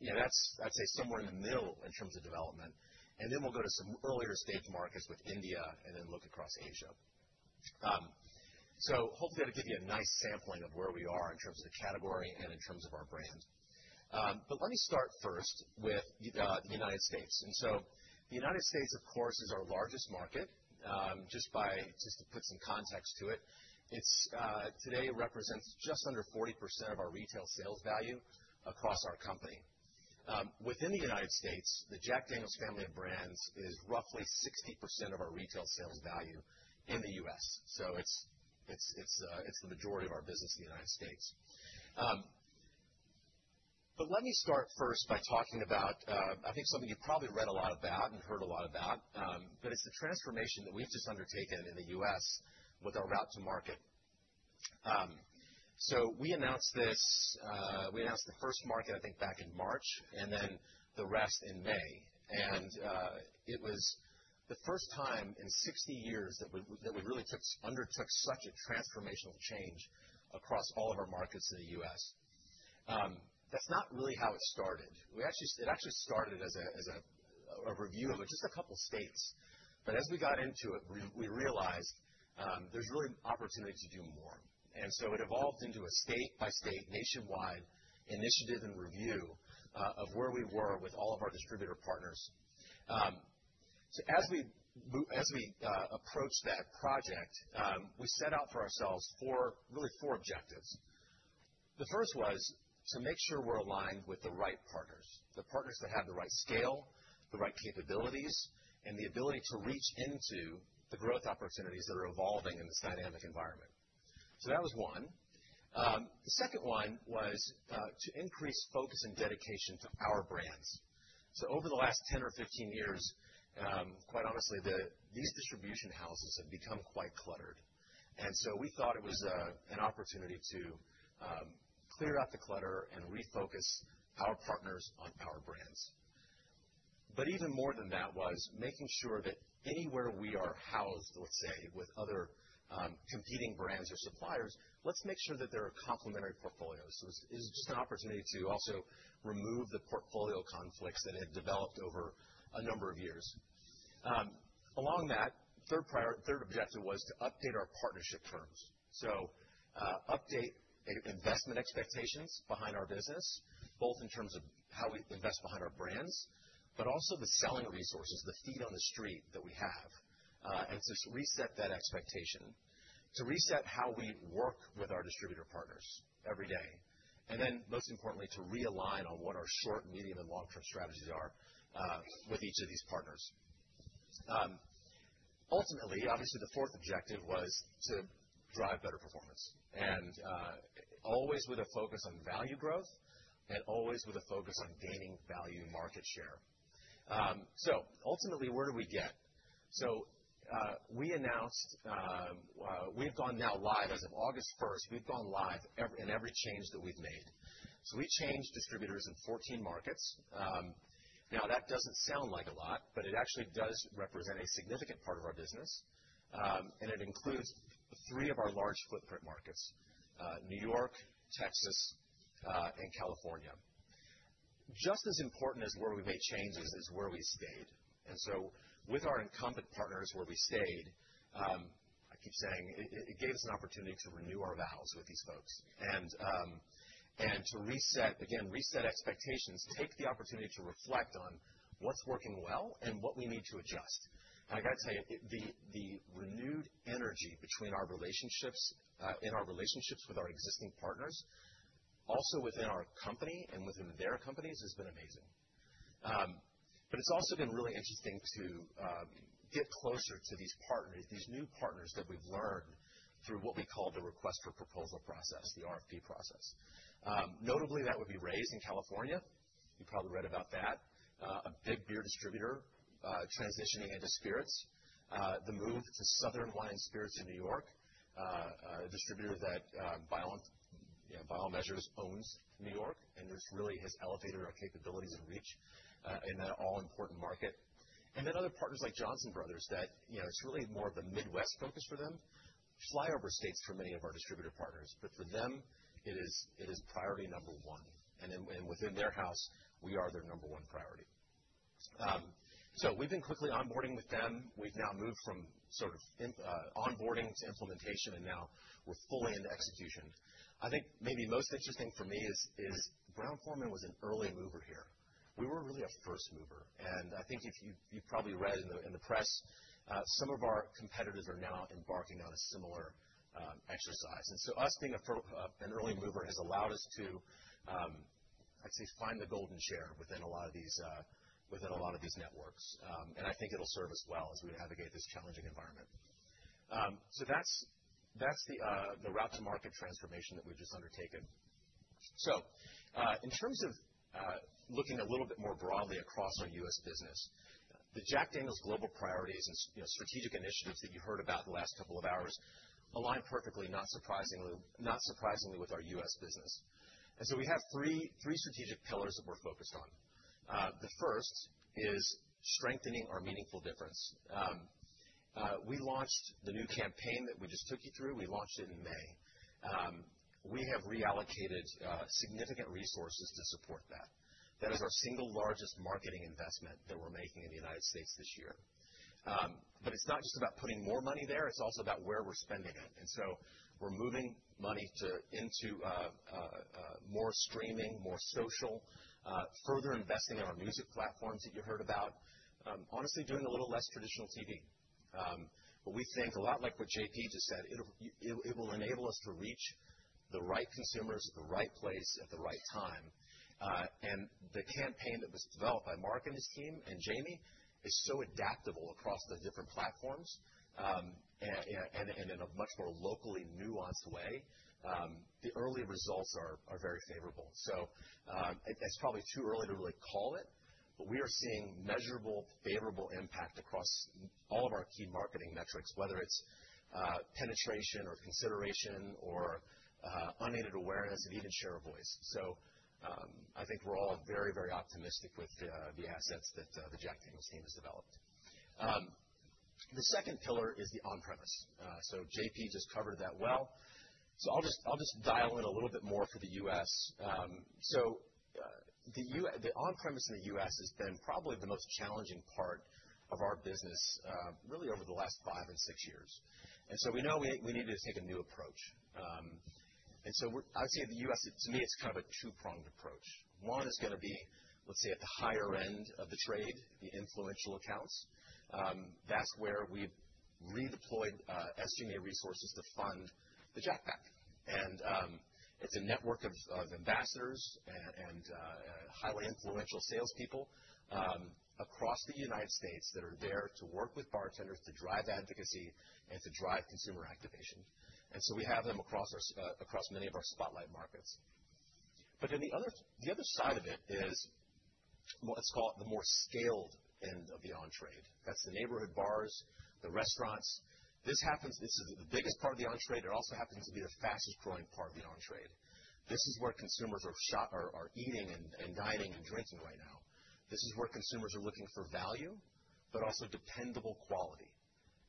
That's, I'd say, somewhere in the middle in terms of development. And then we'll go to some earlier stage markets with India and then look across Asia. So hopefully, that'll give you a nice sampling of where we are in terms of the category and in terms of our brand. But let me start first with the United States. And so the United States, of course, is our largest market. Just to put some context to it, it today represents just under 40% of our retail sales value across our company. Within the United States, the Jack Daniel's family of brands is roughly 60% of our retail sales value in the U.S. So it's the majority of our business in the United States. But let me start first by talking about, I think, something you've probably read a lot about and heard a lot about, but it's the transformation that we've just undertaken in the U.S. with our route to market. So we announced the first market, I think, back in March and then the rest in May. And it was the first time in 60 years that we really undertook such a transformational change across all of our markets in the U.S. That's not really how it started. It actually started as a review of just a couple of states. But as we got into it, we realized there's really opportunity to do more. And so it evolved into a state-by-state, nationwide initiative and review of where we were with all of our distributor partners. So as we approached that project, we set out for ourselves really four objectives. The first was to make sure we're aligned with the right partners, the partners that have the right scale, the right capabilities, and the ability to reach into the growth opportunities that are evolving in this dynamic environment. So that was one. The second one was to increase focus and dedication to our brands. So over the last 10 or 15 years, quite honestly, these distribution houses have become quite cluttered. And so we thought it was an opportunity to clear out the clutter and refocus our partners on our brands. But even more than that was making sure that anywhere we are housed, let's say, with other competing brands or suppliers, let's make sure that there are complementary portfolios. So it was just an opportunity to also remove the portfolio conflicts that had developed over a number of years. Along that, the third objective was to update our partnership terms. So, update investment expectations behind our business, both in terms of how we invest behind our brands, but also the selling resources, the feet on the street that we have, and to reset that expectation, to reset how we work with our distributor partners every day. And then, most importantly, to realign on what our short, medium, and long-term strategies are with each of these partners. Ultimately, obviously, the fourth objective was to drive better performance, always with a focus on value growth and always with a focus on gaining value market share. So ultimately, where do we get? So we announced we've gone now live as of August 1st. We've gone live in every change that we've made. So we changed distributors in 14 markets. Now, that doesn't sound like a lot, but it actually does represent a significant part of our business. It includes three of our large footprint markets: New York, Texas, and California. Just as important as where we made changes is where we stayed. And so with our incumbent partners, where we stayed, I keep saying it gave us an opportunity to renew our vows with these folks and to, again, reset expectations, take the opportunity to reflect on what's working well and what we need to adjust. And I got to tell you, the renewed energy in our relationships with our existing partners, also within our company and within their companies, has been amazing. But it's also been really interesting to get closer to these new partners that we've learned through what we call the request for proposal process, the RFP process. Notably, that would be Reyes in California. You probably read about that. A big beer distributor transitioning into spirits. The move to Southern Glazer's Wine & Spirits in New York, a distributor that by all measures owns New York and has really elevated our capabilities and reach in that all-important market. And then other partners like Johnson Brothers that it's really more of the Midwest focus for them, flyover states for many of our distributor partners. But for them, it is priority number one. And within their house, we are their number one priority. So we've been quickly onboarding with them. We've now moved from sort of onboarding to implementation, and now we're fully in execution. I think maybe most interesting for me is Brown-Forman was an early mover here. We were really a first mover. And I think you've probably read in the press, some of our competitors are now embarking on a similar exercise. And so, us being an early mover has allowed us to, I'd say, find the golden share within a lot of these within a lot of these networks. And I think it'll serve us well as we navigate this challenging environment. So that's the route to market transformation that we've just undertaken. So in terms of looking a little bit more broadly across our U.S. business, the Jack Daniel's global priorities and strategic initiatives that you heard about the last couple of hours align perfectly, not surprisingly, with our U.S. business. And so we have three strategic pillars that we're focused on. The first is strengthening our meaningful difference. We launched the new campaign that we just took you through. We launched it in May. We have reallocated significant resources to support that. That is our single largest marketing investment that we're making in the United States this year. But it's not just about putting more money there. It's also about where we're spending it. And so we're moving money into more streaming, more social, further investing in our music platforms that you heard about, honestly, doing a little less traditional TV. But we think a lot like what JP just said, it will enable us to reach the right consumers at the right place at the right time. And the campaign that was developed by Mark and his team and Jamie is so adaptable across the different platforms and in a much more locally nuanced way, the early results are very favorable. So it's probably too early to really call it, but we are seeing measurable, favorable impact across all of our key marketing metrics, whether it's penetration or consideration or unaided awareness and even share of voice. So I think we're all very, very optimistic with the assets that the Jack Daniel's team has developed. The second pillar is the on-premise. So JP just covered that well. So I'll just dial in a little bit more for the U.S. So the on-premise in the U.S. has been probably the most challenging part of our business really over the last five and six years. And so we know we needed to take a new approach. And so I would say the U.S., to me, it's kind of a two-pronged approach. One is going to be, let's say, at the higher end of the trade, the influential accounts. That's where we've redeployed SG&A resources to fund the Jackpack. And it's a network of ambassadors and highly influential salespeople across the United States that are there to work with bartenders, to drive advocacy, and to drive consumer activation. And so we have them across many of our spotlight markets. But then the other side of it is, let's call it the more scaled end of the on-premise. That's the neighborhood bars, the restaurants. This happens. This is the biggest part of the on-premise. It also happens to be the fastest growing part of the on-premise. This is where consumers are eating and dining and drinking right now. This is where consumers are looking for value, but also dependable quality.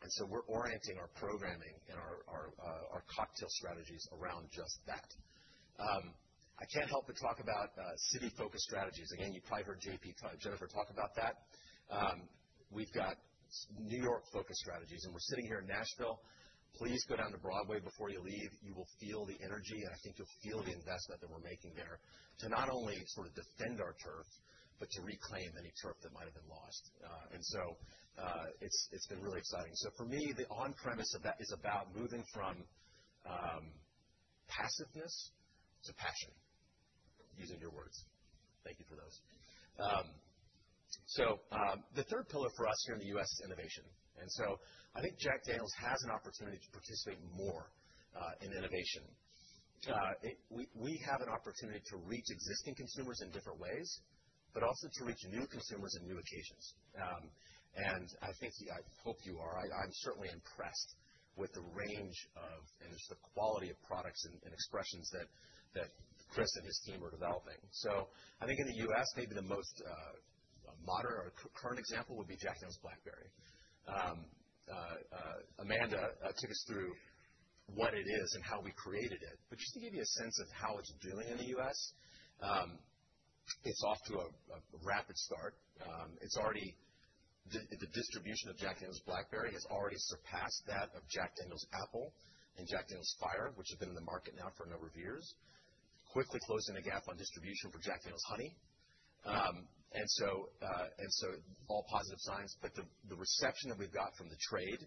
And so we're orienting our programming and our cocktail strategies around just that. I can't help but talk about city-focused strategies. Again, you've probably heard Jennifer talk about that. We've got New York-focused strategies. And we're sitting here in Nashville. Please go down to Broadway before you leave. You will feel the energy. And I think you'll feel the investment that we're making there to not only sort of defend our turf, but to reclaim any turf that might have been lost. And so it's been really exciting. So for me, the on-premise is about moving from passiveness to passion, using your words. Thank you for those. So the third pillar for us here in the U.S. is innovation. And so I think Jack Daniel's has an opportunity to participate more in innovation. We have an opportunity to reach existing consumers in different ways, but also to reach new consumers in new occasions. And I hope you are. I'm certainly impressed with the range and just the quality of products and expressions that Chris and his team are developing. So I think in the U.S., maybe the most modern or current example would be Jack Daniel's Blackberry. Amanda took us through what it is and how we created it. But just to give you a sense of how it's doing in the U.S., it's off to a rapid start. The distribution of Jack Daniel's Blackberry has already surpassed that of Jack Daniel's Apple and Jack Daniel's Fire, which have been in the market now for a number of years, quickly closing the gap on distribution for Jack Daniel's Honey. And so all positive signs. But the reception that we've got from the trade,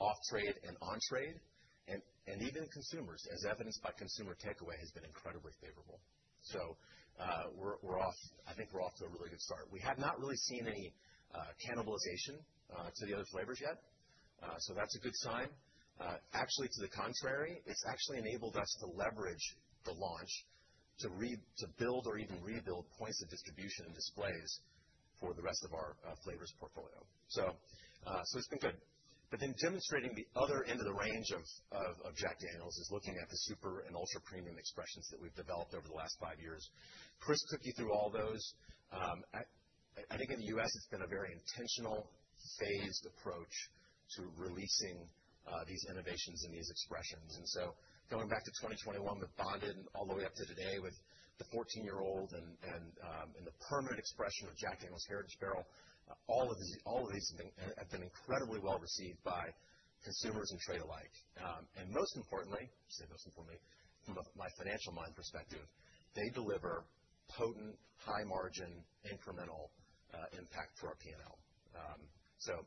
off-trade, and on-trade, and even consumers, as evidenced by consumer takeaway, has been incredibly favorable. So I think we're off to a really good start. We have not really seen any cannibalization to the other flavors yet. So that's a good sign. Actually, to the contrary, it's actually enabled us to leverage the launch to build or even rebuild points of distribution and displays for the rest of our flavors portfolio. So it's been good. But then demonstrating the other end of the range of Jack Daniel's is looking at the super and ultra premium expressions that we've developed over the last five years. Chris took you through all those. I think in the U.S., it's been a very intentional phased approach to releasing these innovations and these expressions. And so going back to 2021 with Bond and all the way up to today with the 14-year-old and the permanent expression of Jack Daniel's Heritage Barrel, all of these have been incredibly well received by consumers and trade alike. And most importantly, I say most importantly, from my financial mind perspective, they deliver potent, high-margin, incremental impact for our P&L. So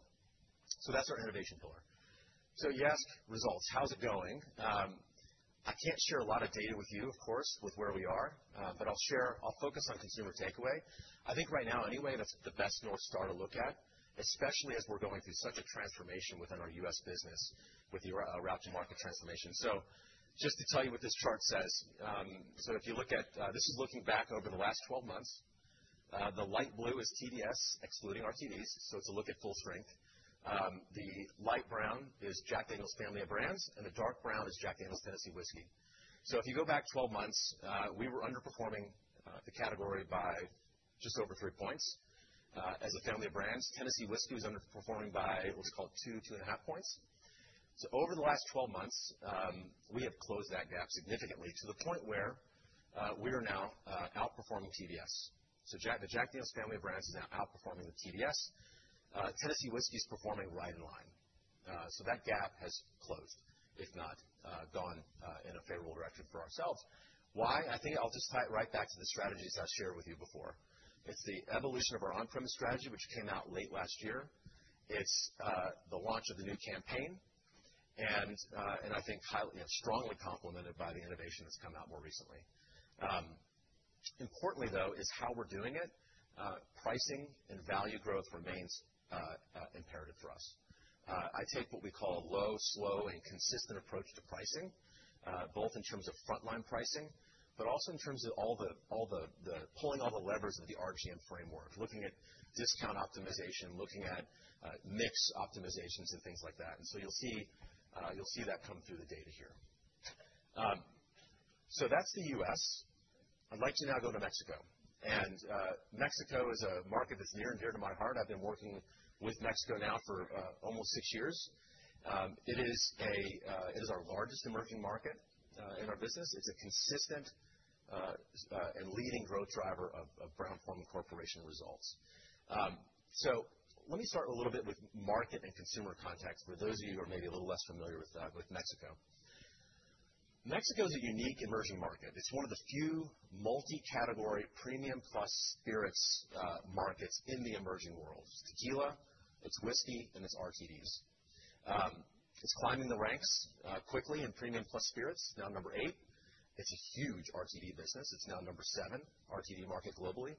that's our innovation pillar. So you ask results, how's it going? I can't share a lot of data with you, of course, with where we are, but I'll focus on consumer takeaway. I think right now, anyway, that's the best North Star to look at, especially as we're going through such a transformation within our U.S. business with the route to market transformation. So just to tell you what this chart says, so if you look at this is looking back over the last 12 months. The light blue is TDS, excluding our TDS. So it's a look at full strength. The light brown is Jack Daniel's Family of Brands, and the dark brown is Jack Daniel's Tennessee Whiskey. So if you go back 12 months, we were underperforming the category by just over three points. As a family of brands, Tennessee Whiskey was underperforming by what's called two, two and a half points, so over the last 12 months, we have closed that gap significantly to the point where we are now outperforming TDS, so the Jack Daniel's Family of Brands is now outperforming the TDS. Tennessee Whiskey is performing right in line, so that gap has closed, if not gone in a favorable direction for ourselves. Why? I think I'll just tie it right back to the strategies I shared with you before. It's the evolution of our on-premise strategy, which came out late last year. It's the launch of the new campaign, and I think strongly complemented by the innovation that's come out more recently. Importantly, though, is how we're doing it. Pricing and value growth remains imperative for us. I take what we call a low, slow, and consistent approach to pricing, both in terms of frontline pricing, but also in terms of pulling all the levers of the RGM framework, looking at discount optimization, looking at mix optimizations, and things like that. And so you'll see that come through the data here. So that's the U.S. I'd like to now go to Mexico. And Mexico is a market that's near and dear to my heart. I've been working with Mexico now for almost six years. It is our largest emerging market in our business. It's a consistent and leading growth driver of Brown-Forman Corporation results. So let me start a little bit with market and consumer context for those of you who are maybe a little less familiar with Mexico. Mexico is a unique emerging market. It's one of the few multi-category premium plus spirits markets in the emerging world. It's tequila, it's whiskey, and it's RTDs. It's climbing the ranks quickly in premium plus spirits, now number eight. It's a huge RTD business. It's now number seven RTD market globally,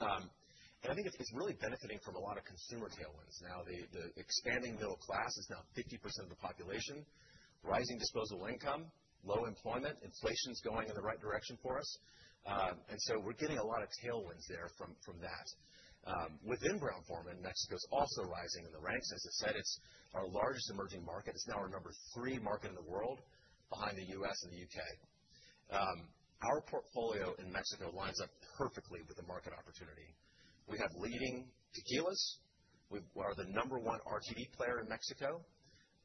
and I think it's really benefiting from a lot of consumer tailwinds now. The expanding middle class is now 50% of the population, rising disposable income, low employment. Inflation's going in the right direction for us, and so we're getting a lot of tailwinds there from that. Within Brown-Forman, Mexico is also rising in the ranks. As I said, it's our largest emerging market. It's now our number three market in the world, behind the U.S. and the U.K. Our portfolio in Mexico lines up perfectly with the market opportunity. We have leading tequilas. We are the number one RTD player in Mexico.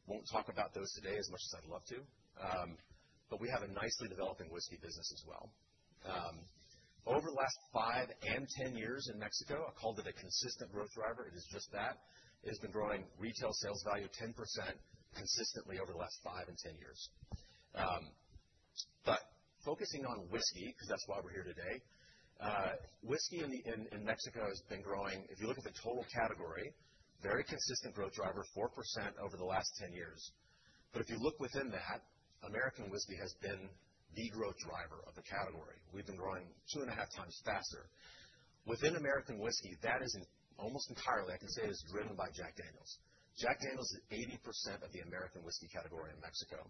Won't talk about those today as much as I'd love to. But we have a nicely developing whiskey business as well. Over the last five and 10 years in Mexico, I called it a consistent growth driver. It is just that. It has been growing retail sales value 10% consistently over the last five and 10 years. But focusing on whiskey, because that's why we're here today, whiskey in Mexico has been growing, if you look at the total category, very consistent growth driver, 4% over the last 10 years. But if you look within that, American whiskey has been the growth driver of the category. We've been growing two and a half times faster. Within American whiskey, that is almost entirely, I can say, it is driven by Jack Daniel's. Jack Daniel's is 80% of the American whiskey category in Mexico.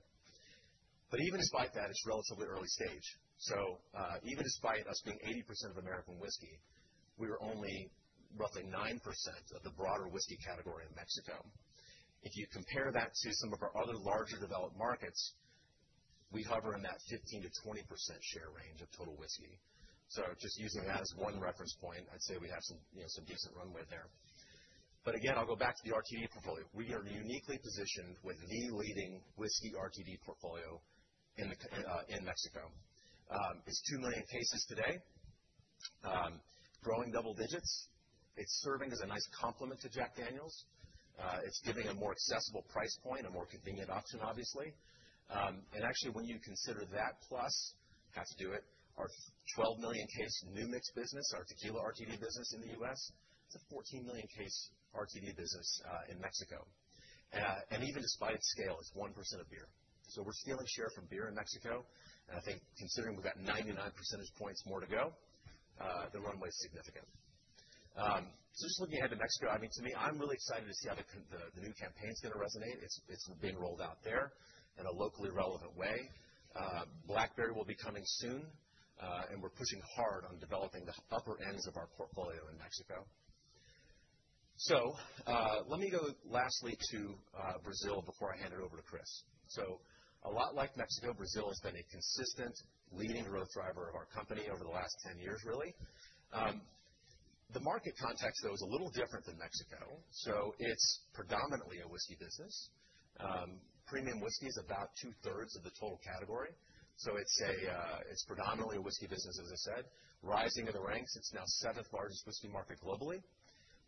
But even despite that, it's relatively early stage. So even despite us being 80% of American whiskey, we were only roughly 9% of the broader whiskey category in Mexico. If you compare that to some of our other larger developed markets, we hover in that 15%-20% share range of total whiskey. So just using that as one reference point, I'd say we have some decent runway there. But again, I'll go back to the RTD portfolio. We are uniquely positioned with the leading whiskey RTD portfolio in Mexico. It's 2 million cases today, growing double digits. It's serving as a nice complement to Jack Daniel's. It's giving a more accessible price point, a more convenient option, obviously. And actually, when you consider that plus our 12 million case New Mix business, our tequila RTD business in the U.S., it's a 14 million case RTD business in Mexico. And even despite its scale, it's 1% of beer. So we're stealing share from beer in Mexico. And I think considering we've got 99 percentage points more to go, the runway is significant. So just looking ahead to Mexico, I mean, to me, I'm really excited to see how the new campaign's going to resonate. It's being rolled out there in a locally relevant way. Blackberry will be coming soon. And we're pushing hard on developing the upper ends of our portfolio in Mexico. So let me go lastly to Brazil before I hand it over to Chris. So a lot like Mexico, Brazil has been a consistent leading growth driver of our company over the last 10 years, really. The market context, though, is a little different than Mexico. So it's predominantly a whiskey business. Premium whiskey is about two-thirds of the total category. It's predominantly a whiskey business, as I said. Rising in the ranks, it's now seventh largest whiskey market globally.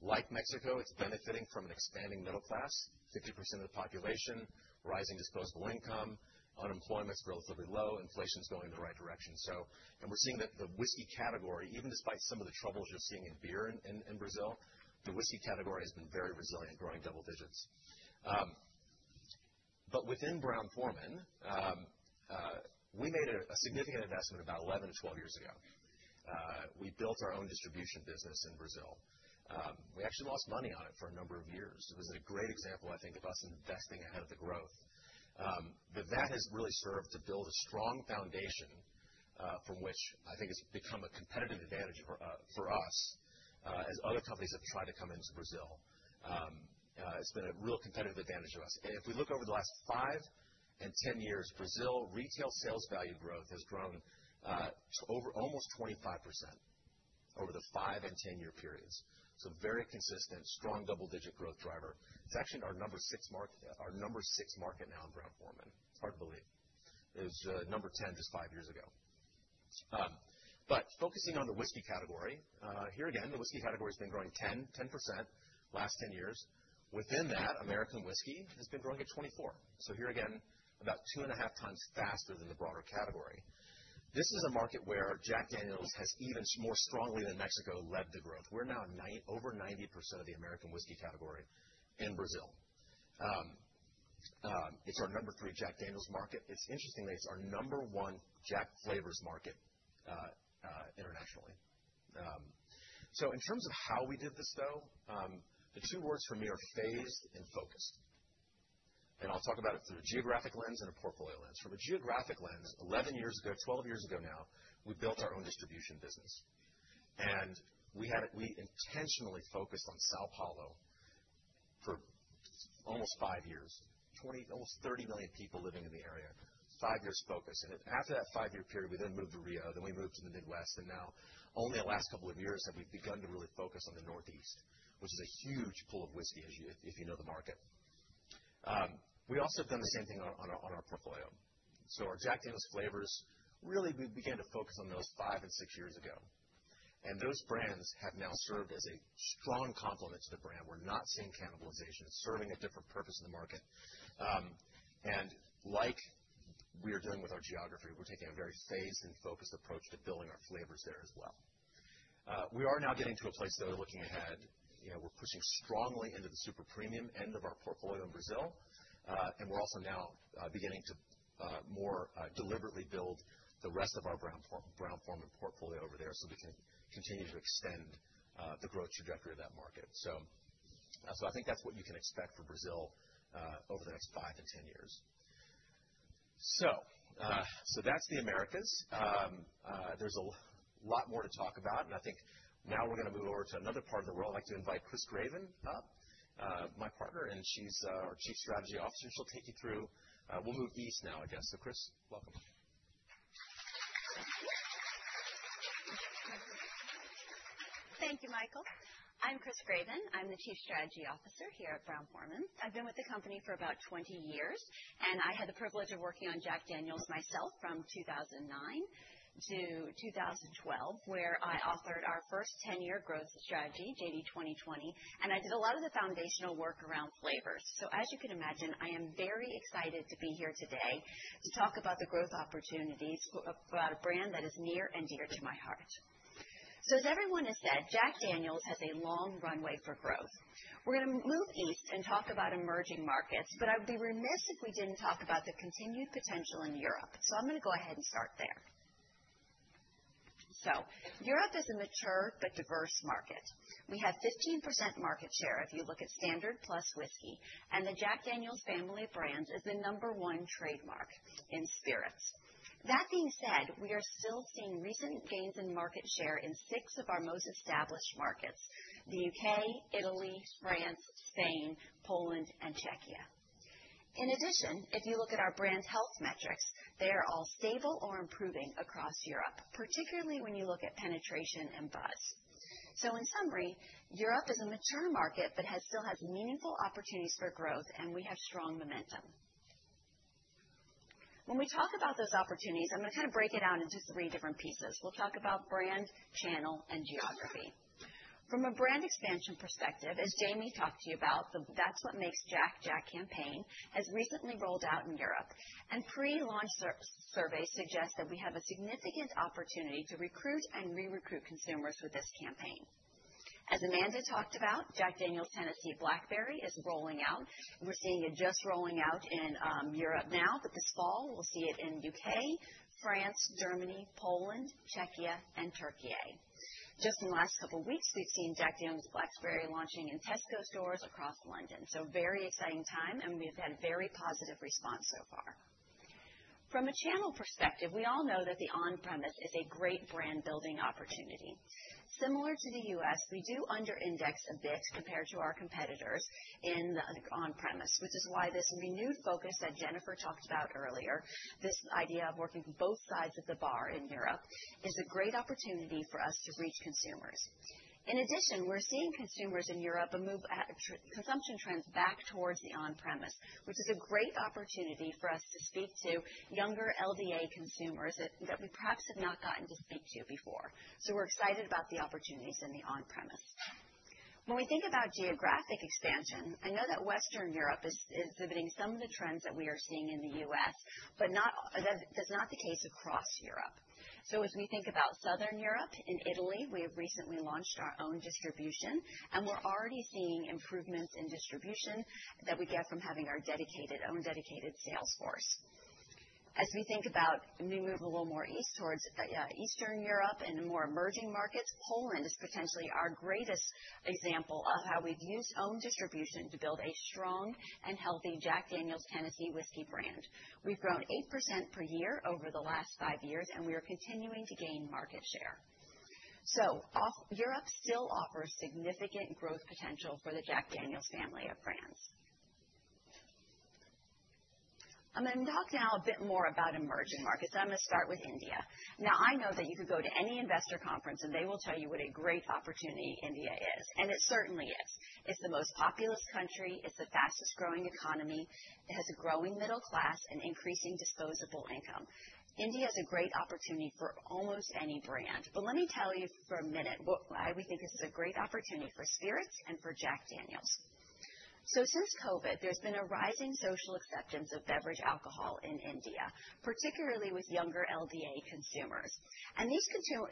Like Mexico, it's benefiting from an expanding middle class, 50% of the population, rising disposable income, unemployment's relatively low, inflation's going in the right direction. We're seeing that the whiskey category, even despite some of the troubles you're seeing in beer in Brazil, the whiskey category has been very resilient, growing double digits. Within Brown-Forman, we made a significant investment about 11-12 years ago. We built our own distribution business in Brazil. We actually lost money on it for a number of years. It was a great example, I think, of us investing ahead of the growth. But that has really served to build a strong foundation from which, I think, has become a competitive advantage for us as other companies have tried to come into Brazil. It's been a real competitive advantage for us. And if we look over the last five and 10 years, Brazil retail sales value growth has grown to almost 25% over the five and 10-year periods. So very consistent, strong double-digit growth driver. It's actually our number six market now in Brown-Forman. It's hard to believe. It was number 10 just five years ago. But focusing on the whiskey category, here again, the whiskey category has been growing 10% last 10 years. Within that, American whiskey has been growing at 24%. So here again, about two and a half times faster than the broader category. This is a market where Jack Daniel's has even more strongly than Mexico led the growth. We're now over 90% of the American whiskey category in Brazil. It's our number three Jack Daniel's market. It's interesting that it's our number one Jack Flavors market internationally. So in terms of how we did this, though, the two words for me are phased and focused. And I'll talk about it through a geographic lens and a portfolio lens. From a geographic lens, 11 years ago, 12 years ago now, we built our own distribution business. And we intentionally focused on São Paulo for almost five years, almost 30 million people living in the area, five years focus. And after that five-year period, we then moved to Rio, then we moved to the Midwest. And now, only the last couple of years have we begun to really focus on the Northeast, which is a huge pool of whiskey, if you know the market. We also have done the same thing on our portfolio. So our Jack Daniel's flavors, really, we began to focus on those five and six years ago. And those brands have now served as a strong complement to the brand. We're not seeing cannibalization. It's serving a different purpose in the market. And like we are dealing with our geography, we're taking a very phased and focused approach to building our flavors there as well. We are now getting to a place, though, looking ahead. We're pushing strongly into the super premium end of our portfolio in Brazil. And we're also now beginning to more deliberately build the rest of our Brown-Forman portfolio over there so we can continue to extend the growth trajectory of that market. So I think that's what you can expect for Brazil over the next five to 10 years. So that's the Americas. There's a lot more to talk about. And I think now we're going to move over to another part of the world. I'd like to invite Chris Graven up, my partner, and she's our Chief Strategy Officer. She'll take you through. We'll move east now, I guess. So Chris, welcome. Thank you, Michael. I'm Chris Graven. I'm the Chief Strategy Officer here at Brown-Forman. I've been with the company for about 20 years, and I had the privilege of working on Jack Daniel's myself from 2009 to 2012, where I authored our first 10-year growth strategy, JD 2020, and I did a lot of the foundational work around flavors, so as you can imagine, I am very excited to be here today to talk about the growth opportunities for a brand that is near and dear to my heart, so as everyone has said, Jack Daniel's has a long runway for growth. We're going to move east and talk about emerging markets, but I would be remiss if we didn't talk about the continued potential in Europe, so I'm going to go ahead and start there, so Europe is a mature but diverse market. We have 15% market share if you look at standard plus whiskey, and the Jack Daniel's family of brands is the number one trademark in spirits. That being said, we are still seeing recent gains in market share in six of our most established markets: the U.K., Italy, France, Spain, Poland, and Czechia. In addition, if you look at our brand's health metrics, they are all stable or improving across Europe, particularly when you look at penetration and buzz, so in summary, Europe is a mature market but still has meaningful opportunities for growth, and we have strong momentum. When we talk about those opportunities, I'm going to kind of break it out into three different pieces. We'll talk about brand, channel, and geography. From a brand expansion perspective, as Jamie talked to you about, That's What Makes Jack Jack campaign has recently rolled out in Europe. And pre-launch surveys suggest that we have a significant opportunity to recruit and re-recruit consumers with this campaign. As Amanda talked about, Jack Daniel's Tennessee Blackberry is rolling out. We're seeing it just rolling out in Europe now, but this fall we'll see it in the U.K., France, Germany, Poland, Czechia, and Türkiye. Just in the last couple of weeks, we've seen Jack Daniel's Blackberry launching in Tesco stores across London. So very exciting time, and we've had very positive response so far. From a channel perspective, we all know that the on-premise is a great brand-building opportunity. Similar to the U.S., we do under-index a bit compared to our competitors in the on-premise, which is why this renewed focus that Jennifer talked about earlier, this idea of working from both sides of the bar in Europe, is a great opportunity for us to reach consumers. In addition, we're seeing consumers in Europe move consumption trends back towards the on-premise, which is a great opportunity for us to speak to younger LDA consumers that we perhaps have not gotten to speak to before. So we're excited about the opportunities in the on-premise. When we think about geographic expansion, I know that Western Europe is exhibiting some of the trends that we are seeing in the U.S., but that's not the case across Europe. So as we think about Southern Europe, in Italy, we have recently launched our own distribution, and we're already seeing improvements in distribution that we get from having our own dedicated sales force. As we think about and we move a little more east towards Eastern Europe and more emerging markets, Poland is potentially our greatest example of how we've used own distribution to build a strong and healthy Jack Daniel's Tennessee Whiskey brand. We've grown 8% per year over the last five years, and we are continuing to gain market share, so Europe still offers significant growth potential for the Jack Daniel's family of brands. I'm going to talk now a bit more about emerging markets, and I'm going to start with India. Now, I know that you could go to any investor conference, and they will tell you what a great opportunity India is, and it certainly is. It's the most populous country. It's the fastest-growing economy. It has a growing middle class and increasing disposable income. India is a great opportunity for almost any brand. But let me tell you for a minute why we think this is a great opportunity for spirits and for Jack Daniel's. So since COVID, there's been a rising social acceptance of beverage alcohol in India, particularly with younger LDA consumers. And these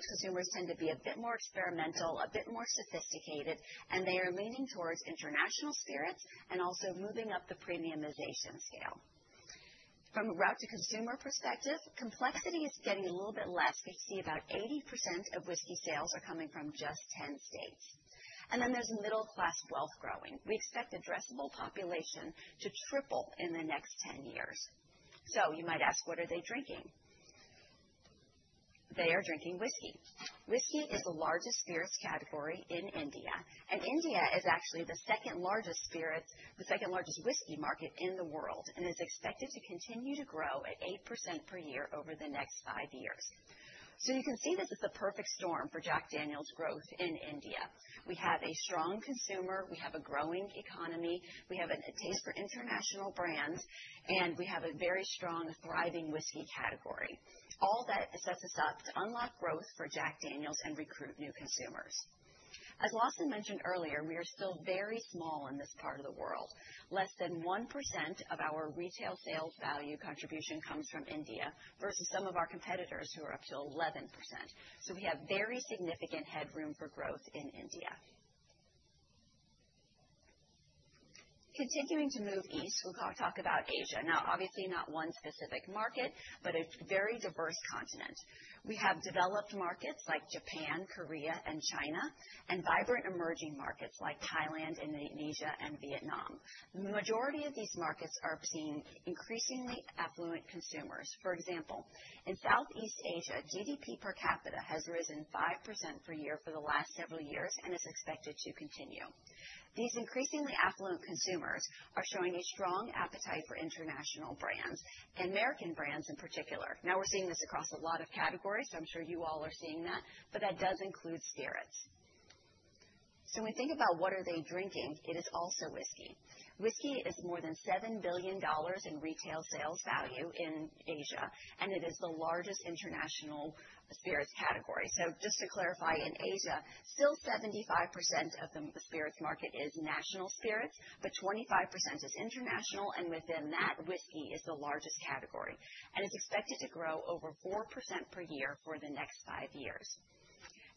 consumers tend to be a bit more experimental, a bit more sophisticated, and they are leaning towards international spirits and also moving up the premiumization scale. From a route-to-consumer perspective, complexity is getting a little bit less. We see about 80% of whiskey sales are coming from just ten states. And then there's middle-class wealth growing. We expect addressable population to triple in the next ten years. So you might ask, what are they drinking? They are drinking whiskey. Whiskey is the largest spirits category in India. And India is actually the second largest spirits, the second largest whiskey market in the world, and is expected to continue to grow at 8% per year over the next five years. So you can see this is the perfect storm for Jack Daniel's growth in India. We have a strong consumer. We have a growing economy. We have a taste for international brands. And we have a very strong, thriving whiskey category. All that sets us up to unlock growth for Jack Daniel's and recruit new consumers. As Lawson mentioned earlier, we are still very small in this part of the world. Less than 1% of our retail sales value contribution comes from India versus some of our competitors who are up to 11%. So we have very significant headroom for growth in India. Continuing to move east, we'll talk about Asia. Now, obviously, not one specific market, but a very diverse continent. We have developed markets like Japan, Korea, and China, and vibrant emerging markets like Thailand, Indonesia, and Vietnam. The majority of these markets are seeing increasingly affluent consumers. For example, in Southeast Asia, GDP per capita has risen 5% per year for the last several years and is expected to continue. These increasingly affluent consumers are showing a strong appetite for international brands, American brands in particular. Now, we're seeing this across a lot of categories, so I'm sure you all are seeing that, but that does include spirits. So when we think about what are they drinking, it is also whiskey. Whiskey is more than $7 billion in retail sales value in Asia, and it is the largest international spirits category. So just to clarify, in Asia, still 75% of the spirits market is national spirits, but 25% is international, and within that, whiskey is the largest category. And it's expected to grow over 4% per year for the next five years.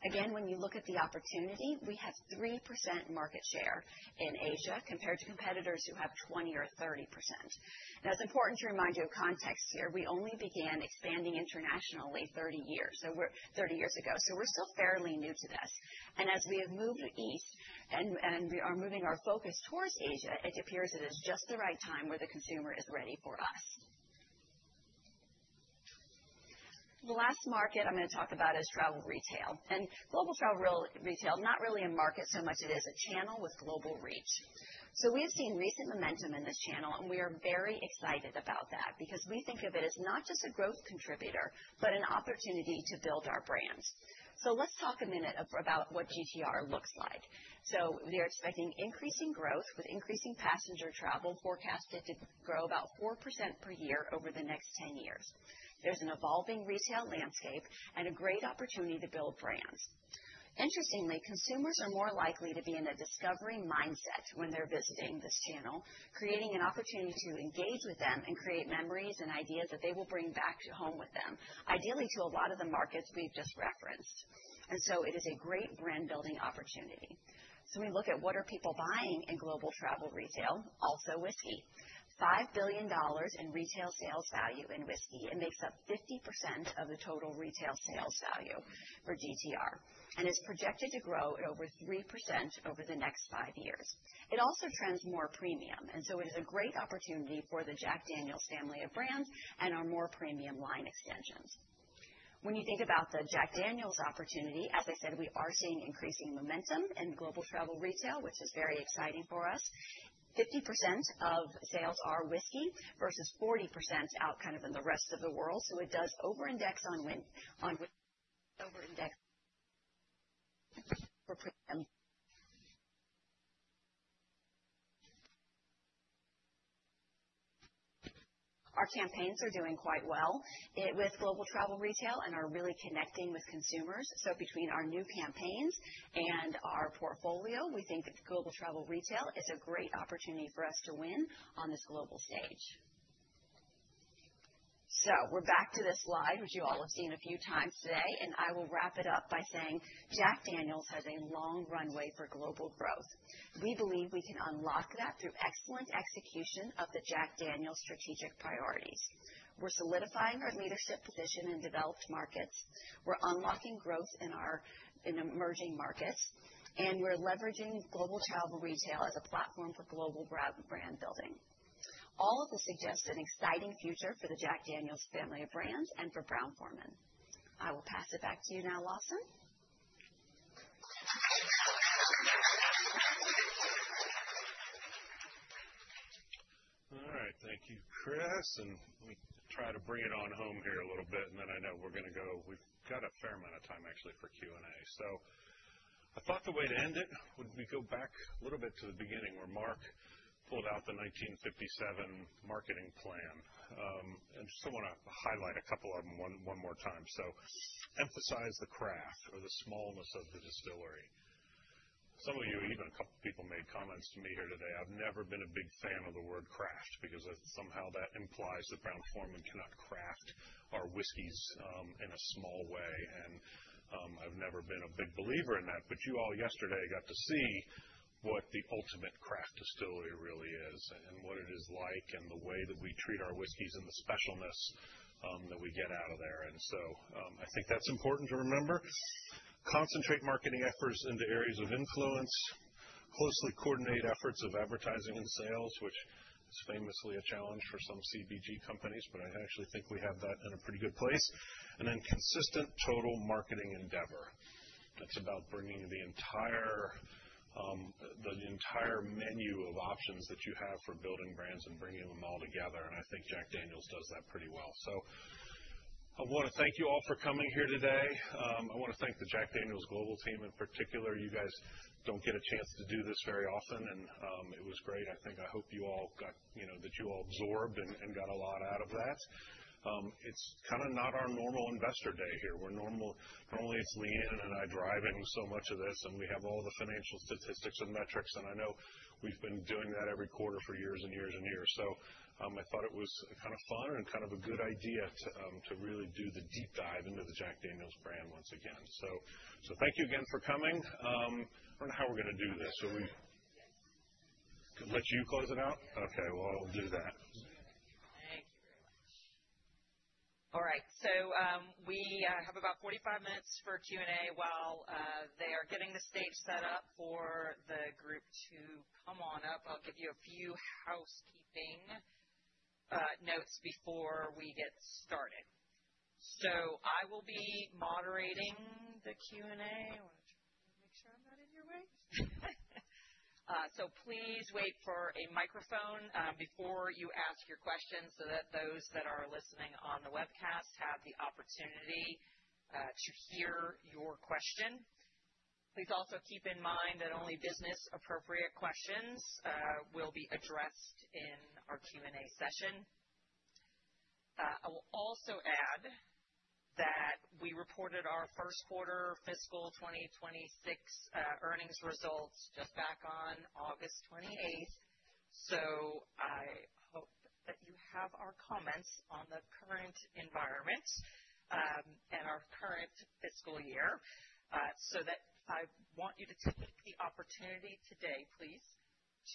Again, when you look at the opportunity, we have 3% market share in Asia compared to competitors who have 20 or 30%. Now, it's important to remind you of context here. We only began expanding internationally 30 years ago. So we're still fairly new to this. And as we have moved east and are moving our focus towards Asia, it appears it is just the right time where the consumer is ready for us. The last market I'm going to talk about is travel retail. And global travel retail, not really a market so much. It is a channel with global reach. So we have seen recent momentum in this channel, and we are very excited about that because we think of it as not just a growth contributor, but an opportunity to build our brands. So let's talk a minute about what GTR looks like. So we are expecting increasing growth with increasing passenger travel forecasted to grow about 4% per year over the next 10 years. There's an evolving retail landscape and a great opportunity to build brands. Interestingly, consumers are more likely to be in a discovery mindset when they're visiting this channel, creating an opportunity to engage with them and create memories and ideas that they will bring back home with them, ideally to a lot of the markets we've just referenced. And so it is a great brand-building opportunity. So we look at what are people buying in global travel retail, also whiskey. $5 billion in retail sales value in whiskey. It makes up 50% of the total retail sales value for GTR and is projected to grow at over 3% over the next five years. It also trends more premium, and so it is a great opportunity for the Jack Daniel's family of brands and our more premium line extensions. When you think about the Jack Daniel's opportunity, as I said, we are seeing increasing momentum in global travel retail, which is very exciting for us. 50% of sales are whiskey versus 40% out kind of in the rest of the world. So it does over-index on our campaigns are doing quite well with global travel retail and are really connecting with consumers. So between our new campaigns and our portfolio, we think that global travel retail is a great opportunity for us to win on this global stage. So we're back to this slide, which you all have seen a few times today, and I will wrap it up by saying Jack Daniel's has a long runway for global growth. We believe we can unlock that through excellent execution of the Jack Daniel's strategic priorities. We're solidifying our leadership position in developed markets. We're unlocking growth in emerging markets, and we're leveraging global travel retail as a platform for global brand building. All of this suggests an exciting future for the Jack Daniel's family of brands and for Brown-Forman. I will pass it back to you now, Lawson. All right. Thank you, Chris. And let me try to bring it on home here a little bit, and then I know we're going to go. We've got a fair amount of time, actually, for Q&A. So I thought the way to end it would be to go back a little bit to the beginning where Mark pulled out the 1957 marketing plan. And I just want to highlight a couple of them one more time. So emphasize the craft or the smallness of the distillery. Some of you, even a couple of people, made comments to me here today. I've never been a big fan of the word craft because somehow that implies that Brown-Forman cannot craft our whiskeys in a small way. And I've never been a big believer in that. But, you all, yesterday got to see what the ultimate craft distillery really is and what it is like and the way that we treat our whiskeys and the specialness that we get out of there. And so I think that's important to remember. Concentrate marketing efforts into areas of influence. Closely coordinate efforts of advertising and sales, which is famously a challenge for some CPG companies, but I actually think we have that in a pretty good place. And then consistent total marketing endeavor. That's about bringing the entire menu of options that you have for building brands and bringing them all together. And I think Jack Daniel's does that pretty well. So I want to thank you all for coming here today. I want to thank the Jack Daniel's global team in particular. You guys don't get a chance to do this very often, and it was great. I think, I hope you all got that. You all absorbed and got a lot out of that. It's kind of not our normal investor day here. Normally, it's Leanne and I driving so much of this, and we have all the financial statistics and metrics, and I know we've been doing that every quarter for years and years and years. So I thought it was kind of fun and kind of a good idea to really do the deep dive into the Jack Daniel's brand once again. So thank you again for coming. I don't know how we're going to do this. So we could let you close it out? Okay. Well, I'll do that. Thank you very much. All right. So we have about 45 minutes for Q&A while they are getting the stage set up for the group to come on up. I'll give you a few housekeeping notes before we get started. So I will be moderating the Q&A. I want to make sure I'm not in your way. So please wait for a microphone before you ask your questions so that those that are listening on the webcast have the opportunity to hear your question. Please also keep in mind that only business-appropriate questions will be addressed in our Q&A session. I will also add that we reported our first quarter fiscal 2026 earnings results just back on August 28th. So I hope that you have our comments on the current environment and our current fiscal year. So that I want you to take the opportunity today, please,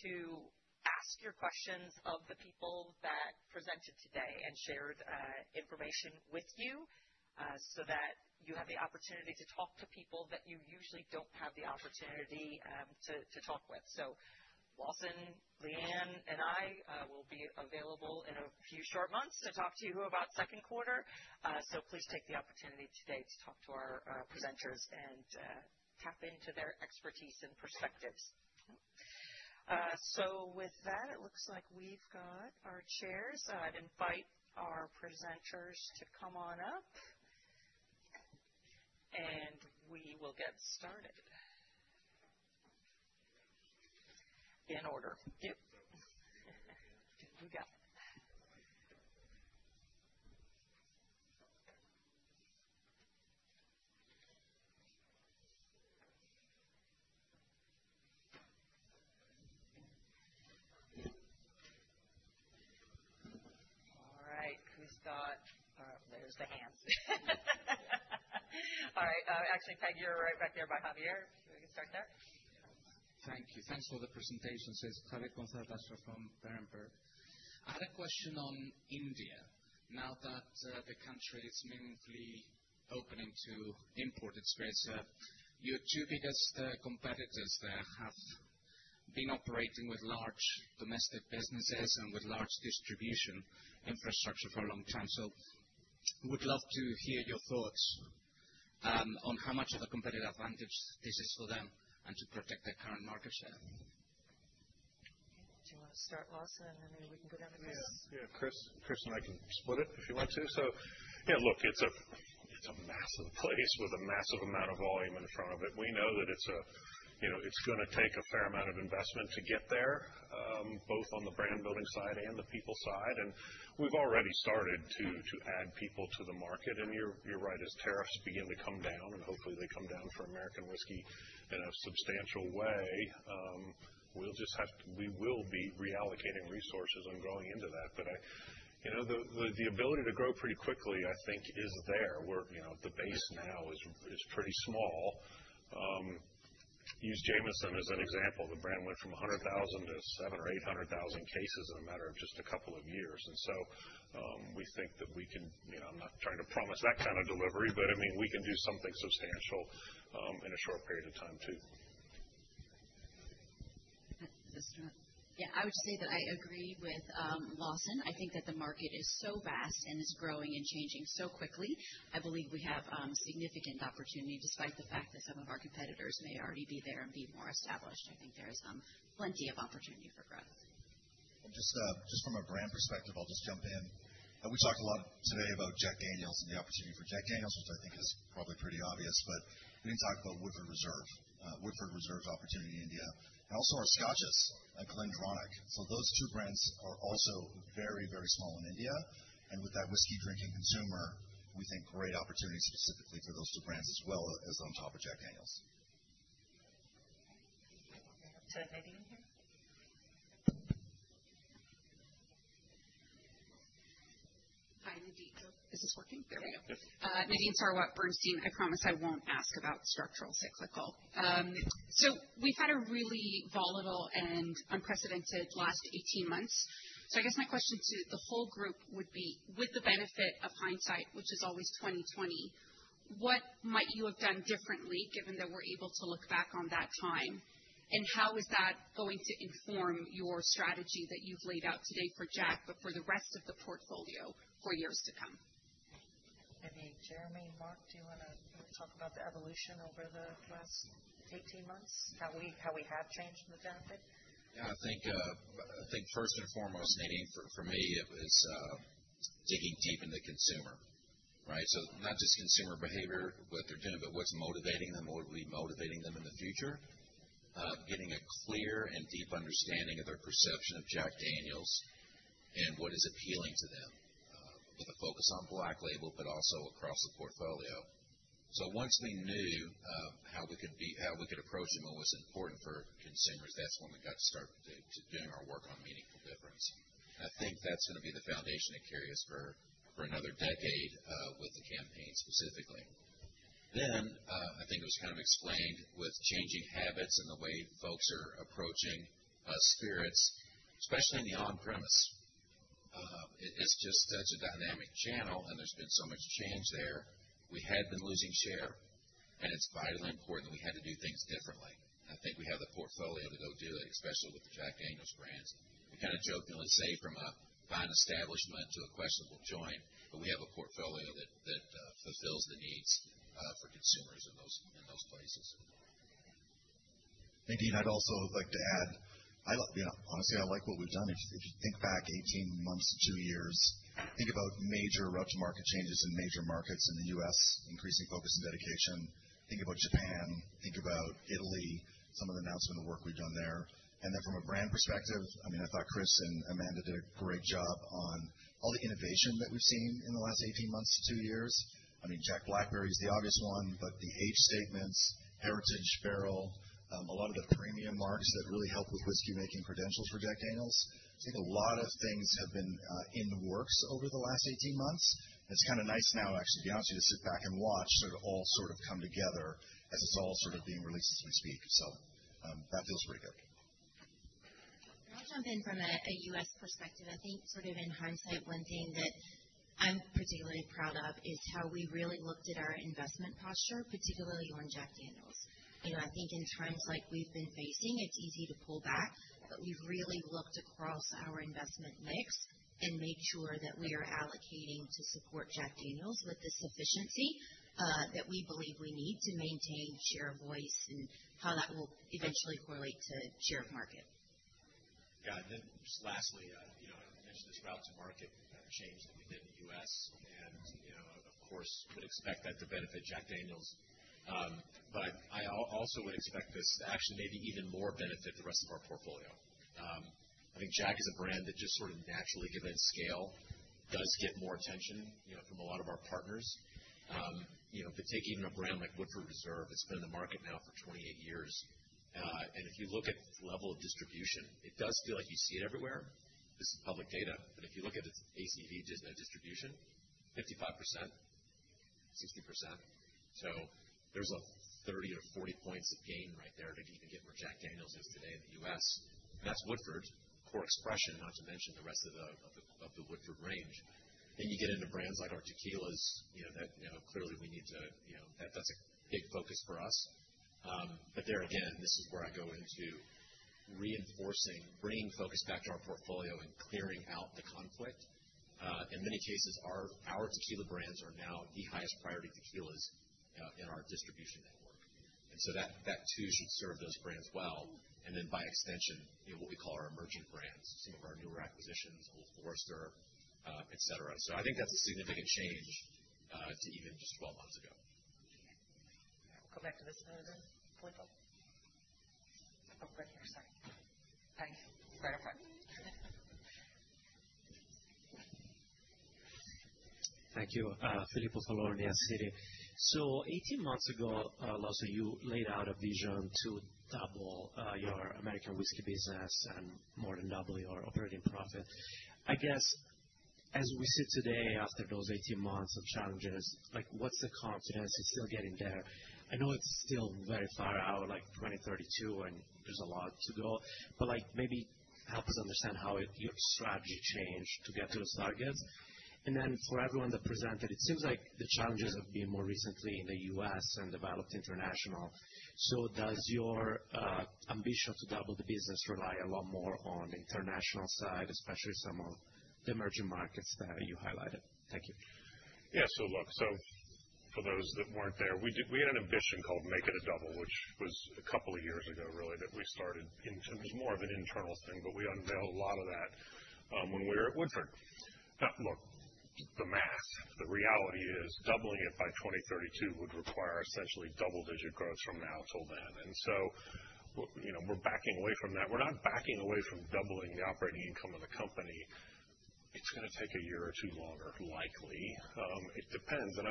to ask your questions of the people that presented today and shared information with you so that you have the opportunity to talk to people that you usually don't have the opportunity to talk with. So Lawson, Leanne, and I will be available in a few short months to talk to you about second quarter. So please take the opportunity today to talk to our presenters and tap into their expertise and perspectives. So with that, it looks like we've got our chairs. I'd invite our presenters to come on up, and we will get started in order. Yep. There we go. All right. Who's got? There's the hands. All right. Actually, Peg, you're right back there by Javier. You want to start there? Thank you. Thanks for the presentation. This is Khaled Khosrow Dasha from Berenberg. I had a question on India. Now that the country is meaningfully opening to imported spirits, your two biggest competitors there have been operating with large domestic businesses and with large distribution infrastructure for a long time. So we'd love to hear your thoughts on how much of a competitive advantage this is for them and to protect their current market share. Do you want to start, Lawson, and then maybe we can go down to Chris? Yeah. Yeah. Chris and I can split it if you want to. So yeah, look, it's a massive place with a massive amount of volume in front of it. We know that it's going to take a fair amount of investment to get there, both on the brand-building side and the people side. And we've already started to add people to the market. And you're right, as tariffs begin to come down, and hopefully they come down for American whiskey in a substantial way, we'll be reallocating resources and growing into that. But the ability to grow pretty quickly, I think, is there. The base now is pretty small. Use Jameson as an example. The brand went from 100,000 to 700 or 800,000 cases in a matter of just a couple of years. And so we think that we can, I'm not trying to promise that kind of delivery, but I mean, we can do something substantial in a short period of time too. Yeah. I would say that I agree with Lawson. I think that the market is so vast and is growing and changing so quickly. I believe we have significant opportunity despite the fact that some of our competitors may already be there and be more established. I think there is plenty of opportunity for growth. Just from a brand perspective, I'll just jump in. We talked a lot today about Jack Daniel's and the opportunity for Jack Daniel's, which I think is probably pretty obvious, but we didn't talk about Woodford Reserve, Woodford Reserve's opportunity in India, and also our Scotches and Glendronach, so those two brands are also very, very small in India, and with that whiskey-drinking consumer, we think great opportunity specifically for those two brands as well as on top of Jack Daniel's. Does Nadine hear? Hi, Nadine. Is this working? There we go. Nadine Sarwat, Bernstein. I promise I won't ask about structural cyclical. So we've had a really volatile and unprecedented last 18 months. So I guess my question to the whole group would be, with the benefit of hindsight, which is always 20/20, what might you have done differently given that we're able to look back on that time? And how is that going to inform your strategy that you've laid out today for Jack, but for the rest of the portfolio for years to come? I think, Jeremy, Mark, do you want to talk about the evolution over the last 18 months, how we have changed in the benefit? Yeah. I think first and foremost, Nadine, for me, it was digging deep in the consumer, right, so not just consumer behavior, what they're doing, but what's motivating them, what will be motivating them in the future, getting a clear and deep understanding of their perception of Jack Daniel's and what is appealing to them with a focus on Black Label, but also across the portfolio, so once we knew how we could approach them and what's important for consumers, that's when we got to start doing our work on meaningful difference, and I think that's going to be the foundation that carries us for another decade with the campaign specifically, then I think it was kind of explained with changing habits and the way folks are approaching spirits, especially in the on-premise. It's just such a dynamic channel, and there's been so much change there. We had been losing share, and it's vitally important that we had to do things differently, and I think we have the portfolio to go do it, especially with the Jack Daniel's brands. We kind of jokingly say from a fine establishment to a questionable joint, but we have a portfolio that fulfills the needs for consumers in those places. Nadine, I'd also like to add, honestly, I like what we've done. If you think back 18 months to two years, think about major route-to-market changes in major markets in the U.S., increasing focus and dedication. Think about Japan. Think about Italy, some of the announcement work we've done there, and then from a brand perspective, I mean, I thought Chris and Amanda did a great job on all the innovation that we've seen in the last 18 months to two years. I mean, Jack Blackberry is the obvious one, but the age statements, Heritage Barrel, a lot of the premium marks that really help with whiskey-making credentials for Jack Daniel's. I think a lot of things have been in the works over the last 18 months, and it's kind of nice now, actually, to be honest with you, to sit back and watch sort of all sort of come together as it's all sort of being released as we speak, so that feels pretty good. I'll jump in from a U.S. perspective. I think sort of in hindsight, one thing that I'm particularly proud of is how we really looked at our investment posture, particularly on Jack Daniel's. I think in times like we've been facing, it's easy to pull back, but we've really looked across our investment mix and made sure that we are allocating to support Jack Daniel's with the sufficiency that we believe we need to maintain share of voice and how that will eventually correlate to share of market. Yeah. And then just lastly, I mentioned this route-to-market change that we did in the U.S. And of course, we would expect that to benefit Jack Daniel's. But I also would expect this to actually maybe even more benefit the rest of our portfolio. I think Jack is a brand that just sort of naturally, given its scale, does get more attention from a lot of our partners. But take even a brand like Woodford Reserve. It's been in the market now for 28 years. And if you look at its level of distribution, it does feel like you see it everywhere. This is public data. But if you look at its ACV distribution, 55%-60%. So there's a 30 or 40 points of gain right there to even get where Jack Daniel's is today in the U.S. And that's Woodford, core expression, not to mention the rest of the Woodford range. Then you get into brands like our tequilas that clearly we need to, that's a big focus for us. But there again, this is where I go into reinforcing, bringing focus back to our portfolio and clearing out the conflict. In many cases, our tequila brands are now the highest priority tequilas in our distribution network. And so that too should serve those brands well. And then by extension, what we call our emerging brands, some of our newer acquisitions, Old Forester, etc. So I think that's a significant change to even just 12 months ago. I'll come back to this in a minute. Oh, right here. Sorry. Thanks. Right up front. Thank you. Filippo Falorni, Citi. So 18 months ago, Lawson, you laid out a vision to double your American whiskey business and more than double your operating profit. I guess as we sit today after those 18 months of challenges, what's the confidence? It's still getting there. I know it's still very far out, like 2032, and there's a lot to go. But maybe help us understand how your strategy changed to get to those targets. And then for everyone that presented, it seems like the challenges have been more recently in the U.S. and developed international. So does your ambition to double the business rely a lot more on the international side, especially some of the emerging markets that you highlighted? Thank you. Yeah. So look, so for those that weren't there, we had an ambition called Make It a Double, which was a couple of years ago, really, that we started. It was more of an internal thing, but we unveiled a lot of that when we were at Woodford. Now, look, the math, the reality is doubling it by 2032 would require essentially double-digit growth from now till then. And so we're backing away from that. We're not backing away from doubling the operating income of the company. It's going to take a year or two longer, likely. It depends. And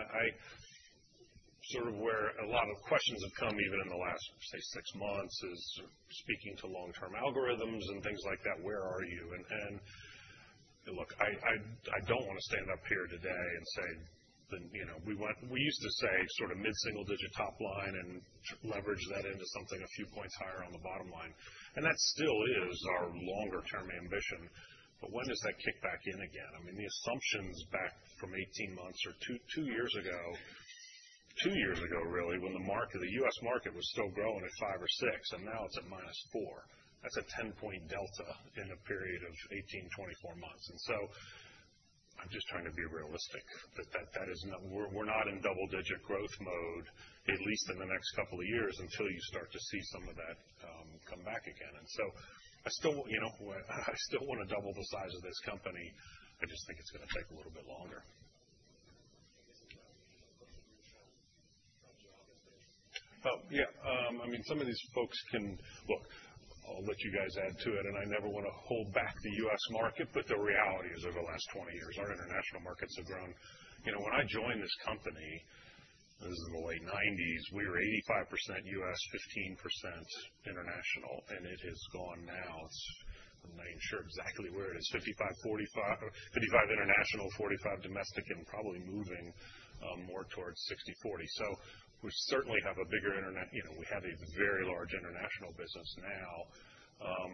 sort of where a lot of questions have come even in the last, say, six months is speaking to long-term algorithms and things like that. Where are you? And look, I don't want to stand up here today and say we used to say sort of mid-single-digit top line and leverage that into something a few points higher on the bottom line. And that still is our longer-term ambition. But when does that kick back in again? I mean, the assumptions back from 18 months or two years ago, two years ago, really, when the market, the U.S. market was still growing at five or six, and now it's at minus four. That's a 10-point delta in a period of 18-24 months. And so I'm just trying to be realistic that we're not in double-digit growth mode, at least in the next couple of years until you start to see some of that come back again. And so I still want to double the size of this company. I just think it's going to take a little bit longer. Oh, yeah. I mean, some of these folks can. Look, I'll let you guys add to it. And I never want to hold back the U.S. market, but the reality is over the last 20 years, our international markets have grown. When I joined this company, this is in the late 1990s, we were 85% U.S., 15% international. And it has gone now. I'm not even sure exactly where it is. 55% international, 45% domestic, and probably moving more towards 60%, 40%. So we certainly have a bigger. We have a very large international business now.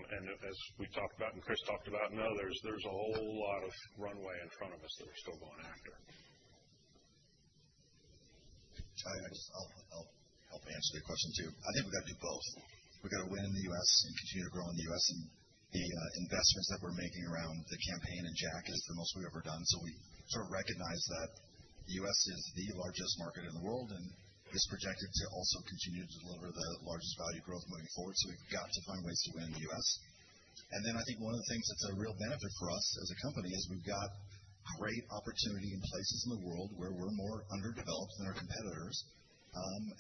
And as we talked about and Chris talked about and others, there's a whole lot of runway in front of us that we're still going after. Kelly, I'll help answer your question too. I think we got to do both. We got to win in the U.S. and continue to grow in the U.S., and the investments that we're making around the campaign and Jack is the most we've ever done, so we sort of recognize that the U.S. is the largest market in the world and is projected to also continue to deliver the largest value growth moving forward, so we've got to find ways to win in the U.S., and then I think one of the things that's a real benefit for us as a company is we've got great opportunity in places in the world where we're more underdeveloped than our competitors,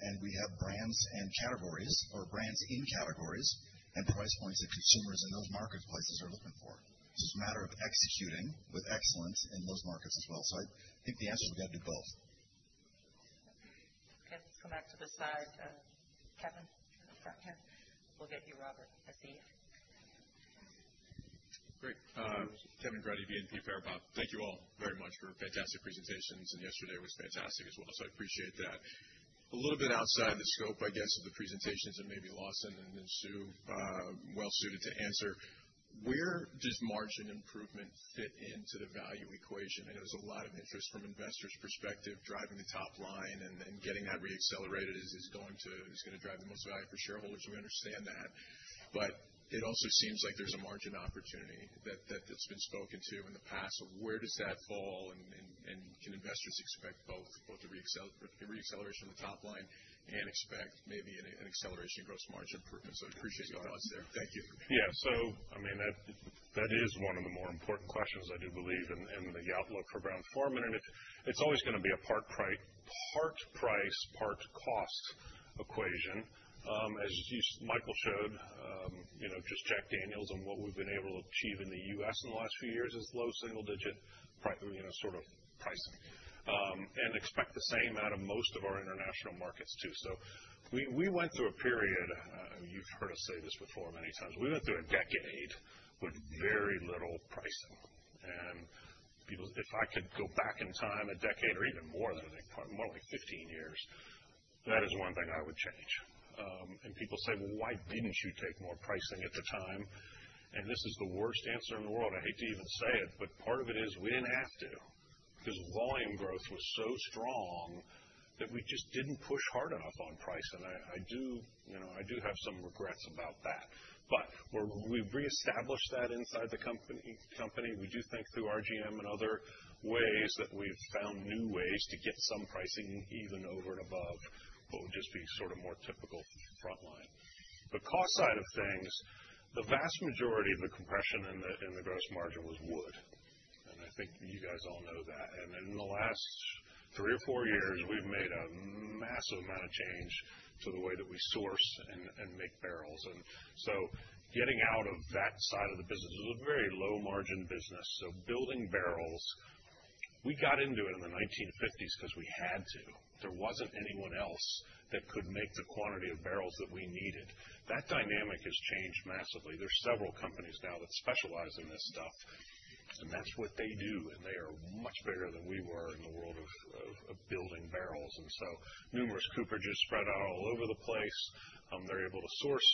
and we have brands and categories or brands in categories and price points that consumers in those marketplaces are looking for. So it's a matter of executing with excellence in those markets as well. So I think the answer is we got to do both. Okay. Let's come back to the side. Kevin, you're in the front here. We'll get you, Robert, as the. Great. Kevin Grundy, BNP Paribas. Thank you all very much for fantastic presentations. And yesterday was fantastic as well. So I appreciate that. A little bit outside the scope, I guess, of the presentations that maybe Lawson and then Sue well-suited to answer. Where does margin improvement fit into the value equation? I know there's a lot of interest from investors' perspective driving the top line and getting that reaccelerated is going to drive the most value for shareholders. We understand that. But it also seems like there's a margin opportunity that's been spoken to in the past of where does that fall and can investors expect both a reacceleration of the top line and expect maybe an acceleration in gross margin improvement? So I'd appreciate your thoughts there. Thank you. Yeah. So I mean, that is one of the more important questions, I do believe, and the outlook for around four minutes. It's always going to be a part-price, part-cost equation. As Michael showed, just Jack Daniel's and what we've been able to achieve in the U.S. in the last few years is low single-digit sort of pricing and expect the same out of most of our international markets too. So we went through a period, you've heard us say this before many times, we went through a decade with very little pricing. And if I could go back in time a decade or even more than a decade, more like 15 years, that is one thing I would change. And people say, "Well, why didn't you take more pricing at the time?" And this is the worst answer in the world. I hate to even say it, but part of it is we didn't have to because volume growth was so strong that we just didn't push hard enough on pricing. I do have some regrets about that, but we've reestablished that inside the company. We do think through RGM and other ways that we've found new ways to get some pricing even over and above, but would just be sort of more typical front line. The cost side of things, the vast majority of the compression in the gross margin was wood, and I think you guys all know that, and in the last three or four years, we've made a massive amount of change to the way that we source and make barrels, and so getting out of that side of the business, it was a very low-margin business. So building barrels, we got into it in the 1950s because we had to. There wasn't anyone else that could make the quantity of barrels that we needed. That dynamic has changed massively. There's several companies now that specialize in this stuff. And that's what they do. And they are much bigger than we were in the world of building barrels. And so numerous cooperages spread out all over the place. They're able to source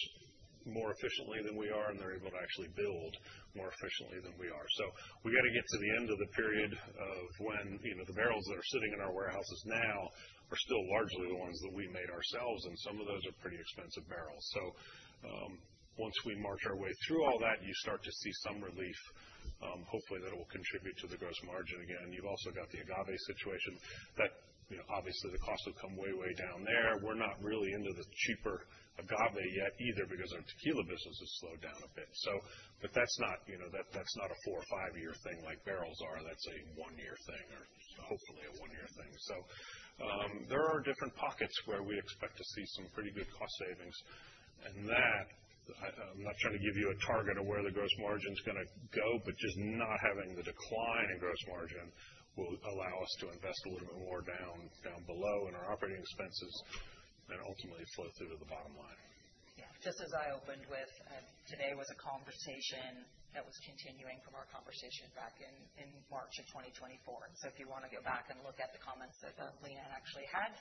more efficiently than we are, and they're able to actually build more efficiently than we are. So we got to get to the end of the period of when the barrels that are sitting in our warehouses now are still largely the ones that we made ourselves. And some of those are pretty expensive barrels. So once we march our way through all that, you start to see some relief. Hopefully, that will contribute to the gross margin again. You've also got the agave situation. Obviously, the cost will come way, way down there. We're not really into the cheaper agave yet either because our tequila business has slowed down a bit. But that's not a four or five-year thing like barrels are. That's a one-year thing or hopefully a one-year thing. So there are different pockets where we expect to see some pretty good cost savings. And that, I'm not trying to give you a target of where the gross margin's going to go, but just not having the decline in gross margin will allow us to invest a little bit more down below in our operating expenses and ultimately flow through to the bottom line. Yeah. Just as I opened with, today was a conversation that was continuing from our conversation back in March of 2024, and so if you want to go back and look at the comments that Leanne and I actually had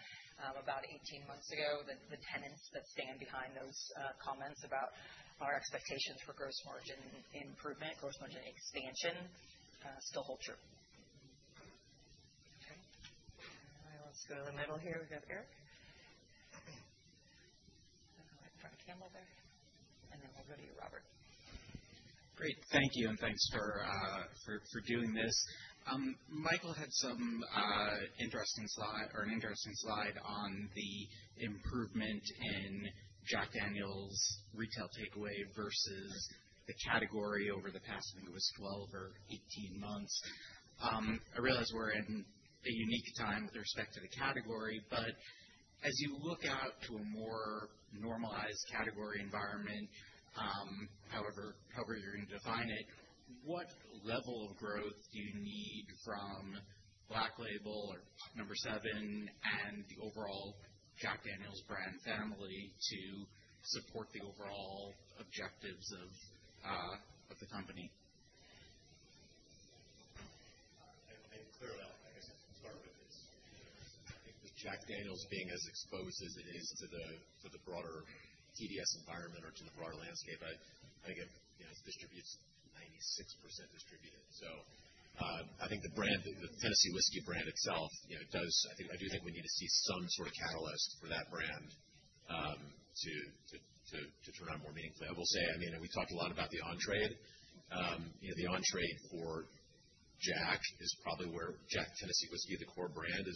about 18 months ago, the tenets that stand behind those comments about our expectations for gross margin improvement, gross margin expansion, still hold true. Okay. Let's go to the middle here. We've got Eric. I'll let John Campbell there, and then we'll go to you, Robert. Great. Thank you. And thanks for doing this. Michael had some interesting slide or an interesting slide on the improvement in Jack Daniel's retail takeaway versus the category over the past, I think it was 12 or 18 months. I realize we're in a unique time with respect to the category. But as you look out to a more normalized category environment, however you're going to define it, what level of growth do you need from Black Label or Number 7 and the overall Jack Daniel's brand family to support the overall objectives of the company? And clearly, I guess to start with, it's, I think, with Jack Daniel's being as exposed as it is to the broader TDS environment or to the broader landscape. I think it's 96% distributed. So I think the Tennessee Whiskey brand itself does. I do think we need to see some sort of catalyst for that brand to turn out more meaningfully. I will say, I mean, we talked a lot about the entry. The entry for Jack is probably where Jack Daniel's Tennessee Whiskey, the core brand,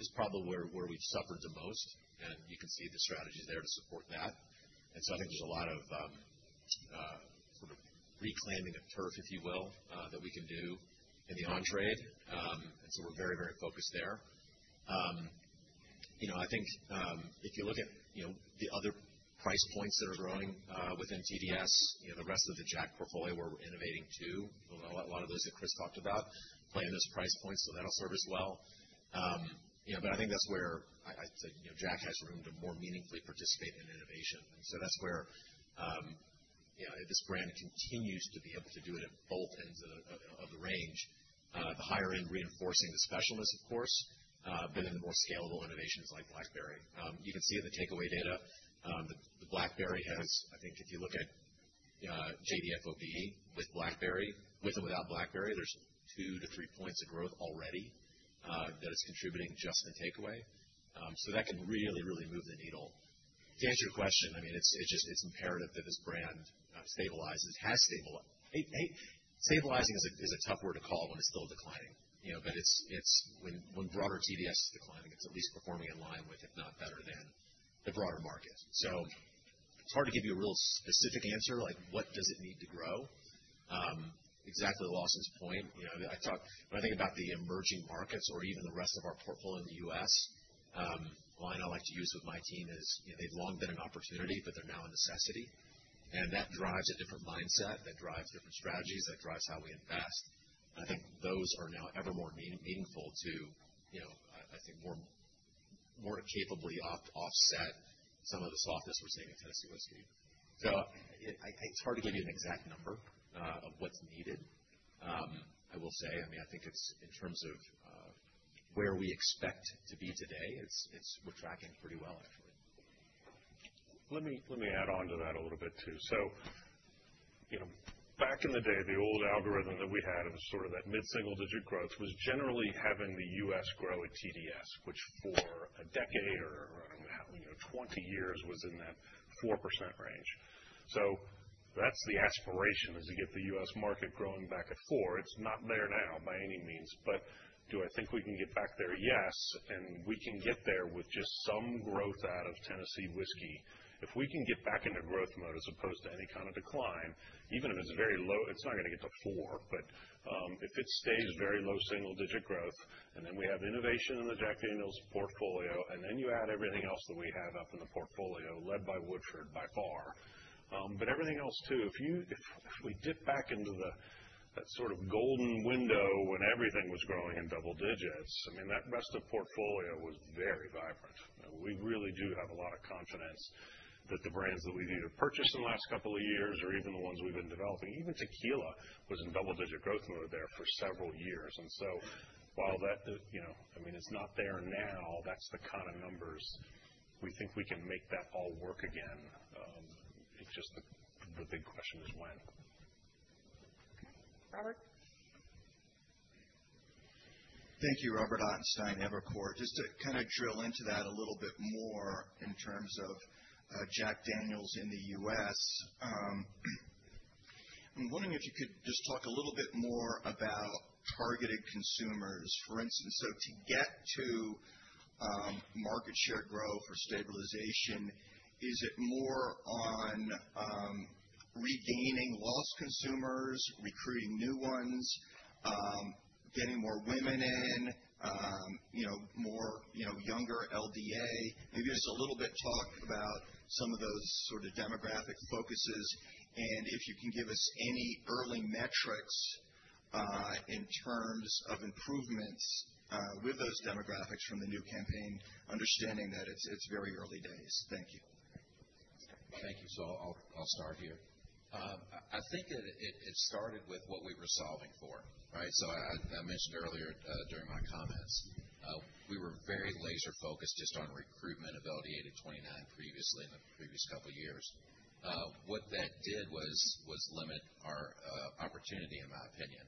is probably where we've suffered the most. And you can see the strategies there to support that. And so I think there's a lot of sort of reclaiming of turf, if you will, that we can do in the entry. And so we're very, very focused there. I think if you look at the other price points that are growing within TDS, the rest of the Jack portfolio where we're innovating too, a lot of those that Chris talked about, play in those price points. So that'll serve us well. But I think that's where I'd say Jack has room to more meaningfully participate in innovation. And so that's where this brand continues to be able to do it at both ends of the range. The higher-end reinforcing the specialists, of course, but then the more scalable innovations like Blackberry. You can see in the takeaway data, the Blackberry has, I think if you look at JDFOB with Blackberry, with and without Blackberry, there's two to three points of growth already that it's contributing just in takeaway. So that can really, really move the needle. To answer your question, I mean, it's imperative that this brand stabilizes, has stabilized. Stabilizing is a tough word to call when it's still declining. But when broader TDS is declining, it's at least performing in line with, if not better than, the broader market. So it's hard to give you a real specific answer, like what does it need to grow? Exactly Lawson's point. When I think about the emerging markets or even the rest of our portfolio in the U.S., the line I like to use with my team is they've long been an opportunity, but they're now a necessity. And that drives a different mindset. That drives different strategies. That drives how we invest. And I think those are now ever more meaningful to, I think, more capably offset some of the softness we're seeing in Tennessee Whiskey. It's hard to give you an exact number of what's needed. I will say, I mean, I think in terms of where we expect to be today, we're tracking pretty well, actually. Let me add on to that a little bit too. So back in the day, the old algorithm that we had of sort of that mid-single-digit growth was generally having the U.S. grow at TDS, which for a decade or 20 years was in that 4% range. So that's the aspiration is to get the U.S. market growing back. Before, it's not there now by any means. But do I think we can get back there? Yes. And we can get there with just some growth out of Tennessee Whiskey. If we can get back into growth mode as opposed to any kind of decline, even if it's very low, it's not going to get to four. But if it stays very low single-digit growth, and then we have innovation in the Jack Daniel's portfolio, and then you add everything else that we have up in the portfolio led by Woodford by far. But everything else too, if we dip back into that sort of golden window when everything was growing in double digits, I mean, that rest of portfolio was very vibrant. We really do have a lot of confidence that the brands that we've either purchased in the last couple of years or even the ones we've been developing, even tequila was in double-digit growth mode there for several years. And so while that, I mean, it's not there now, that's the kind of numbers we think we can make that all work again. It's just the big question is when. Okay. Robert? Thank you, Robert Ottenstein, Evercore. Just to kind of drill into that a little bit more in terms of Jack Daniel's in the U.S., I'm wondering if you could just talk a little bit more about targeted consumers. For instance, so to get to market share growth or stabilization, is it more on regaining lost consumers, recruiting new ones, getting more women in, more younger LDA? Maybe just a little bit talk about some of those sort of demographic focuses. And if you can give us any early metrics in terms of improvements with those demographics from the new campaign, understanding that it's very early days. Thank you. Thank you. So I'll start here. I think that it started with what we were solving for, right? So I mentioned earlier during my comments, we were very laser-focused just on recruitment of LDA to 29 previously in the previous couple of years. What that did was limit our opportunity, in my opinion.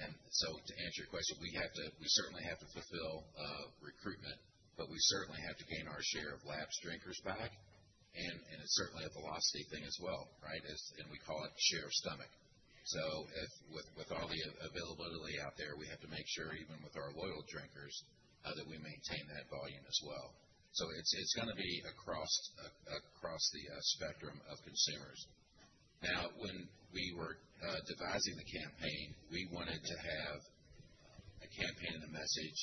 And so to answer your question, we certainly have to fulfill recruitment, but we certainly have to gain our share of LDA drinkers back. And it's certainly a velocity thing as well, right? And we call it share of stomach. So with all the availability out there, we have to make sure even with our loyal drinkers that we maintain that volume as well. So it's going to be across the spectrum of consumers. Now, when we were devising the campaign, we wanted to have a campaign and a message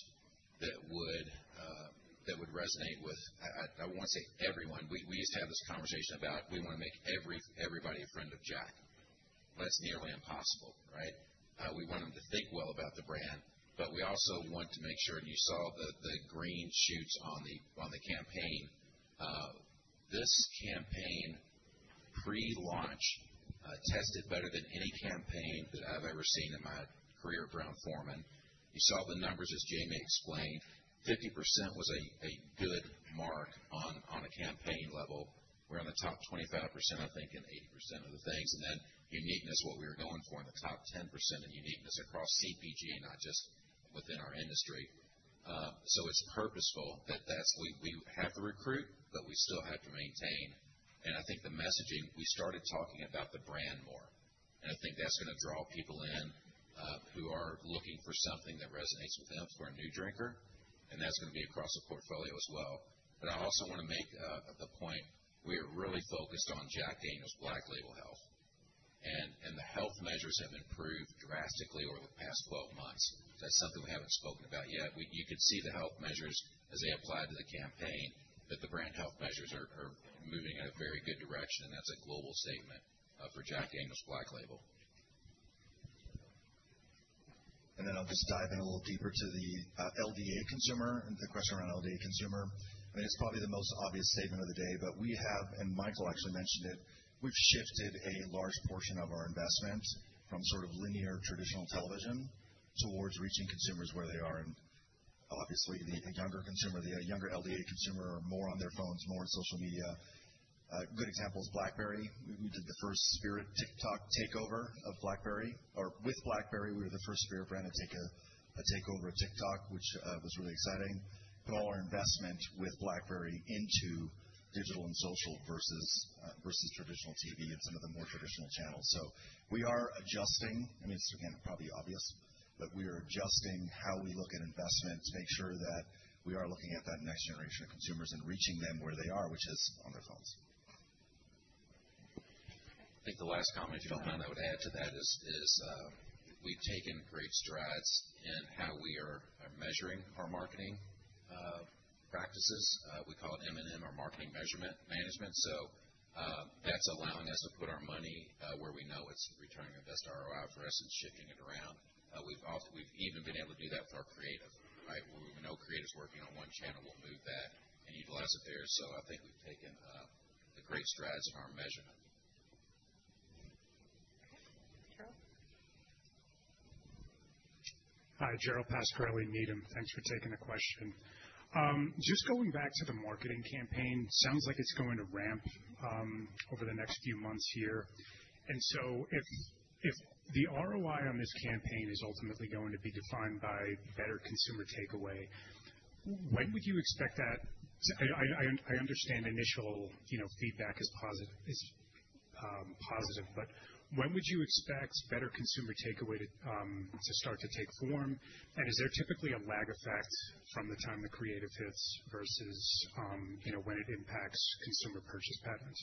that would resonate with, I won't say everyone. We used to have this conversation about we want to make everybody a friend of Jack. That's nearly impossible, right? We want them to think well about the brand, but we also want to make sure, and you saw the green shoots on the campaign. This campaign pre-launch tested better than any campaign that I've ever seen in my career of Brown-Forman. You saw the numbers as Jamie explained. 50% was a good mark on a campaign level. We're in the top 25%, I think, in 80% of the things. And then uniqueness, what we were going for in the top 10% and uniqueness across CPG, not just within our industry. So it's purposeful that we have to recruit, but we still have to maintain. I think the messaging. We started talking about the brand more. I think that's going to draw people in who are looking for something that resonates with them for a new drinker. That's going to be across the portfolio as well. I also want to make the point we are really focused on Jack Daniel's Black Label health. The health measures have improved drastically over the past 12 months. That's something we haven't spoken about yet. You could see the health measures as they applied to the campaign. The brand health measures are moving in a very good direction. That's a global statement for Jack Daniel's Black Label. And then I'll just dive in a little deeper to the LDA consumer and the question around LDA consumer. I mean, it's probably the most obvious statement of the day, but we have, and Michael actually mentioned it, we've shifted a large portion of our investment from sort of linear traditional television towards reaching consumers where they are. And obviously, the younger consumer, the younger LDA consumer are more on their phones, more on social media. A good example is Blackberry. We did the first spirit TikTok takeover of Blackberry, or with Blackberry we were the first spirit brand to take over TikTok, which was really exciting. Put all our investment with Blackberry into digital and social versus traditional TV and some of the more traditional channels, so we are adjusting. I mean, it's again, probably obvious, but we are adjusting how we look at investment to make sure that we are looking at that next generation of consumers and reaching them where they are, which is on their phones. I think the last comment, if you don't mind, I would add to that is we've taken great strides in how we are measuring our marketing practices. We call it M&M or marketing management. So that's allowing us to put our money where we know it's returning the best ROI for us and shifting it around. We've even been able to do that with our creative, right? Where we know creative's working on one channel, we'll move that and utilize it there. So I think we've taken great strides in our measurement. Okay. Gerald? Hi, Gerald Pascarelli, Needham. Thanks for taking the question. Just going back to the marketing campaign, sounds like it's going to ramp over the next few months here. And so if the ROI on this campaign is ultimately going to be defined by better consumer takeaway, when would you expect that? I understand initial feedback is positive, but when would you expect better consumer takeaway to start to take form? And is there typically a lag effect from the time the creative hits versus when it impacts consumer purchase patterns?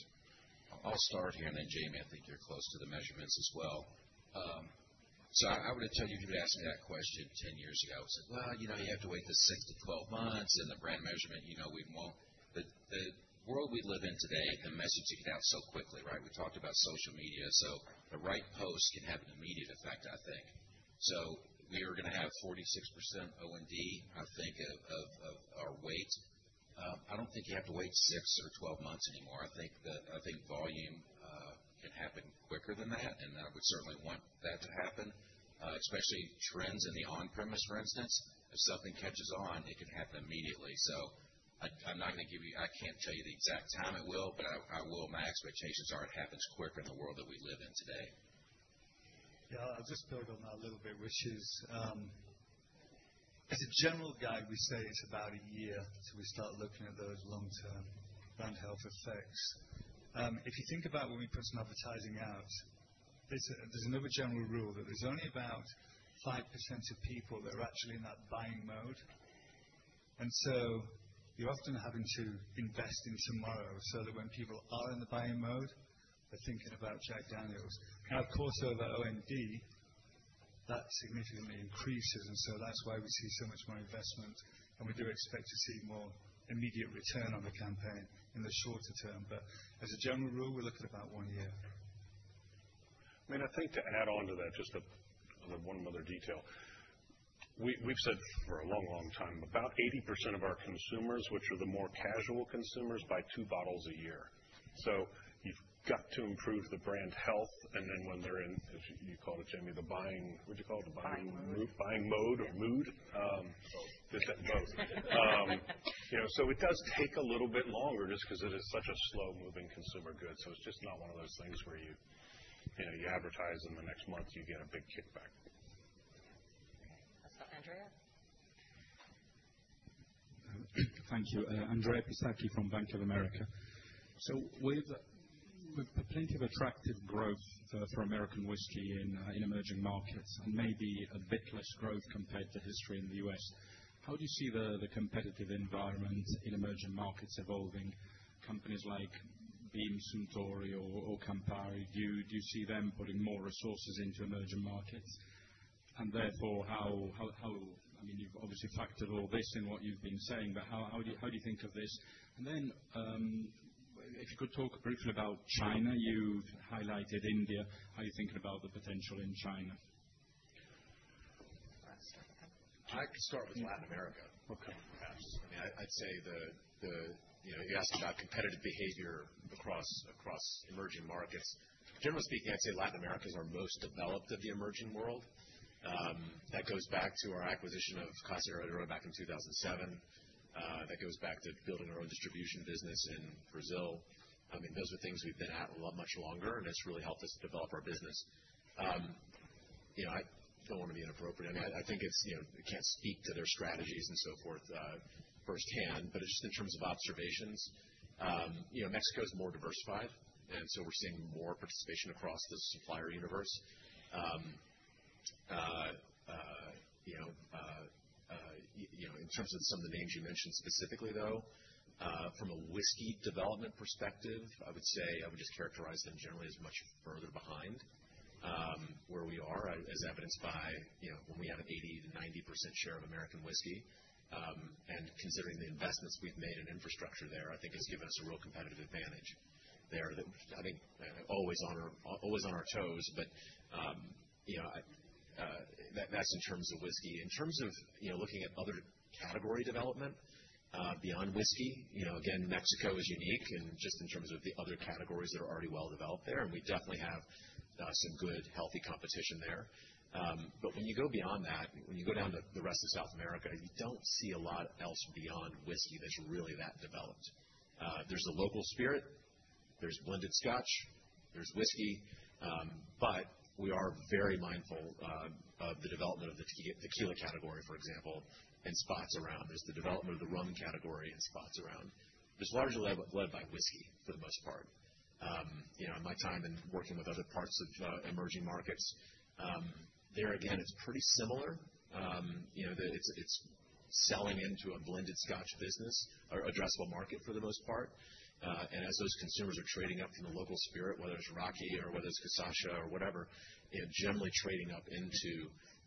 I'll start here, and then Jamie, I think you're close to the measurements as well, so I would have told you if you'd asked me that question 10 years ago, I would say, "Well, you have to wait the 6-12 months and the brand measurement, we won't," but the world we live in today, the message is getting out so quickly, right? We talked about social media, so the right post can have an immediate effect, I think, so we are going to have 46% OND, I think, of our weight. I don't think you have to wait 6 or 12 months anymore. I think volume can happen quicker than that, and I would certainly want that to happen, especially trends in the on-premise, for instance. If something catches on, it can happen immediately. So I'm not going to give you, I can't tell you the exact time it will, but my expectations are it happens quicker in the world that we live in today. Yeah. I'll just build on that a little bit, which is, as a general guide, we say it's about a year till we start looking at those long-term brand health effects. If you think about when we put some advertising out, there's another general rule that there's only about 5% of people that are actually in that buying mode. And so you're often having to invest in tomorrow so that when people are in the buying mode, they're thinking about Jack Daniels. Now, of course, over OND, that significantly increases. And so that's why we see so much more investment. And we do expect to see more immediate return on the campaign in the shorter term. But as a general rule, we're looking at about one year. I mean, I think to add on to that, just one other detail. We've said for a long, long time, about 80% of our consumers, which are the more casual consumers, buy two bottles a year, so you've got to improve the brand health, and then when they're in, as you call it, Jamie, the buying - what'd you call it? The buying mood or mood? Buying mode. Both. Both. So it does take a little bit longer just because it is such a slow-moving consumer good. So it's just not one of those things where you advertise in the next month, you get a big kickback. Okay. How's that, Andrea? Thank you. Andrea Pistacchi from Bank of America. So we've got plenty of attractive growth for American whiskey in emerging markets and maybe a bit less growth compared to history in the U.S. How do you see the competitive environment in emerging markets evolving? Companies like Beam Suntory, or Campari, do you see them putting more resources into emerging markets? And therefore, I mean, you've obviously factored all this in what you've been saying, but how do you think of this? And then if you could talk briefly about China, you've highlighted India. How are you thinking about the potential in China? I can start with Latin America, perhaps. I mean, I'd say you asked about competitive behavior across emerging markets. Generally speaking, I'd say Latin Americans are most developed of the emerging world. That goes back to our acquisition of Casa Herradura back in 2007. That goes back to building our own distribution business in Brazil. I mean, those are things we've been at much longer, and it's really helped us develop our business. I don't want to be inappropriate. I mean, I think we can't speak to their strategies and so forth firsthand, but just in terms of observations, Mexico is more diversified, and so we're seeing more participation across the supplier universe. In terms of some of the names you mentioned specifically, though, from a whiskey development perspective, I would say I would just characterize them generally as much further behind where we are, as evidenced by when we have an 80%-90% share of American whiskey. And considering the investments we've made in infrastructure there, I think it's given us a real competitive advantage there that I think always on our toes. But that's in terms of whiskey. In terms of looking at other category development beyond whiskey, again, Mexico is unique just in terms of the other categories that are already well developed there. And we definitely have some good healthy competition there. But when you go beyond that, when you go down to the rest of South America, you don't see a lot else beyond whiskey that's really that developed. There's a local spirit. There's blended scotch. There's whiskey, but we are very mindful of the development of the tequila category, for example, and spots around. There's the development of the rum category and spots around, but it's largely led by whiskey for the most part. In my time and working with other parts of emerging markets, there again, it's pretty similar. It's selling into a blended scotch business, addressable market for the most part, and as those consumers are trading up from the local spirit, whether it's raki or whether it's cachaça or whatever, generally trading up into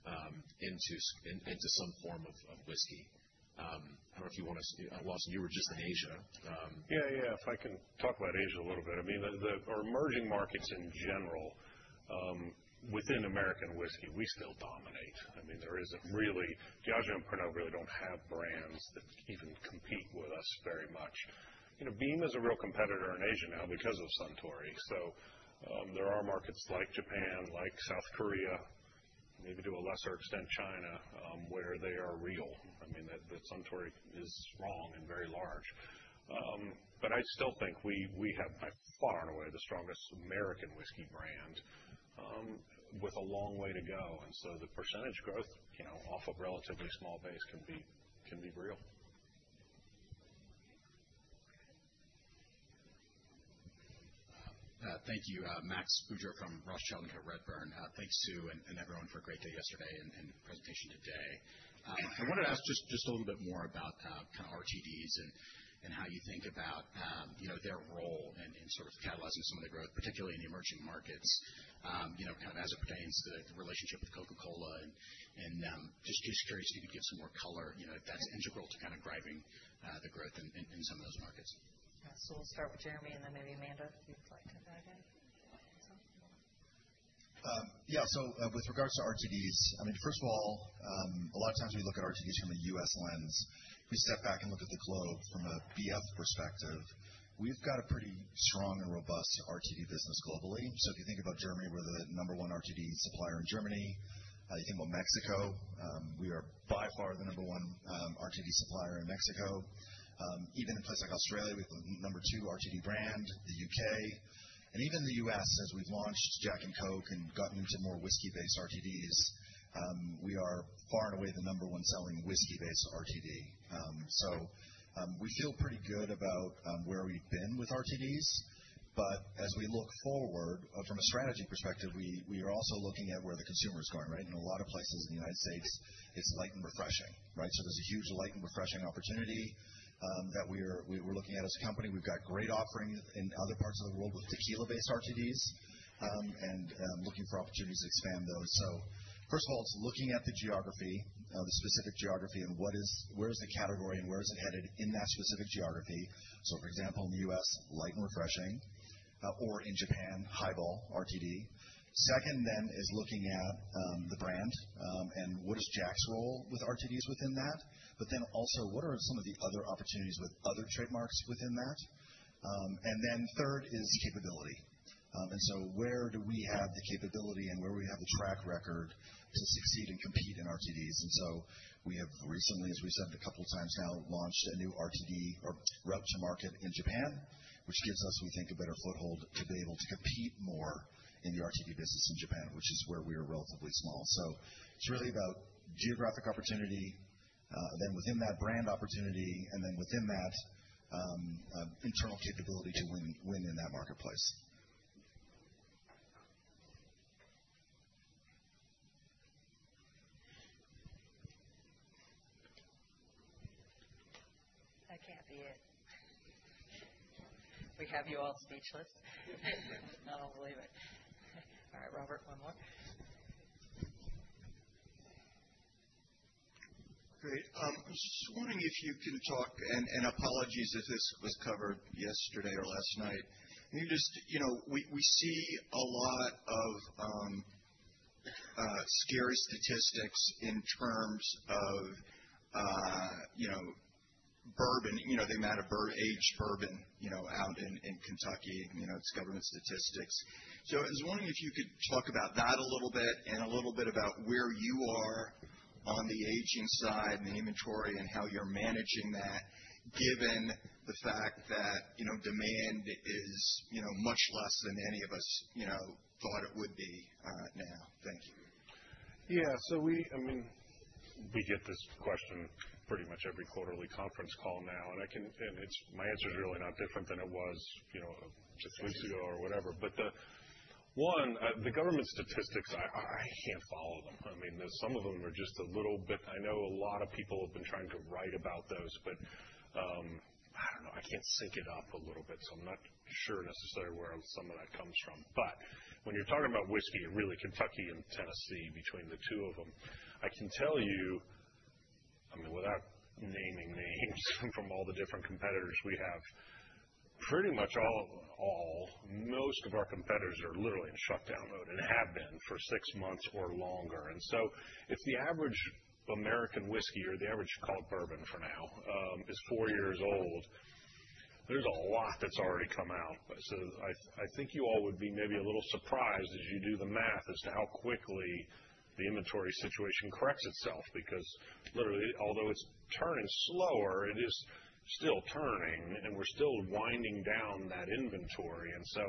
some form of whiskey. I don't know if you want to, Wash. You were just in Asia. Yeah, yeah. If I can talk about Asia a little bit. I mean, our emerging markets in general within American whiskey, we still dominate. I mean, there isn't really, Diageo and Pernod really don't have brands that even compete with us very much. Beam is a real competitor in Asia now because of Suntory. So there are markets like Japan, like South Korea, maybe to a lesser extent China, where they are real. I mean, Suntory is strong and very large. But I still think we have, by far and away, the strongest American whiskey brand with a long way to go. And so the percentage growth off a relatively small base can be real. Thank you. Max Spurgin from Redburn Atlantic. Thanks, Sue, and everyone for a great day yesterday and presentation today. I wanted to ask just a little bit more about kind of RTDs and how you think about their role in sort of catalyzing some of the growth, particularly in the emerging markets, kind of as it pertains to the relationship with Coca-Cola. And just curious if you could give some more color if that's integral to kind of driving the growth in some of those markets. Yeah, so we'll start with Jeremy, and then maybe Amanda, if you'd like to dive in. Yeah. So with regards to RTDs, I mean, first of all, a lot of times we look at RTDs from a U.S. lens. If we step back and look at the globe from a BF perspective, we've got a pretty strong and robust RTD business globally. So if you think about Germany, we're the number one RTD supplier in Germany. You think about Mexico, we are by far the number one RTD supplier in Mexico. Even in a place like Australia, we have the number two RTD brand, the U.K. And even the U.S., as we've launched Jack and Coke and gotten into more whiskey-based RTDs, we are far and away the number one selling whiskey-based RTD. So we feel pretty good about where we've been with RTDs. But as we look forward, from a strategy perspective, we are also looking at where the consumer is going, right? In a lot of places in the United States, it's light and refreshing, right? So there's a huge light and refreshing opportunity that we're looking at as a company. We've got great offerings in other parts of the world with tequila-based RTDs and looking for opportunities to expand those. So first of all, it's looking at the geography, the specific geography, and where is the category and where is it headed in that specific geography. So for example, in the U.S., light and refreshing, or in Japan, highball RTD. Second then is looking at the brand and what is Jack's role with RTDs within that? But then also, what are some of the other opportunities with other trademarks within that? And then third is capability. And so where do we have the capability and where do we have the track record to succeed and compete in RTDs? We have recently, as we said a couple of times now, launched a new RTD or route to market in Japan, which gives us, we think, a better foothold to be able to compete more in the RTD business in Japan, which is where we are relatively small. It's really about geographic opportunity, then within that brand opportunity, and then within that internal capability to win in that marketplace. That can't be it. We have you all speechless. I don't believe it. All right, Robert, one more. Great. I was just wondering if you can talk, and apologies if this was covered yesterday or last night. We see a lot of scary statistics in terms of bourbon. They've added aged bourbon out in Kentucky. It's government statistics. So I was wondering if you could talk about that a little bit and a little bit about where you are on the aging side and the inventory and how you're managing that, given the fact that demand is much less than any of us thought it would be now. Thank you. Yeah. So I mean, we get this question pretty much every quarterly conference call now, and my answer is really not different than it was just weeks ago or whatever, but one, the government statistics, I can't follow them. I mean, some of them are just a little bit. I know a lot of people have been trying to write about those, but I don't know. I can't sync it up a little bit, so I'm not sure necessarily where some of that comes from, but when you're talking about whiskey, really Kentucky and Tennessee, between the two of them, I can tell you. I mean, without naming names from all the different competitors we have, pretty much all, most of our competitors are literally in shutdown mode and have been for six months or longer. And so if the average American whiskey or the average, call it bourbon for now, is four years old, there's a lot that's already come out, so I think you all would be maybe a little surprised as you do the math as to how quickly the inventory situation corrects itself because literally, although it's turning slower, it is still turning, and we're still winding down that inventory, and so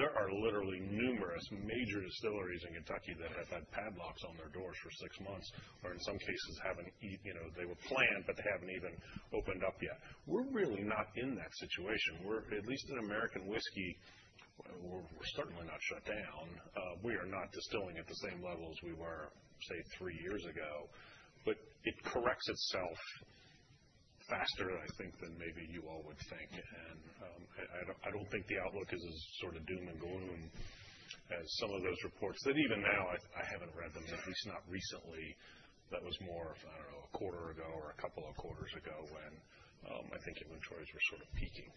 there are literally numerous major distilleries in Kentucky that have had padlocks on their doors for six months or, in some cases, haven't. They were planned, but they haven't even opened up yet. We're really not in that situation. At least in American whiskey, we're certainly not shut down, we are not distilling at the same level as we were, say, three years ago, but it corrects itself faster, I think, than maybe you all would think. And I don't think the outlook is as sort of doom and gloom as some of those reports. Then, even now, I haven't read them, at least not recently. That was more, I don't know, a quarter ago or a couple of quarters ago when I think inventories were sort of peaking.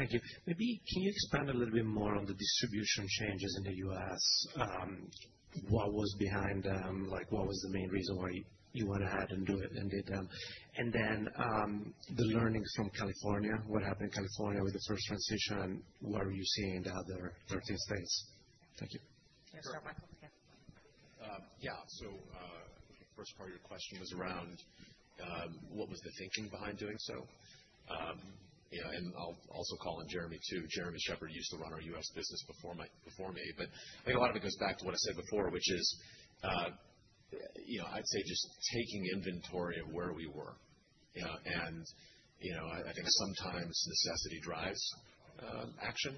Clifford. Thank you. Maybe can you expand a little bit more on the distribution changes in the U.S.? What was behind them? What was the main reason why you went ahead and did them? And then the learnings from California, what happened in California with the first transition? What are you seeing in the other 13 states? Thank you. Yeah. Start back up again. Yeah, so first part of your question was around what was the thinking behind doing so? And I'll also call on Jeremy too. Jeremy Shepherd used to run our U.S. business before me, but I think a lot of it goes back to what I said before, which is I'd say just taking inventory of where we were, and I think sometimes necessity drives action,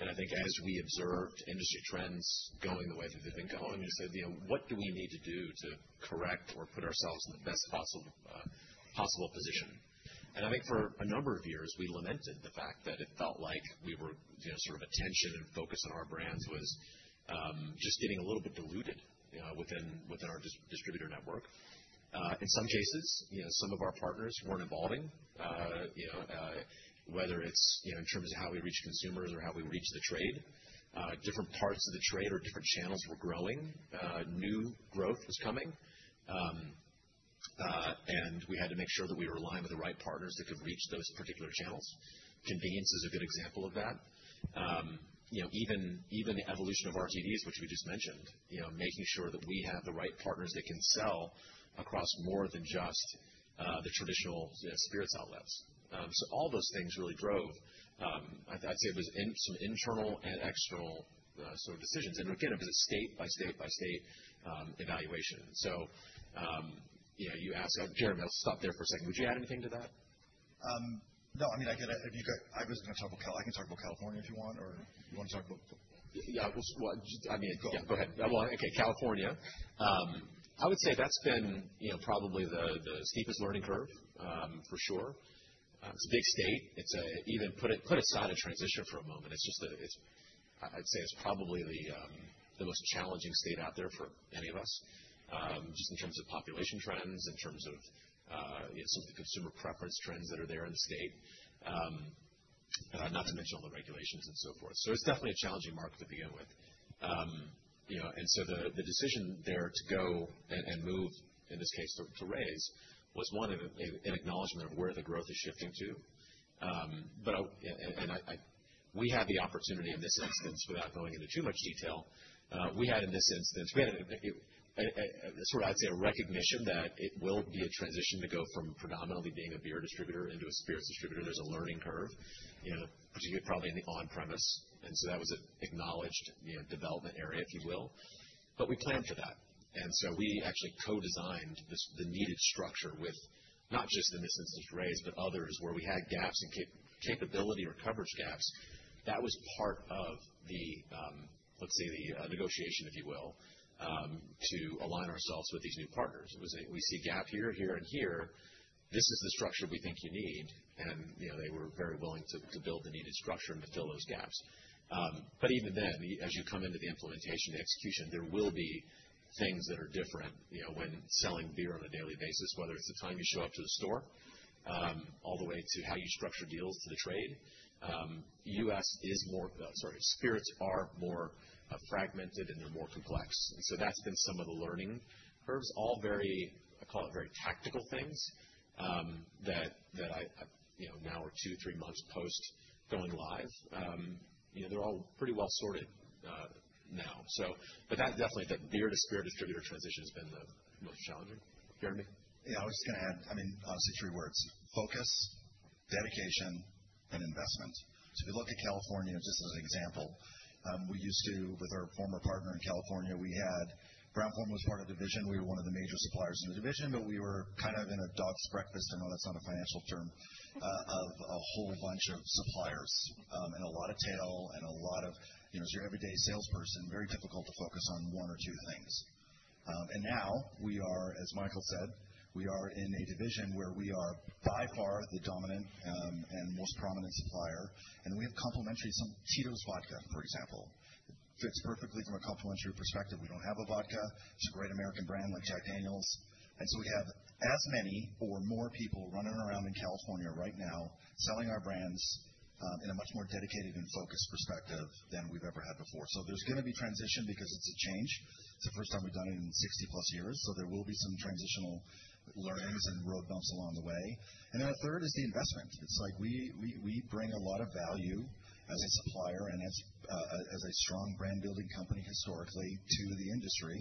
and I think as we observed industry trends going the way that they've been going, we said, "What do we need to do to correct or put ourselves in the best possible position?" and I think for a number of years, we lamented the fact that it felt like we were sort of attention and focus on our brands was just getting a little bit diluted within our distributor network. In some cases, some of our partners weren't evolving, whether it's in terms of how we reach consumers or how we reach the trade. Different parts of the trade or different channels were growing. New growth was coming. And we had to make sure that we were aligned with the right partners that could reach those particular channels. Convenience is a good example of that. Even the evolution of RTDs, which we just mentioned, making sure that we have the right partners that can sell across more than just the traditional spirits outlets. So all those things really drove, I'd say it was some internal and external sort of decisions. And again, it was a state-by-state-by-state evaluation. So you asked Jeremy, I'll stop there for a second. Would you add anything to that? No. I mean, I get it. I was going to talk about. I can talk about California if you want, or you want to talk about. Yeah. I mean, go ahead. Yeah. Okay. California. I would say that's been probably the steepest learning curve, for sure. It's a big state. Put aside a transition for a moment. I'd say it's probably the most challenging state out there for any of us, just in terms of population trends, in terms of some of the consumer preference trends that are there in the state, not to mention all the regulations and so forth. So it's definitely a challenging market to begin with. And so the decision there to go and move, in this case, to Reyes was one of an acknowledgment of where the growth is shifting to. And we had the opportunity in this instance, without going into too much detail, sort of, I'd say, a recognition that it will be a transition to go from predominantly being a beer distributor into a spirits distributor. There's a learning curve, particularly probably in the on-premise, and so that was an acknowledged development area, if you will, but we planned for that, and so we actually co-designed the needed structure with not just in this instance, Reyes, but others where we had gaps in capability or coverage gaps. That was part of the, let's say, the negotiation, if you will, to align ourselves with these new partners. We see a gap here, here, and here. This is the structure we think you need, and they were very willing to build the needed structure and to fill those gaps, but even then, as you come into the implementation, the execution, there will be things that are different when selling beer on a daily basis, whether it's the time you show up to the store all the way to how you structure deals to the trade. U.S. is more, sorry, spirits are more fragmented and they're more complex, and so that's been some of the learning curves. All very, I call it, very tactical things that now we're two, three months post going live. They're all pretty well sorted now, but definitely, the beer-to-spirit distributor transition has been the most challenging. Jeremy? Yeah. I was just going to add, I mean, obviously, three words: focus, dedication, and investment, so if you look at California, just as an example, we used to, with our former partner in California, we had Brown-Forman was part of the division. We were one of the major suppliers in the division, but we were kind of in a dog's breakfast. I know that's not a financial term for a whole bunch of suppliers and a lot of long tail and a lot of, as your everyday salesperson, very difficult to focus on one or two things, and now we are, as Michael said, we are in a division where we are by far the dominant and most prominent supplier. We have complementary some Tito's vodka, for example. It fits perfectly from a complementary perspective. We don't have a vodka. It's a great American brand like Jack Daniel's, and so we have as many or more people running around in California right now selling our brands in a much more dedicated and focused perspective than we've ever had before, so there's going to be transition because it's a change. It's the first time we've done it in 60-plus years. So there will be some transitional learnings and road bumps along the way. And then the third is the investment. It's like we bring a lot of value as a supplier and as a strong brand-building company historically to the industry.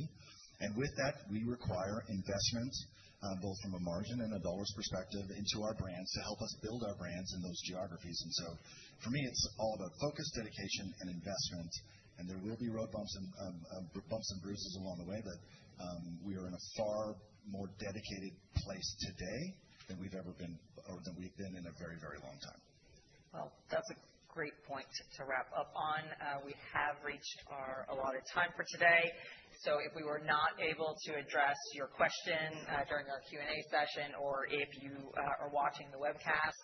And with that, we require investment, both from a margin and a dollars perspective, into our brands to help us build our brands in those geographies. And so for me, it's all about focus, dedication, and investment. And there will be road bumps and bumps and bruises along the way, but we are in a far more dedicated place today than we've ever been or than we've been in a very, very long time. That's a great point to wrap up on. We have reached our allotted time for today. If we were not able to address your question during our Q&A session, or if you are watching the webcast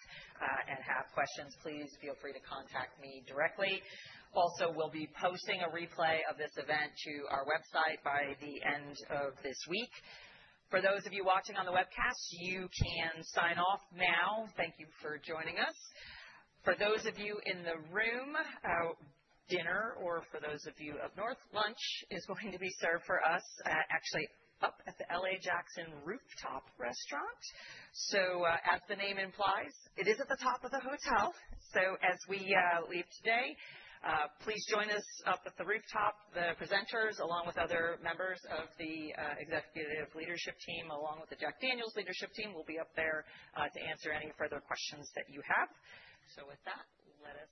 and have questions, please feel free to contact me directly. Also, we'll be posting a replay of this event to our website by the end of this week. For those of you watching on the webcast, you can sign off now. Thank you for joining us. For those of you in the room, dinner, or for those of you up north, lunch is going to be served for us actually up at the L.A. Jackson Rooftop Restaurant. As the name implies, it is at the top of the hotel. As we leave today, please join us up at the rooftop. The presenters, along with other members of the executive leadership team, along with the Jack Daniel's leadership team, will be up there to answer any further questions that you have. So with that, let us.